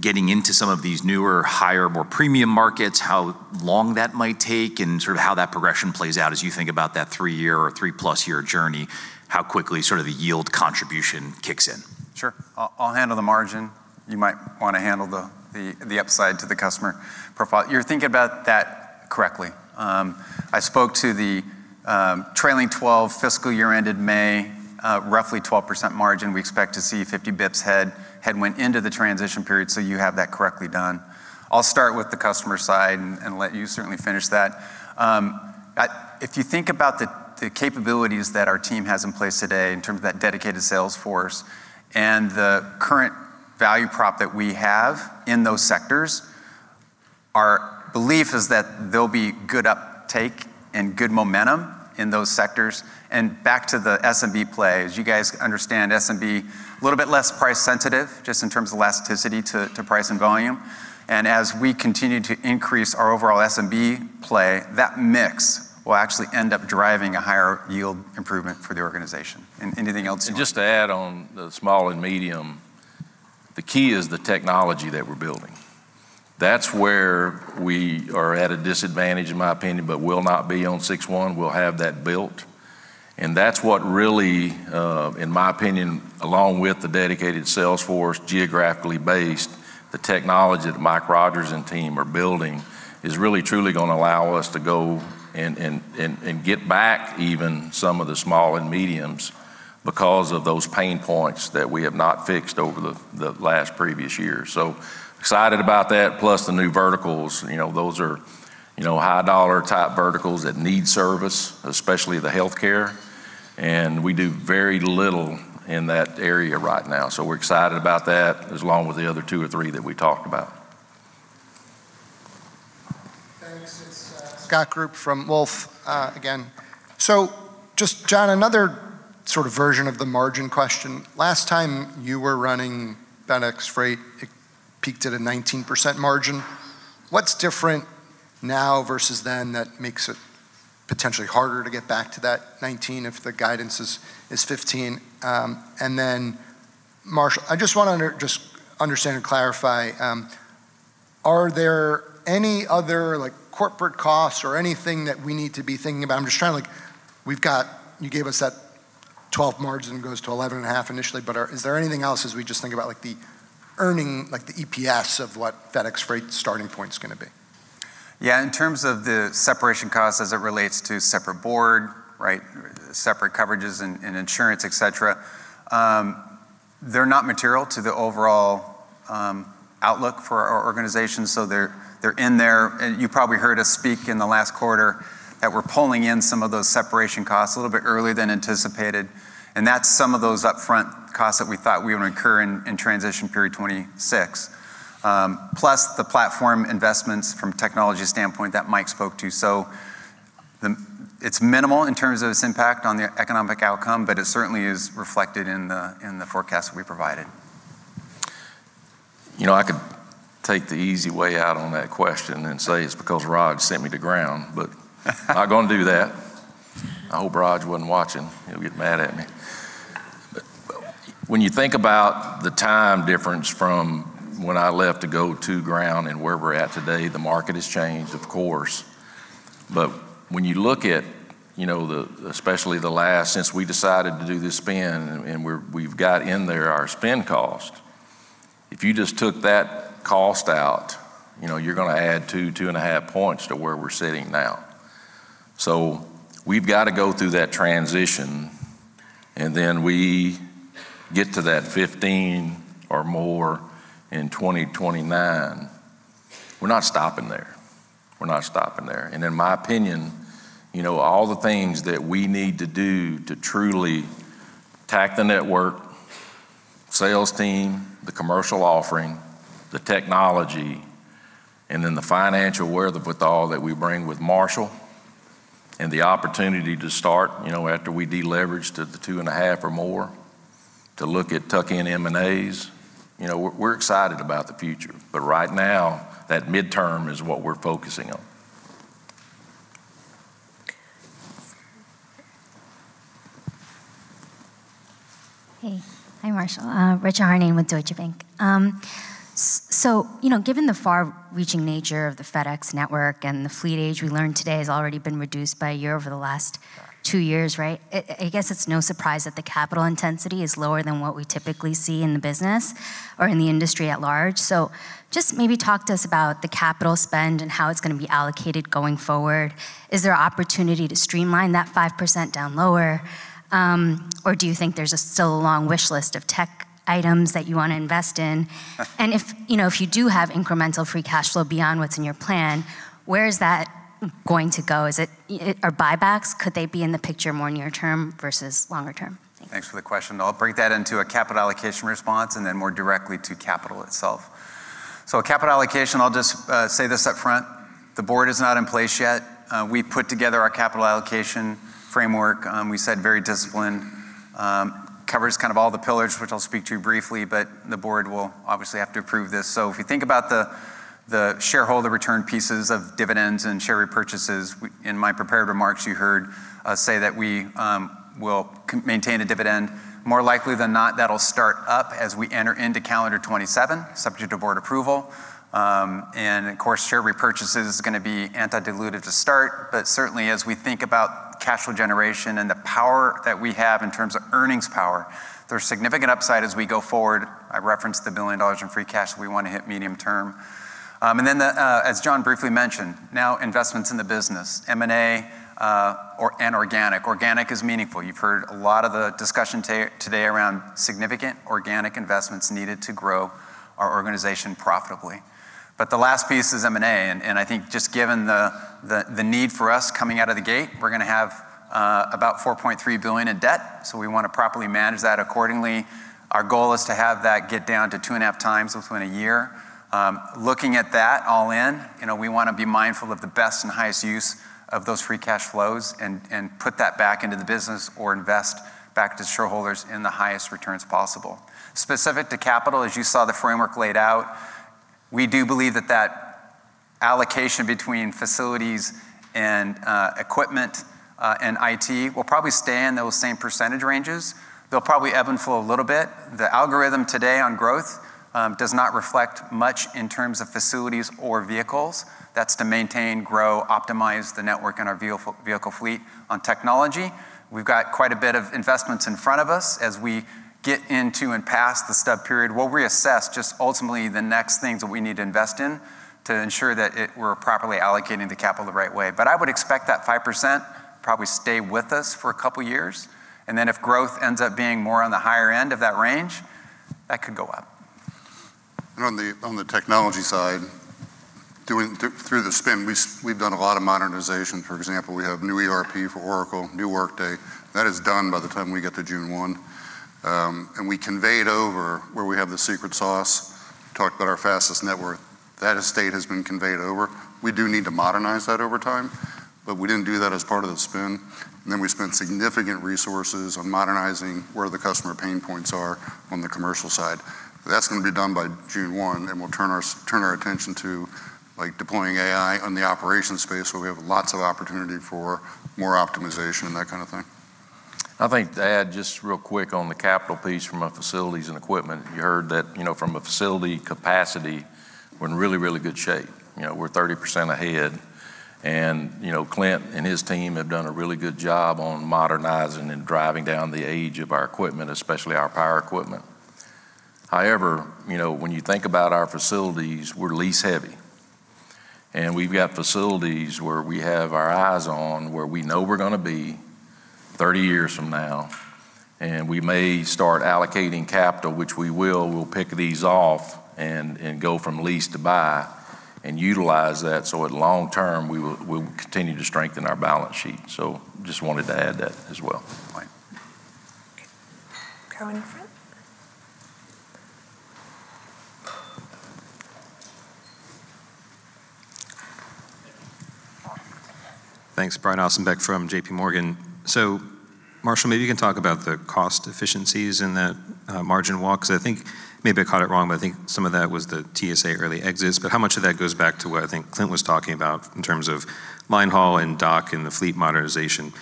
S15: getting into some of these newer, higher, more premium markets, how long that might take, and sort of how that progression plays out as you think about that three-year or three-plus year journey, how quickly the yield contribution kicks in?
S26: Sure. I'll handle the margin. You might want to handle the upside to the customer profile. You're thinking about that correctly. I spoke to the trailing 12 fiscal year ended May, roughly 12% margin. We expect to see 50 basis points headwind into the transition period, so you have that correctly done. I'll start with the customer side and let you certainly finish that. If you think about the capabilities that our team has in place today in terms of that dedicated sales force and the current value prop that we have in those sectors, our belief is that there'll be good uptake and good momentum in those sectors. Back to the SMB play. As you guys understand, SMB, a little bit less price sensitive just in terms of elasticity to price and volume. As we continue to increase our overall SMB play, that mix will actually end up driving a higher yield improvement for the organization. Anything else you want?
S4: Just to add on the small and medium, the key is the technology that we're building. That's where we are at a disadvantage, in my opinion, but will not be on 6/1. We'll have that built. That's what really, in my opinion, along with the dedicated sales force, geographically based, the technology that Michael Rodgers and team are building is really truly going to allow us to go and get back even some of the small and mediums because of those pain points that we have not fixed over the last previous years. Excited about that, plus the new verticals. Those are high-dollar-type verticals that need service, especially the healthcare. We do very little in that area right now, so we're excited about that, as well with the other two or three that we talked about.
S16: Thanks. It's Scott Group from Wolfe again. John, another sort of version of the margin question. Last time you were running FedEx Freight, it peaked at a 19% margin. What's different now versus then that makes it potentially harder to get back to that 19 if the guidance is 15? Marshall, I just want to just understand and clarify, are there any other corporate costs or anything that we need to be thinking about? You gave us that 12 margin goes to 11.5 initially, but is there anything else as we just think about the earning, like the EPS of what FedEx Freight's starting point's going to be?
S26: In terms of the separation costs as it relates to separate board, separate coverages and insurance, et cetera, they're not material to the overall outlook for our organization. They're in there. You probably heard us speak in the last quarter that we're pulling in some of those separation costs a little bit earlier than anticipated, and that's some of those upfront costs that we thought we would incur in transition period 2026. Plus the platform investments from technology standpoint that Mike spoke to. It's minimal in terms of its impact on the economic outcome, but it certainly is reflected in the forecast we provided.
S4: I could take the easy way out on that question and say it's because Raj sent me to Ground, but I'm not going to do that. I hope Raj wasn't watching. He'll get mad at me. When you think about the time difference from when I left to go to Ground and where we're at today, the market has changed, of course. When you look at especially the last, since we decided to do this spin, and we've got in there our spin cost, if you just took that cost out, you're going to add 2.5 points to where we're sitting now. We've got to go through that transition, and then we get to that 15 or more in 2029. We're not stopping there. We're not stopping there. In my opinion, all the things that we need to do to truly Tack the network, sales team, the commercial offering, the technology, and the financial wherewithal that we bring with Marshall and the opportunity to start after we deleverage to the 2.5 or more, to look at tuck-in M&As. We're excited about the future, but right now, that midterm is what we're focusing on.
S23: Hey. Hi, Marshall. Richa Harnain with Deutsche Bank. Given the far-reaching nature of the FedEx network and the fleet age we learned today has already been reduced by a year over the last two years, right? I guess it's no surprise that the capital intensity is lower than what we typically see in the business or in the industry at large. Just maybe talk to us about the capital spend and how it's going to be allocated going forward. Is there opportunity to streamline that 5% down lower? Do you think there's just still a long wish list of tech items that you want to invest in? If you do have incremental free cash flow beyond what's in your plan, where is that going to go? Are buybacks, could they be in the picture more near term versus longer term? Thanks.
S26: Thanks for the question. I'll break that into a capital allocation response and then more directly to capital itself. Capital allocation, I'll just say this up front, the board is not in place yet. We put together our capital allocation framework. We said very disciplined. Covers kind of all the pillars, which I'll speak to briefly, but the board will obviously have to approve this. If you think about the shareholder return pieces of dividends and share repurchases, we, in my prepared remarks, you heard us say that we will maintain a dividend. More likely than not, that'll start up as we enter into calendar 2027, subject to board approval. Of course, share repurchases is going to be anti-dilutive to start, but certainly as we think about cash flow generation and the power that we have in terms of earnings power, there's significant upside as we go forward. I referenced the $1 billion in free cash we want to hit medium term. As John briefly mentioned, now investments in the business, M&A, or, and organic. Organic is meaningful. You've heard a lot of the discussion today around significant organic investments needed to grow our organization profitably. The last piece is M&A, and I think just given the need for us coming out of the gate, we're going to have about $4.3 billion in debt, so we want to properly manage that accordingly. Our goal is to have that get down to 2.5 times within a year. Looking at that all in, we want to be mindful of the best and highest use of those free cash flows and put that back into the business or invest back to shareholders in the highest returns possible. Specific to capital, as you saw the framework laid out, we do believe that that allocation between facilities and equipment, and IT will probably stay in those same percentage ranges. They'll probably ebb and flow a little bit. The algorithm today on growth does not reflect much in terms of facilities or vehicles. That's to maintain, grow, optimize the network and our vehicle fleet on technology. We've got quite a bit of investments in front of us. As we get into and past the stub period, we'll reassess just ultimately the next things that we need to invest in to ensure that we're properly allocating the capital the right way. I would expect that 5% probably stay with us for a couple of years, and then if growth ends up being more on the higher end of that range, that could go up.
S25: On the technology side, doing through the spin, we've done a lot of modernization. For example, we have new ERP for Oracle, new Workday. That is done by the time we get to June one. We conveyed over where we have the secret sauce, talked about our fastest network. That estate has been conveyed over. We do need to modernize that over time, but we didn't do that as part of the spin. We spent significant resources on modernizing where the customer pain points are on the commercial side. That's going to be done by June one, and we'll turn our attention to deploying AI on the operations space where we have lots of opportunity for more optimization and that kind of thing.
S4: I think to add just real quick on the capital piece from a facilities and equipment, you heard that from a facility capacity, we're in really, really good shape. We're 30% ahead. Clint and his team have done a really good job on modernizing and driving down the age of our equipment, especially our power equipment. However, when you think about our facilities, we're lease-heavy. We've got facilities where we have our eyes on where we know we're going to be 30 years from now, and we may start allocating capital, which we will, we'll pick these off and go from lease to buy and utilize that, so at long term, we will continue to strengthen our balance sheet. Just wanted to add that as well.
S25: Right.
S2: Go in front.
S21: Thanks. Brian Ossenbeck from J.P. Morgan. Marshall, maybe you can talk about the cost efficiencies in that margin walk, because I think maybe I caught it wrong, but I think some of that was the TSA early exits. How much of that goes back to what I think Clint was talking about in terms of line haul and dock and the fleet modernization.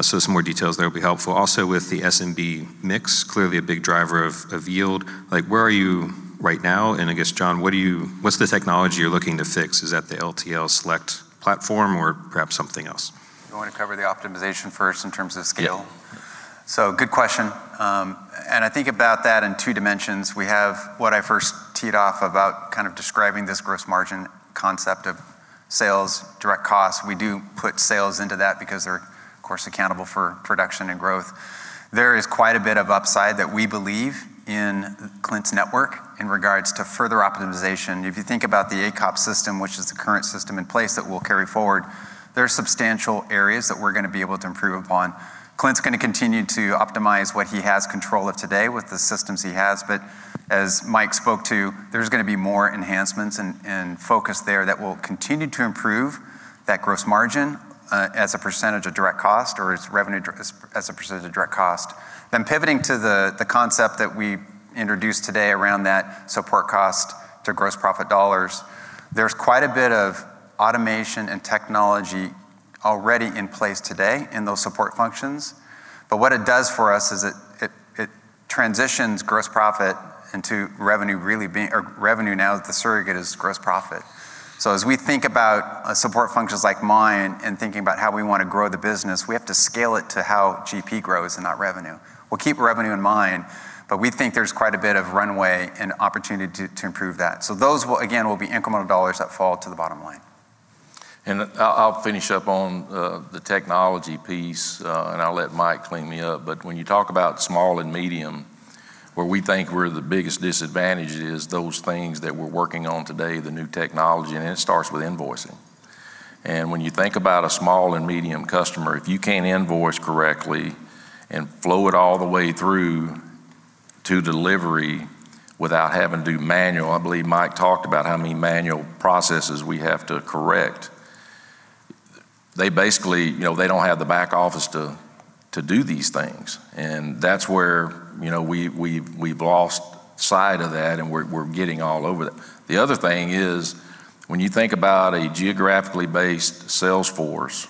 S21: Some more details there would be helpful. Also with the SMB mix, clearly a big driver of yield. Where are you right now? I guess, John, what's the technology you're looking to fix? Is that the LTL Select platform or perhaps something else?
S26: You want me to cover the optimization first in terms of scale?
S21: Yeah.
S26: Good question. I think about that in two dimensions. We have what I first teed off about kind of describing this gross margin concept of sales, direct costs. We do put sales into that because Of course, accountable for production and growth. There is quite a bit of upside that we believe in Clint's network in regards to further optimization. If you think about the AKOP system, which is the current system in place that we'll carry forward, there are substantial areas that we're going to be able to improve upon. Clint's going to continue to optimize what he has control of today with the systems he has. As Mike spoke to, there's going to be more enhancements and focus there that will continue to improve that gross margin as a percentage of direct cost or as revenue as a percentage of direct cost. Pivoting to the concept that we introduced today around that support cost to gross profit dollars, there's quite a bit of automation and technology already in place today in those support functions. What it does for us is it transitions gross profit into revenue now that the surrogate is gross profit. As we think about support functions like mine and thinking about how we want to grow the business, we have to scale it to how GP grows and not revenue. We'll keep revenue in mind, we think there's quite a bit of runway and opportunity to improve that. Those, again, will be incremental dollars that fall to the bottom line.
S4: I'll finish up on the technology piece. I'll let Mike clean me up. When you talk about small and medium, where we think we're the biggest disadvantage is those things that we're working on today, the new technology. It starts with invoicing. When you think about a small and medium customer, if you can't invoice correctly and flow it all the way through to delivery without having to do manual, I believe Mike talked about how many manual processes we have to correct. They don't have the back office to do these things, and that's where we've lost sight of that and we're getting all over that. The other thing is, when you think about a geographically based sales force,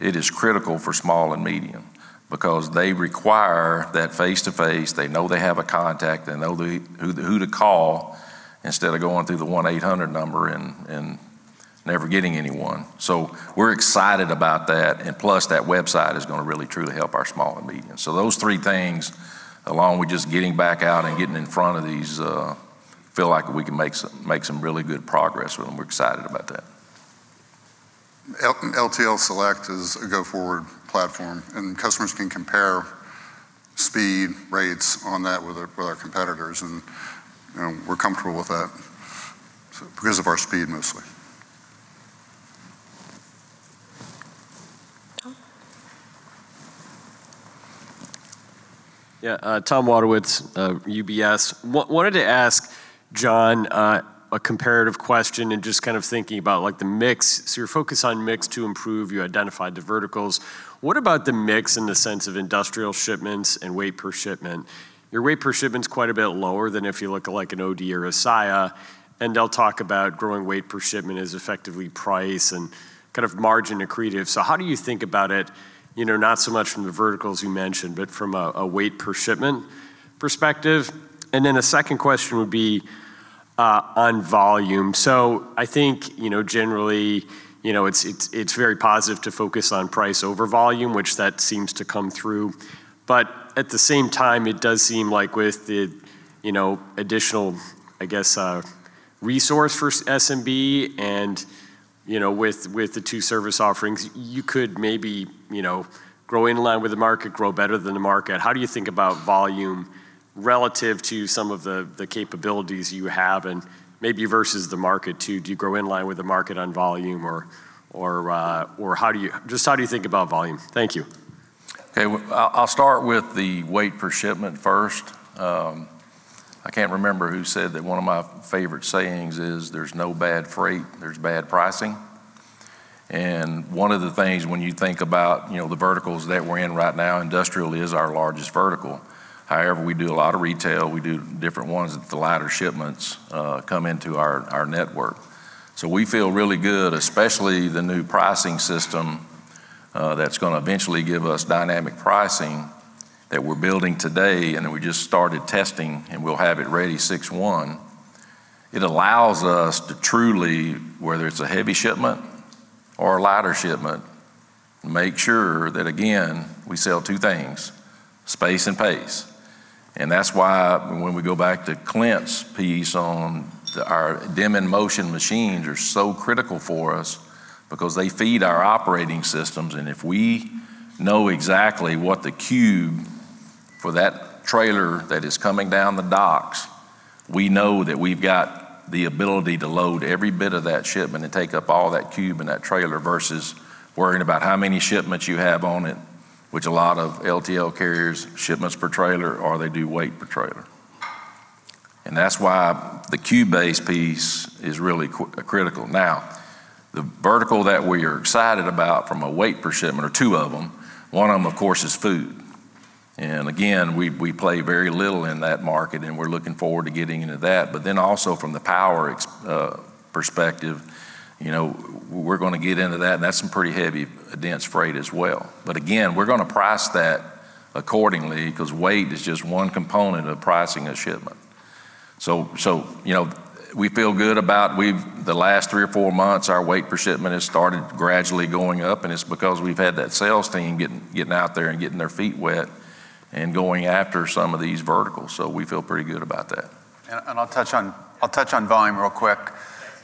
S4: it is critical for small and medium because they require that face-to-face. They know they have a contact. They know who to call instead of going through the 1-800 number and never getting anyone. We're excited about that. Plus, that website is going to really truly help our small and medium. Those three things, along with just getting back out and getting in front of these, feel like we can make some really good progress, and we're excited about that.
S25: LTL Select is a go-forward platform. Customers can compare speed rates on that with our competitors. We're comfortable with that because of our speed mostly.
S18: Thomas Wadewitz, UBS. Wanted to ask John a comparative question and just kind of thinking about the mix. You're focused on mix to improve, you identified the verticals. What about the mix in the sense of industrial shipments and weight per shipment? Your weight per shipment's quite a bit lower than if you look at like an OD or a Saia, and they'll talk about growing weight per shipment is effectively price and kind of margin accretive. How do you think about it, not so much from the verticals you mentioned, but from a weight per shipment perspective? Then a second question would be on volume. I think, generally, it's very positive to focus on price over volume, which that seems to come through. At the same time, it does seem like with the additional resource for SMB and with the two service offerings, you could maybe grow in line with the market, grow better than the market. How do you think about volume relative to some of the capabilities you have and maybe versus the market too? Do you grow in line with the market on volume or just how do you think about volume? Thank you.
S4: Okay. I'll start with the weight per shipment first. I can't remember who said that one of my favorite sayings is there's no bad freight, there's bad pricing. One of the things when you think about the verticals that we're in right now, industrial is our largest vertical. However, we do a lot of retail. We do different ones that the lighter shipments come into our network. We feel really good, especially the new pricing system that's going to eventually give us dynamic pricing that we're building today, that we just started testing, and we'll have it ready 6/1. It allows us to truly, whether it's a heavy shipment or a lighter shipment, make sure that, again, we sell two things, space and pace. That's why when we go back to Clint's piece on our dim and motion machines are so critical for us because they feed our operating systems, and if we know exactly what the cube for that trailer that is coming down the docks, we know that we've got the ability to load every bit of that shipment and take up all that cube and that trailer versus worrying about how many shipments you have on it, which a lot of LTL carriers, shipments per trailer or they do weight per trailer. That's why the cube-based piece is really critical. Now, the vertical that we are excited about from a weight per shipment or two of them, one of them, of course, is food. Again, we play very little in that market, and we're looking forward to getting into that. Also from the power perspective, we're going to get into that's some pretty heavy, dense freight as well. Again, we're going to price that accordingly because weight is just one component of pricing a shipment. We feel good about the last three or four months, our weight per shipment has started gradually going up, it's because we've had that sales team getting out there and getting their feet wet and going after some of these verticals. We feel pretty good about that.
S26: I'll touch on volume real quick.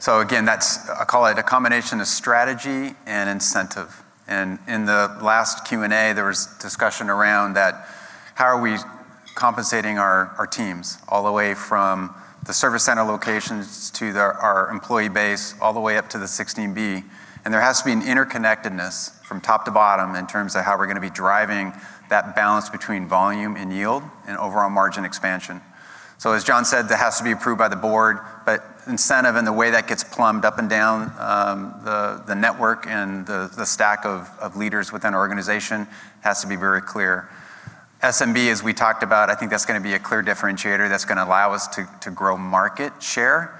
S26: Again, I call it a combination of strategy and incentive. In the last Q&A, there was discussion around that how are we compensating our teams, all the way from the service center locations to our employee base, all the way up to the 16B. There has to be an interconnectedness from top to bottom in terms of how we're going to be driving that balance between volume and yield and overall margin expansion. As John said, that has to be approved by the board, but incentive and the way that gets plumbed up and down the network and the stack of leaders within our organization has to be very clear. SMB, as we talked about, I think that's going to be a clear differentiator that's going to allow us to grow market share.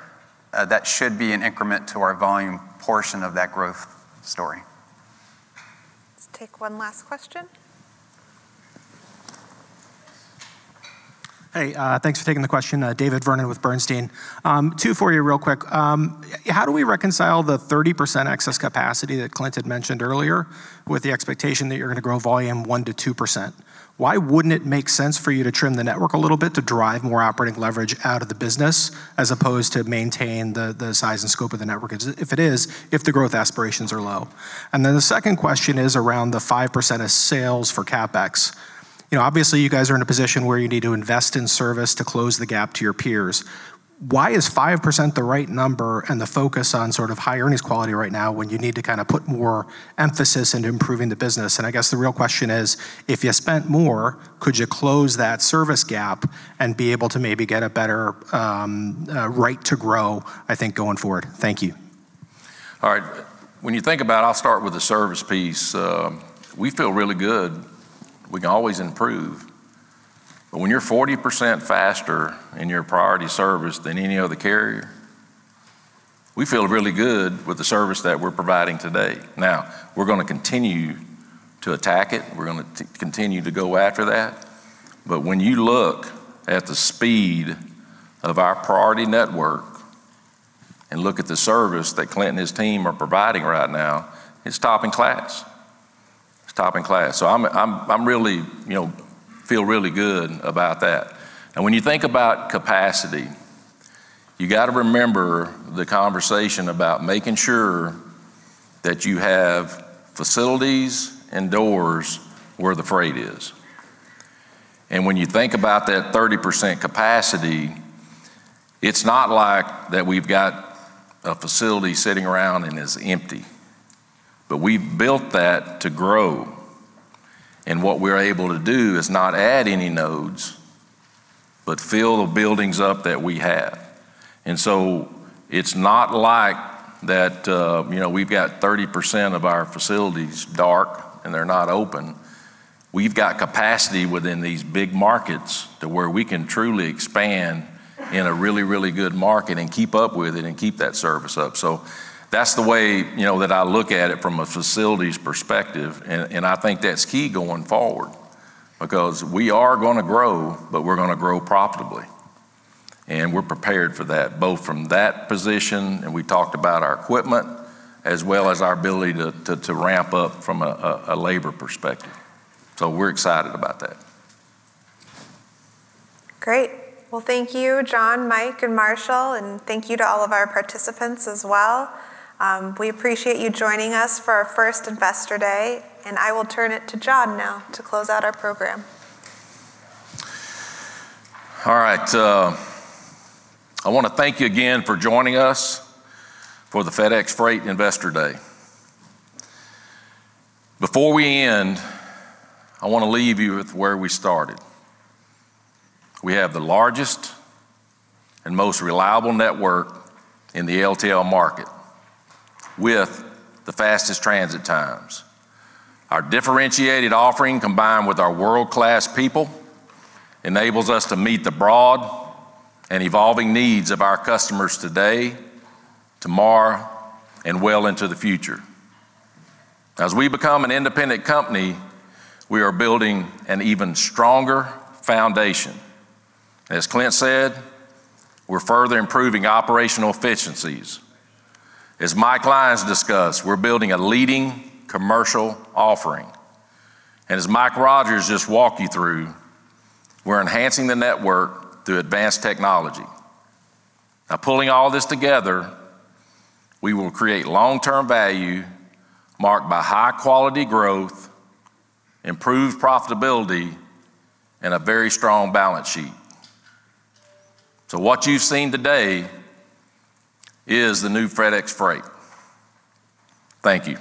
S26: That should be an increment to our volume portion of that growth story.
S2: Let's take one last question.
S29: Thanks for taking the question. David Vernon with Bernstein. Two for you real quick. How do we reconcile the 30% excess capacity that Clint had mentioned earlier with the expectation that you're going to grow volume 1%-2%? Why wouldn't it make sense for you to trim the network a little bit to drive more operating leverage out of the business as opposed to maintain the size and scope of the network, if it is, if the growth aspirations are low? Then the second question is around the 5% of sales for CapEx. Obviously, you guys are in a position where you need to invest in service to close the gap to your peers. Why is 5% the right number and the focus on sort of high earnings quality right now when you need to kind of put more emphasis into improving the business? I guess the real question is, if you spent more, could you close that service gap and be able to maybe get a better right to grow, I think, going forward? Thank you.
S4: All right. When you think about it, I'll start with the service piece. We feel really good. We can always improve. When you're 40% faster in your priority service than any other carrier, we feel really good with the service that we're providing today. We're going to continue to attack it. We're going to continue to go after that. When you look at the speed of our priority network and look at the service that Clint and his team are providing right now, it's top in class. I feel really good about that. When you think about capacity, you got to remember the conversation about making sure that you have facilities and doors where the freight is. When you think about that 30% capacity, it's not like that we've got a facility sitting around and is empty. We've built that to grow, what we're able to do is not add any nodes, but fill the buildings up that we have. It's not like we've got 30% of our facilities dark and they're not open. We've got capacity within these big markets to where we can truly expand in a really, really good market and keep up with it and keep that service up. That's the way that I look at it from a facilities perspective, I think that's key going forward because we are going to grow, but we're going to grow profitably. We're prepared for that, both from that position, we talked about our equipment, as well as our ability to ramp up from a labor perspective. We're excited about that.
S2: Great. Well, thank you, John, Mike, and Marshall, thank you to all of our participants as well. We appreciate you joining us for our first Investor Day, I will turn it to John now to close out our program.
S4: All right. I want to thank you again for joining us for the FedEx Freight Investor Day. Before we end, I want to leave you with where we started. We have the largest and most reliable network in the LTL market with the fastest transit times. Our differentiated offering, combined with our world-class people, enables us to meet the broad and evolving needs of our customers today, tomorrow, and well into the future. As we become an independent company, we are building an even stronger foundation. As Clint said, we're further improving operational efficiencies. As Mike Lyons discussed, we're building a leading commercial offering. As Michael Rodgers just walked you through, we're enhancing the network through advanced technology. Pulling all this together, we will create long-term value marked by high-quality growth, improved profitability, and a very strong balance sheet. What you've seen today is the new FedEx Freight. Thank you